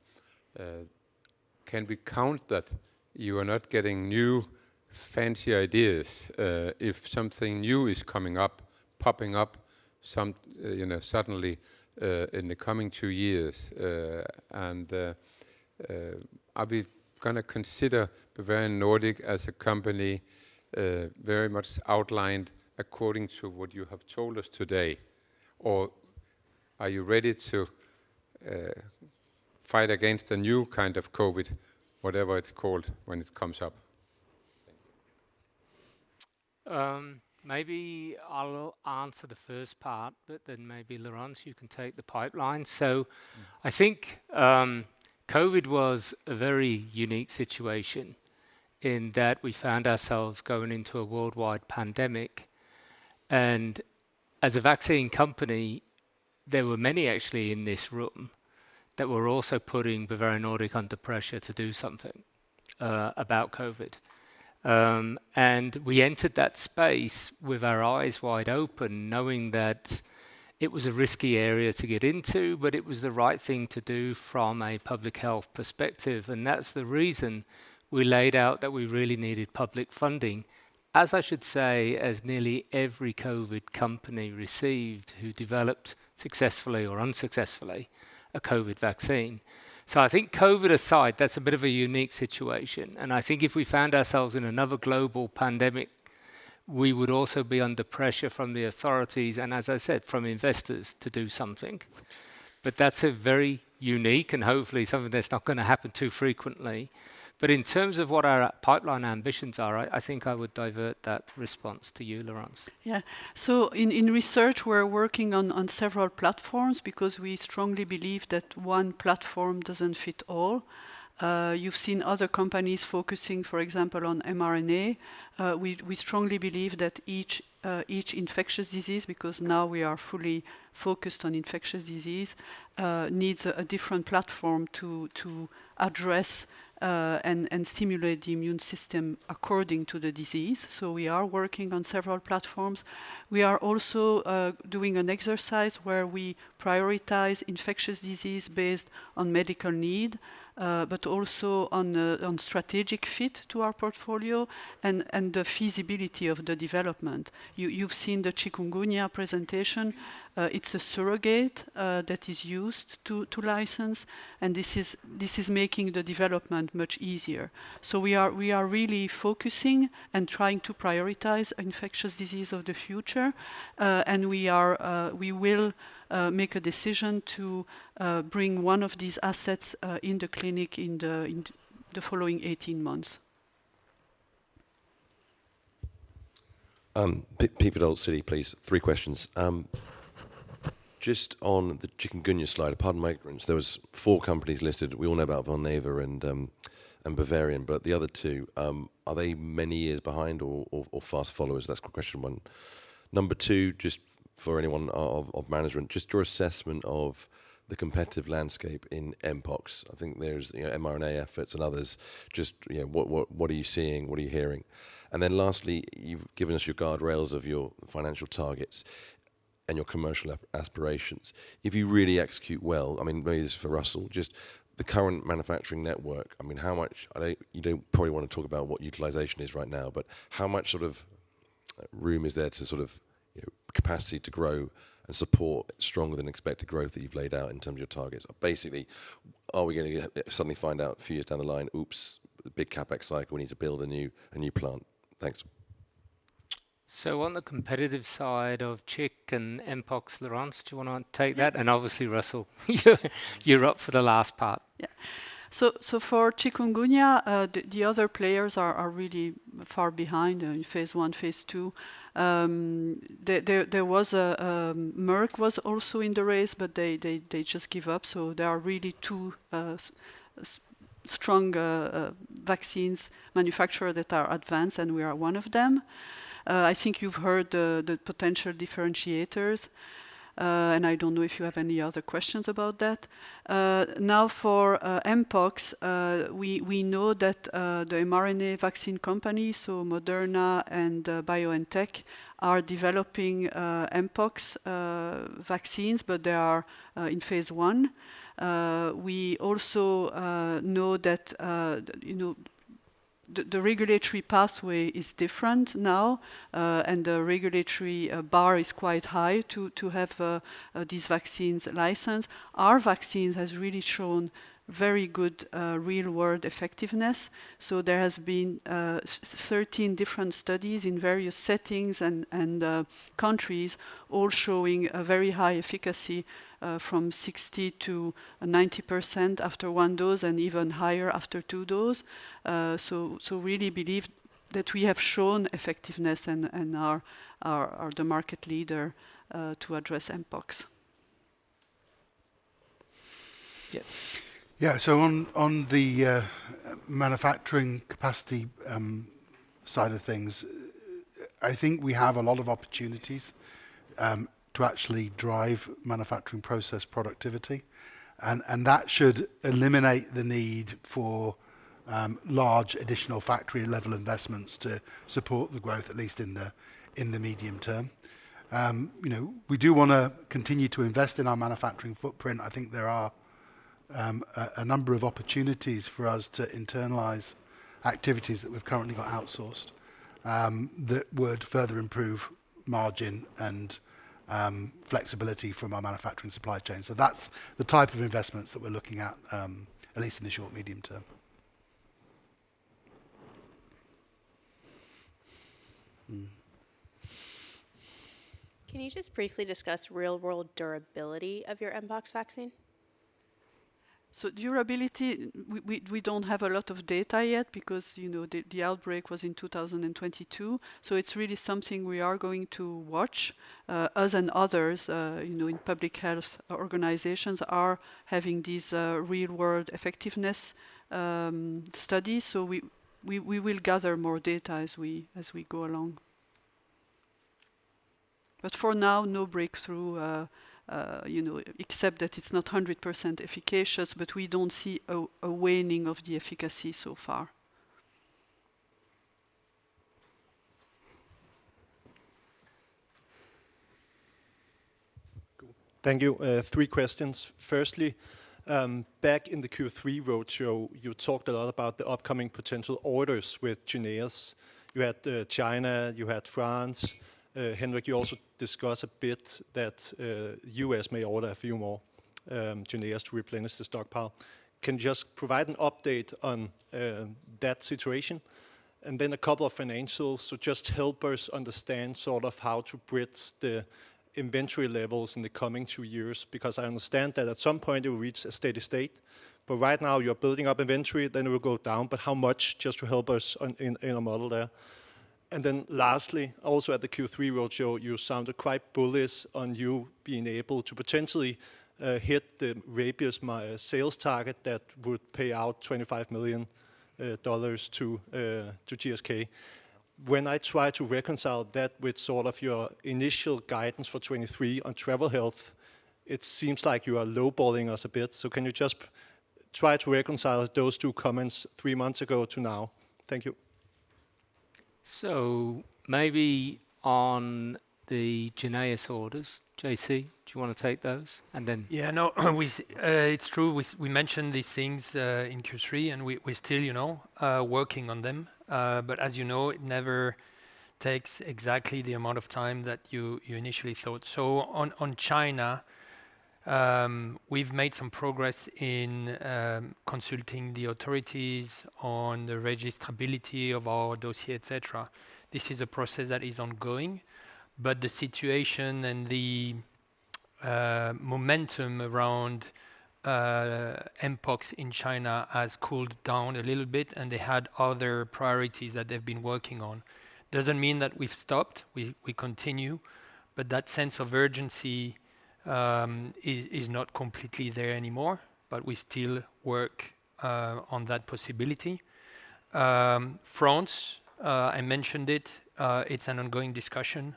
we count that you are not getting new fancy ideas if something new is coming up, popping up some, you know, suddenly in the coming two years... Are we gonna consider Bavarian Nordic as a company very much outlined according to what you have told us today? Or are you ready to fight against a new kind of Covid, whatever it's called, when it comes up? Thank you. Maybe I'll answer the first part, but then maybe, Laurence, you can take the pipeline. So I think, COVID was a very unique situation in that we found ourselves going into a worldwide pandemic, and as a vaccine company, there were many actually in this room that were also putting Bavarian Nordic under pressure to do something about COVID. And we entered that space with our eyes wide open, knowing that it was a risky area to get into, but it was the right thing to do from a public health perspective. And that's the reason we laid out that we really needed public funding. As I should say, as nearly every COVID company received, who developed successfully or unsuccessfully, a COVID vaccine. So I think COVID aside, that's a bit of a unique situation, and I think if we found ourselves in another global pandemic, we would also be under pressure from the authorities and, as I said, from investors to do something. But that's a very unique and hopefully something that's not gonna happen too frequently. But in terms of what our pipeline ambitions are, I think I would divert that response to you, Laurence. Yeah. So in research, we're working on several platforms because we strongly believe that one platform doesn't fit all. You've seen other companies focusing, for example, on mRNA. We strongly believe that each infectious disease, because now we are fully focused on infectious disease, needs a different platform to address and stimulate the immune system according to the disease. So we are working on several platforms. We are also doing an exercise where we prioritize infectious disease based on medical need, but also on the strategic fit to our portfolio and the feasibility of the development. You've seen the chikungunya presentation. It's a surrogate that is used to license, and this is making the development much easier. We are really focusing and trying to prioritize infectious disease of the future, and we will make a decision to bring one of these assets in the clinic in the following 18 months. Pete at Citi, please. three questions. Just on the chikungunya slide, pardon my ignorance, there were four companies listed. We all know about Valneva and Bavarian, but the other two, are they many years behind or fast followers? That's question one. Number two, just for anyone of management, just your assessment of the competitive landscape in mpox. I think there's, you know, mRNA efforts and others. Just, you know, what are you seeing? What are you hearing? And then lastly, you've given us your guardrails of your financial targets. And your commercial aspirations, if you really execute well, I mean, maybe this is for Russell, just the current manufacturing network, I mean, how much—I know you don't probably wanna talk about what utilization is right now, but how much sort of, room is there to sort of, you know, capacity to grow and support stronger than expected growth that you've laid out in terms of your targets? Basically, are we gonna get—suddenly find out a few years down the line, "Oops, big CapEx cycle, we need to build a new plant." Thanks. On the competitive side of chik and mpox, Laurence, do you wanna take that? Obviously, Russell, you're up for the last part. Yeah. So, for chikungunya, the other players are really far behind in phase I, phase II. There was a... Merck was also in the race, but they just give up, so there are really two strong vaccines manufacturer that are advanced, and we are one of them. I think you've heard the potential differentiators, and I don't know if you have any other questions about that. Now, for mpox, we know that the mRNA vaccine companies, so Moderna and BioNTech, are developing mpox vaccines, but they are in phase I. We also know that, you know, the regulatory pathway is different now, and the regulatory bar is quite high to have these vaccines licensed. Our vaccines has really shown very good, real-world effectiveness, so there has been, 13 different studies in various settings and countries, all showing a very high efficacy, from 60%-90% after one dose, and even higher after two dose. So really believe that we have shown effectiveness and are the market leader, to address mpox. Yeah. Yeah. So on the manufacturing capacity side of things, I think we have a lot of opportunities to actually drive manufacturing process productivity, and that should eliminate the need for large additional factory-level investments to support the growth, at least in the medium term. You know, we do wanna continue to invest in our manufacturing footprint. I think there are a number of opportunities for us to internalize activities that we've currently got outsourced, that would further improve margin and flexibility from our manufacturing supply chain. So that's the type of investments that we're looking at, at least in the short, medium term. Can you just briefly discuss real-world durability of your mpox vaccine? So durability, we don't have a lot of data yet because, you know, the outbreak was in 2022. So it's really something we are going to watch. Us and others, you know, in public health organizations, are having these real-world effectiveness studies, so we will gather more data as we go along. But for now, no breakthrough, you know, except that it's not 100% efficacious, but we don't see a waning of the efficacy so far. Cool. Thank you. Three questions. Firstly, back in the Q3 roadshow, you talked a lot about the upcoming potential orders with Jynneos. You had, China, you had France. Henrik, you also discussed a bit that, U.S. may order a few more, Jynneos to replenish the stockpile. Can you just provide an update on, that situation? And then a couple of financials. So just help us understand sort of how to bridge the inventory levels in the coming two years, because I understand that at some point, it will reach a steady state, but right now you're building up inventory, then it will go down, but how much? Just to help us on, in, in our model there. Then lastly, also at the Q3 roadshow, you sounded quite bullish on you being able to potentially hit the rabies milestone sales target that would pay out $25 million to GSK. When I try to reconcile that with sort of your initial guidance for 2023 on travel health, it seems like you are lowballing us a bit. So can you just try to reconcile those two comments three months ago to now? Thank you. Maybe on the Jynneos orders, JC, do you wanna take those? And then- Yeah, no, we... it's true, we mentioned these things in Q3, and we still, you know, are working on them. But as you know, it never takes exactly the amount of time that you initially thought. So on China, we've made some progress in consulting the authorities on the registrability of our dossier, et cetera. This is a process that is ongoing, but the situation and the momentum around mpox in China has cooled down a little bit, and they had other priorities that they've been working on. Doesn't mean that we've stopped, we continue, but that sense of urgency is not completely there anymore, but we still work on that possibility. France, I mentioned it, it's an ongoing discussion.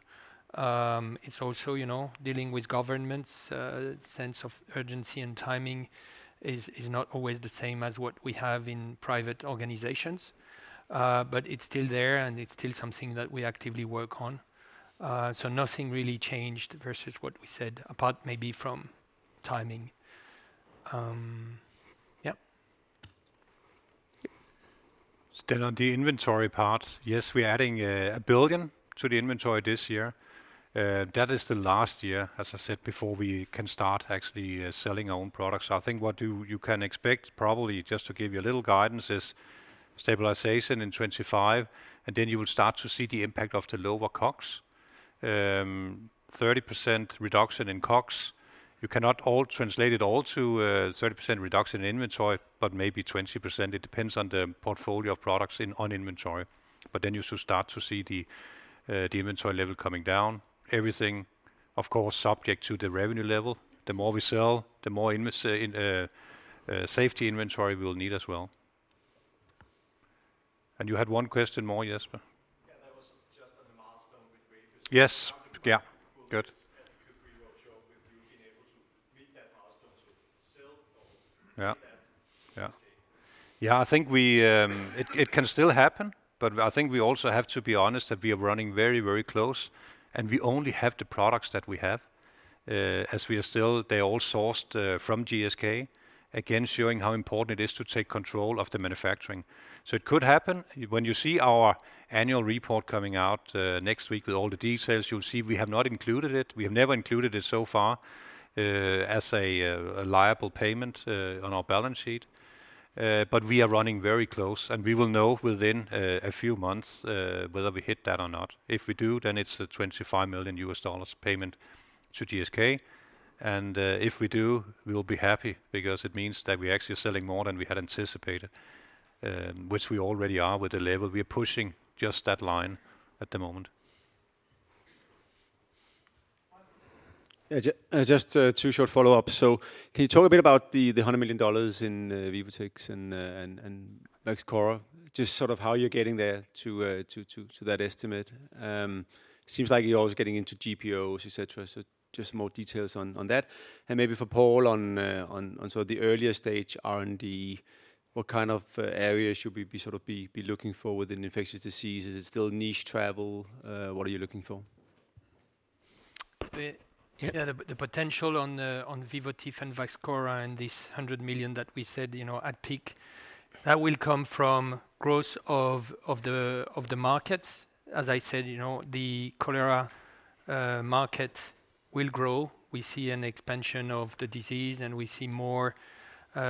It's also, you know, dealing with governments' sense of urgency and timing is not always the same as what we have in private organizations. So nothing really changed versus what we said, apart maybe from timing.... Yep. Still on the inventory part, yes, we're adding 1 billion to the inventory this year. That is the last year, as I said, before we can start actually selling our own products. I think what you, you can expect, probably just to give you a little guidance, is stabilization in 25, and then you will start to see the impact of the lower COGS. 30% reduction in COGS. You cannot all translate it all to a 30% reduction in inventory, but maybe 20%. It depends on the portfolio of products in, on inventory. But then you should start to see the inventory level coming down. Everything, of course, subject to the revenue level. The more we sell, the more safety inventory we will need as well. And you had one question more, Jesper? Yeah, that was just on the milestone with Vaxchora. Yes. Yeah, good. Could we work with you being able to meet that milestone to sell or- Yeah. -that? Yeah. Yeah, I think we... It can still happen, but I think we also have to be honest that we are running very, very close, and we only have the products that we have. As we are still, they all sourced from GSK, again, showing how important it is to take control of the manufacturing. So it could happen. When you see our annual report coming out next week with all the details, you'll see we have not included it. We have never included it so far as a liable payment on our balance sheet. But we are running very close, and we will know within a few months whether we hit that or not. If we do, then it's a $25 million payment to GSK. If we do, we will be happy because it means that we actually are selling more than we had anticipated, which we already are with the level. We are pushing just that line at the moment. Yeah, just two short follow-ups. So can you talk a bit about the $100 million in VIVOTIF and VAXCHORA? Just sort of how you're getting there to that estimate. Seems like you're always getting into GPOs, et cetera. So just more details on that. And maybe for Paul on sort of the earlier stage R&D, what kind of areas should we be sort of be looking for within infectious diseases? Is it still niche travel? What are you looking for? Yeah, the potential on VIVOTIF and VAXCHORA and this $100 million that we said, you know, at peak, that will come from growth of the markets. As I said, you know, the cholera market will grow. We see an expansion of the disease, and we see more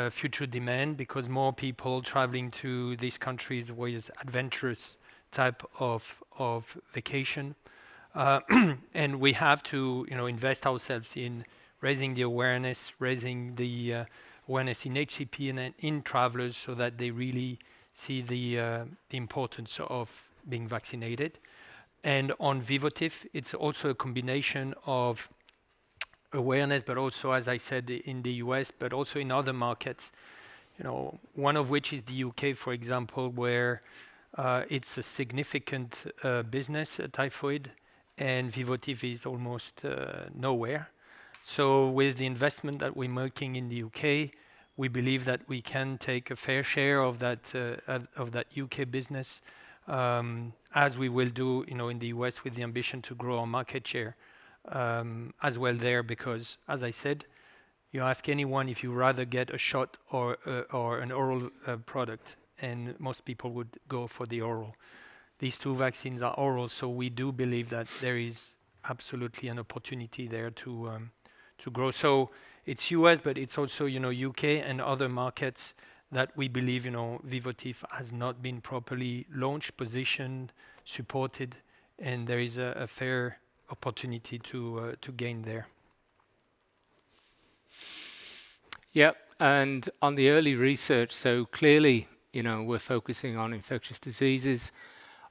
future demand because more people traveling to these countries with adventurous type of vacation. And we have to, you know, invest ourselves in raising the awareness, raising the awareness in HCP and in travelers so that they really see the importance of being vaccinated. On VIVOTIF, it's also a combination of awareness, but also, as I said, in the U.S., but also in other markets, you know, one of which is the U.K., for example, where it's a significant business, typhoid, and VIVOTIF is almost nowhere. So with the investment that we're making in the U.K., we believe that we can take a fair share of that of that U.K. business, as we will do, you know, in the U.S., with the ambition to grow our market share as well there, because as I said, you ask anyone if you'd rather get a shot or a or an oral product, and most people would go for the oral. These two vaccines are oral, so we do believe that there is absolutely an opportunity there to grow. It's U.S., but it's also, you know, U.K. and other markets that we believe, you know, VIVOTIF has not been properly launched, positioned, supported, and there is a fair opportunity to gain there. Yeah, and on the early research, so clearly, you know, we're focusing on infectious diseases.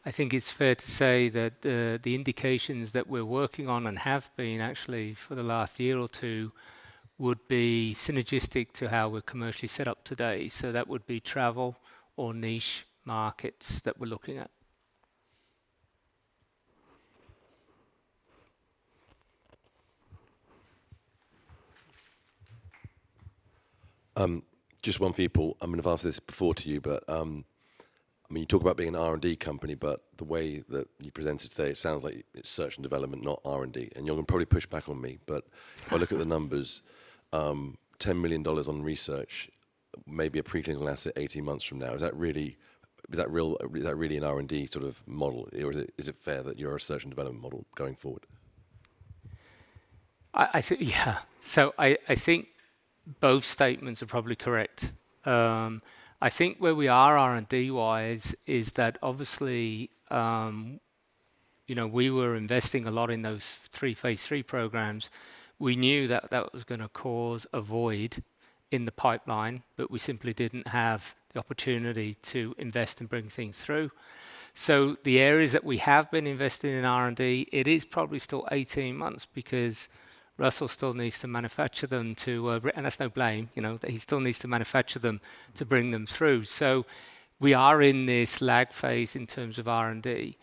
I think it's fair to say that the indications that we're working on and have been actually for the last year or two would be synergistic to how we're commercially set up today. So that would be travel or niche markets that we're looking at. Just one for you, Paul. I might have asked this before to you, but, I mean, you talk about being an R&D company, but the way that you presented today, it sounds like it's search and development, not R&D. And you're going to probably push back on me, but if I look at the numbers, $10 million on research, maybe a preclinical asset 18 months from now, is that really, is that real, is that really an R&D sort of model? Or is it, is it fair that you're a search and development model going forward? I think, yeah. So I think both statements are probably correct. I think where we are R&D-wise is that obviously, you know, we were investing a lot in those three phase III programs. We knew that that was gonna cause a void in the pipeline, but we simply didn't have the opportunity to invest and bring things through. So the areas that we have been investing in R&D, it is probably still 18 months because Russell still needs to manufacture them to. And that's no blame, you know, that he still needs to manufacture them to bring them through. So we are in this lag phase in terms of R&D.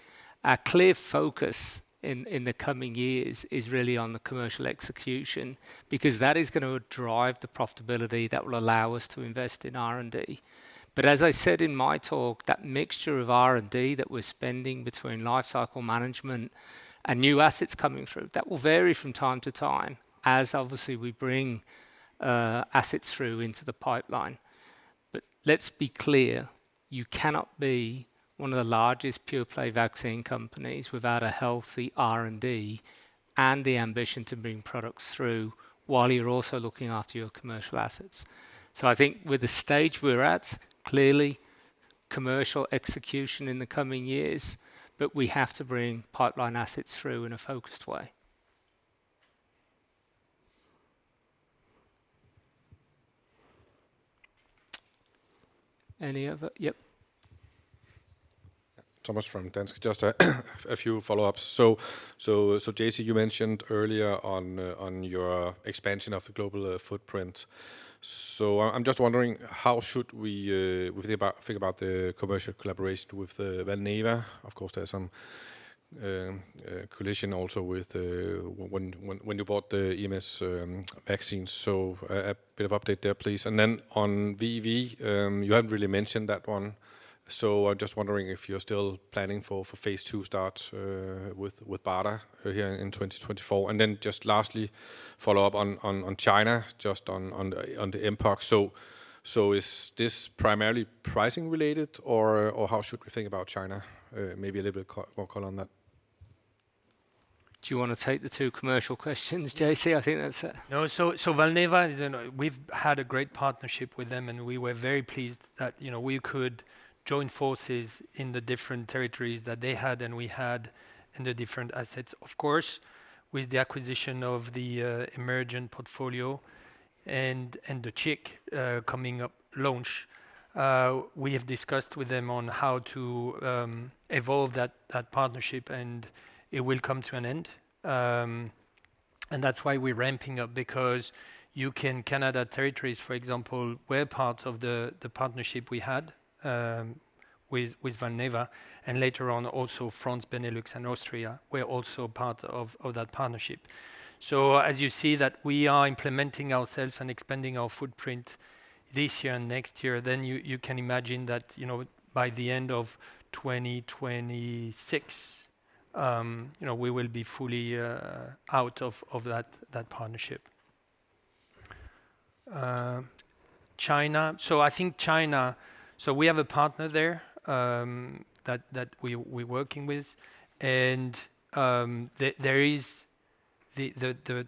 Our clear focus in the coming years is really on the commercial execution, because that is gonna drive the profitability that will allow us to invest in R&D. But as I said in my talk, that mixture of R&D that we're spending between life cycle management and new assets coming through, that will vary from time to time as obviously we bring assets through into the pipeline. But let's be clear-... you cannot be one of the largest pure-play vaccine companies without a healthy R&D and the ambition to bring products through while you're also looking after your commercial assets. So I think with the stage we're at, clearly commercial execution in the coming years, but we have to bring pipeline assets through in a focused way. Any other? Yep. Thomas from Danske. Just a few follow-ups. So, JC, you mentioned earlier on, on your expansion of the global, footprint. So I'm just wondering, how should we think about the commercial collaboration with, Valneva? Of course, there's some, collision also with, when you bought the EBS, vaccines. So a bit of update there, please. And then on VEEV, you haven't really mentioned that one, so I'm just wondering if you're still planning for, Phase II start, with, BARDA here in 2024. And then just lastly, follow up on, China, just on, the mpox. So, is this primarily pricing related, or, how should we think about China? Maybe a little bit more color on that. Do you wanna take the two commercial questions, JC? I think that's it. No. So, Valneva, you know, we've had a great partnership with them, and we were very pleased that, you know, we could join forces in the different territories that they had and we had, and the different assets. Of course, with the acquisition of the Emergent portfolio and the chikungunya coming up launch, we have discussed with them on how to evolve that partnership, and it will come to an end. And that's why we're ramping up, because UK and Canada territories, for example, were part of the partnership we had with Valneva, and later on also France, Benelux and Austria were also part of that partnership. So as you see that we are implementing ourselves and expanding our footprint this year and next year, then you can imagine that, you know, by the end of 2026, you know, we will be fully out of that partnership. China. So I think China... So we have a partner there that we working with, and the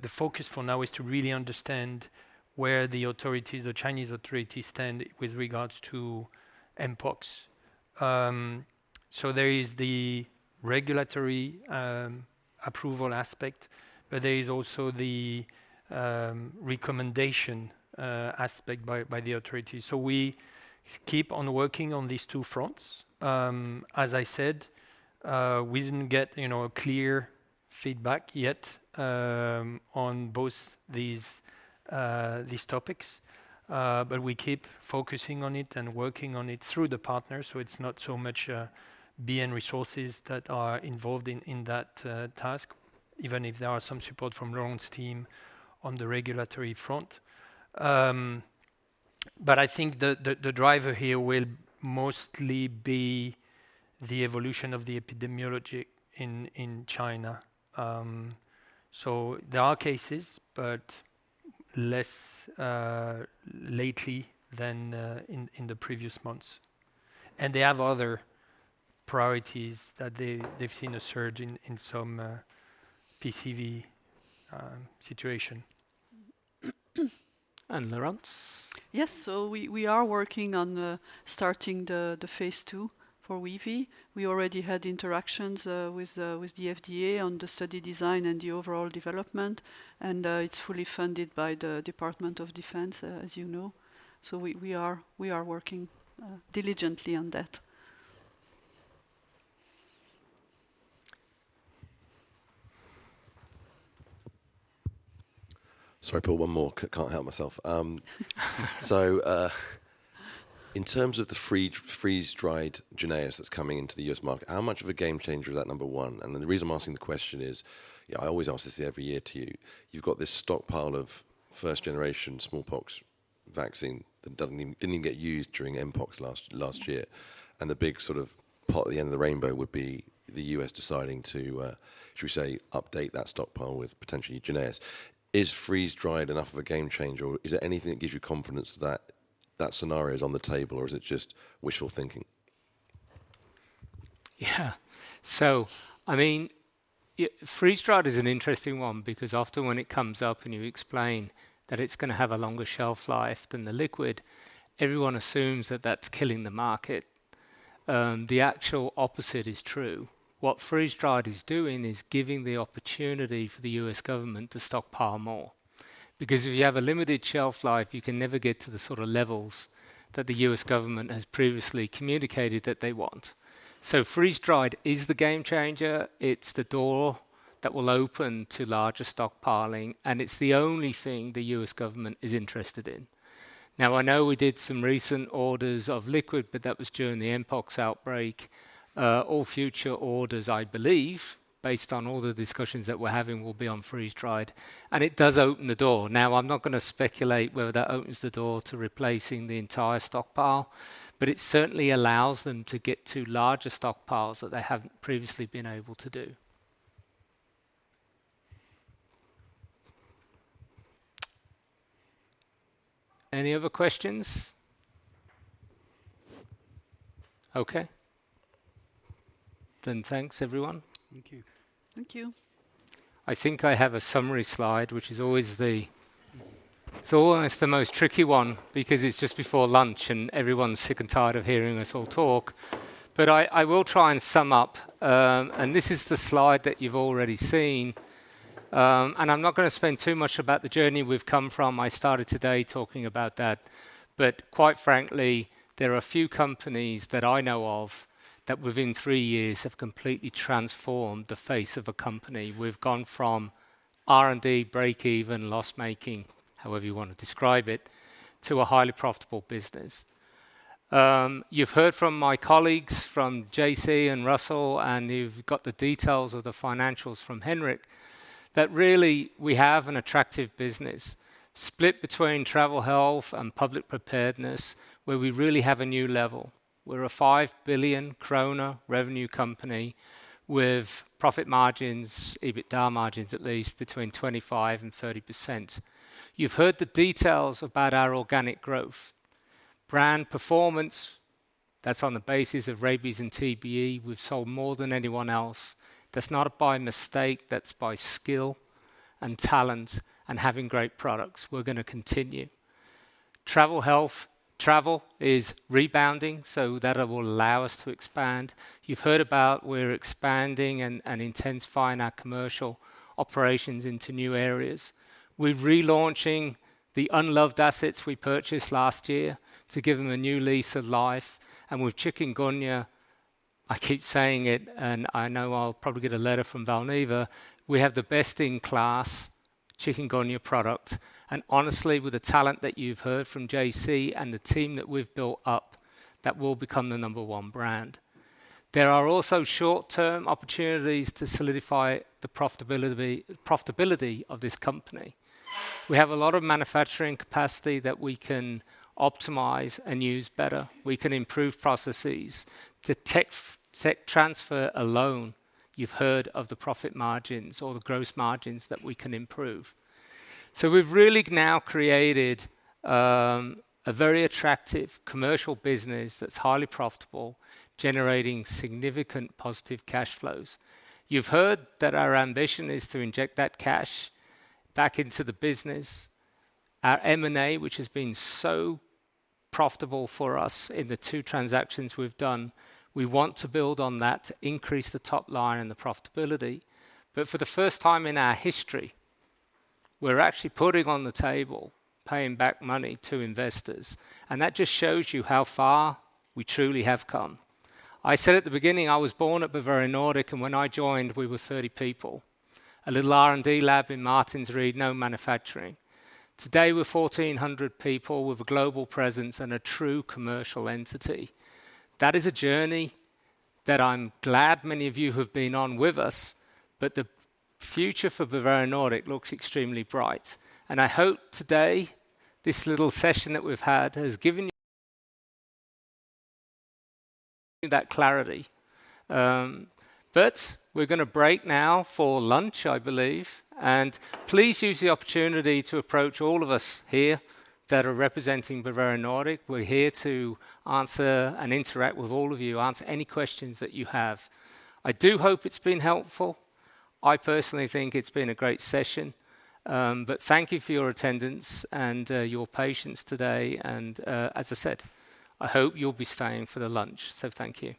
focus for now is to really understand where the authorities or Chinese authorities stand with regards to mpox. So there is the regulatory approval aspect, but there is also the recommendation aspect by the authorities. So we keep on working on these two fronts. As I said, we didn't get, you know, a clear feedback yet on both these topics. But we keep focusing on it and working on it through the partner, so it's not so much BN resources that are involved in that task, even if there are some support from Laurence's team on the regulatory front. But I think the driver here will mostly be the evolution of the epidemiology in China. So there are cases, but less lately than in the previous months. And they have other priorities that they've seen a surge in some PCV situation. And Laurence? Yes. So we are working on starting the phase II for VEV. We already had interactions with the FDA on the study design and the overall development, and it's fully funded by the Department of Defense, as you know. So we are working diligently on that. Sorry, Paul, one more. Can't help myself. So, in terms of the freeze-dried Jynneos that's coming into the U.S. market, how much of a game changer is that, number one? And then the reason I'm asking the question is, yeah, I always ask this every year to you. You've got this stockpile of first generation smallpox vaccine that didn't even get used during mpox last year, and the big sort of pot at the end of the rainbow would be the U.S. deciding to, should we say, update that stockpile with potentially Jynneos. Is freeze-dried enough of a game changer, or is there anything that gives you confidence that that scenario is on the table, or is it just wishful thinking? Yeah. So I mean, yeah, freeze-dried is an interesting one because often when it comes up and you explain that it's gonna have a longer shelf life than the liquid, everyone assumes that that's killing the market. The actual opposite is true. What freeze-dried is doing is giving the opportunity for the U.S. government to stockpile more. Because if you have a limited shelf life, you can never get to the sort of levels that the U.S. government has previously communicated that they want. So freeze-dried is the game changer. It's the door that will open to larger stockpiling, and it's the only thing the U.S. government is interested in. Now, I know we did some recent orders of liquid, but that was during the mpox outbreak. All future orders, I believe, based on all the discussions that we're having, will be on freeze-dried, and it does open the door. Now, I'm not gonna speculate whether that opens the door to replacing the entire stockpile, but it certainly allows them to get to larger stockpiles than they have previously been able to do.... Any other questions? Okay, then thanks, everyone. Thank you. Thank you. I think I have a summary slide, which is always the—it's almost the most tricky one because it's just before lunch, and everyone's sick and tired of hearing us all talk. But I will try and sum up, and this is the slide that you've already seen. And I'm not gonna spend too much about the journey we've come from. I started today talking about that. But quite frankly, there are few companies that I know of that, within three years, have completely transformed the face of a company. We've gone from R&D, break even, loss-making, however you wanna describe it, to a highly profitable business. You've heard from my colleagues, from JC and Russell, and you've got the details of the financials from Henrik, that really we have an attractive business split between travel health and public preparedness, where we really have a new level. We're a 5 billion kroner revenue company with profit margins, EBITDA margins, at least between 25% and 30%. You've heard the details about our organic growth. Brand performance, that's on the basis of rabies and TBE. We've sold more than anyone else. That's not by mistake; that's by skill and talent and having great products. We're gonna continue. Travel health. Travel is rebounding, so that will allow us to expand. You've heard about we're expanding and intensifying our commercial operations into new areas. We're relaunching the unloved assets we purchased last year to give them a new lease of life. With chikungunya, I keep saying it, and I know I'll probably get a letter from Valneva, we have the best-in-class chikungunya product, and honestly, with the talent that you've heard from JC and the team that we've built up, that will become the number one brand. There are also short-term opportunities to solidify the profitability, profitability of this company. We have a lot of manufacturing capacity that we can optimize and use better. We can improve processes. Tech, tech transfer alone, you've heard of the profit margins or the gross margins that we can improve. So we've really now created a very attractive commercial business that's highly profitable, generating significant positive cash flows. You've heard that our ambition is to inject that cash back into the business. Our M&A, which has been so profitable for us in the two transactions we've done, we want to build on that to increase the top line and the profitability. But for the first time in our history, we're actually putting on the table, paying back money to investors, and that just shows you how far we truly have come. I said at the beginning, I was born at Bavarian Nordic, and when I joined, we were 30 people. A little R&D lab in Martinsried, no manufacturing. Today, we're 1,400 people with a global presence and a true commercial entity. That is a journey that I'm glad many of you have been on with us, but the future for Bavarian Nordic looks extremely bright. And I hope today, this little session that we've had, has given you that clarity. But we're gonna break now for lunch, I believe. Please use the opportunity to approach all of us here that are representing Bavarian Nordic. We're here to answer and interact with all of you, answer any questions that you have. I do hope it's been helpful. I personally think it's been a great session, but thank you for your attendance and, your patience today, and, as I said, I hope you'll be staying for the lunch. So thank you.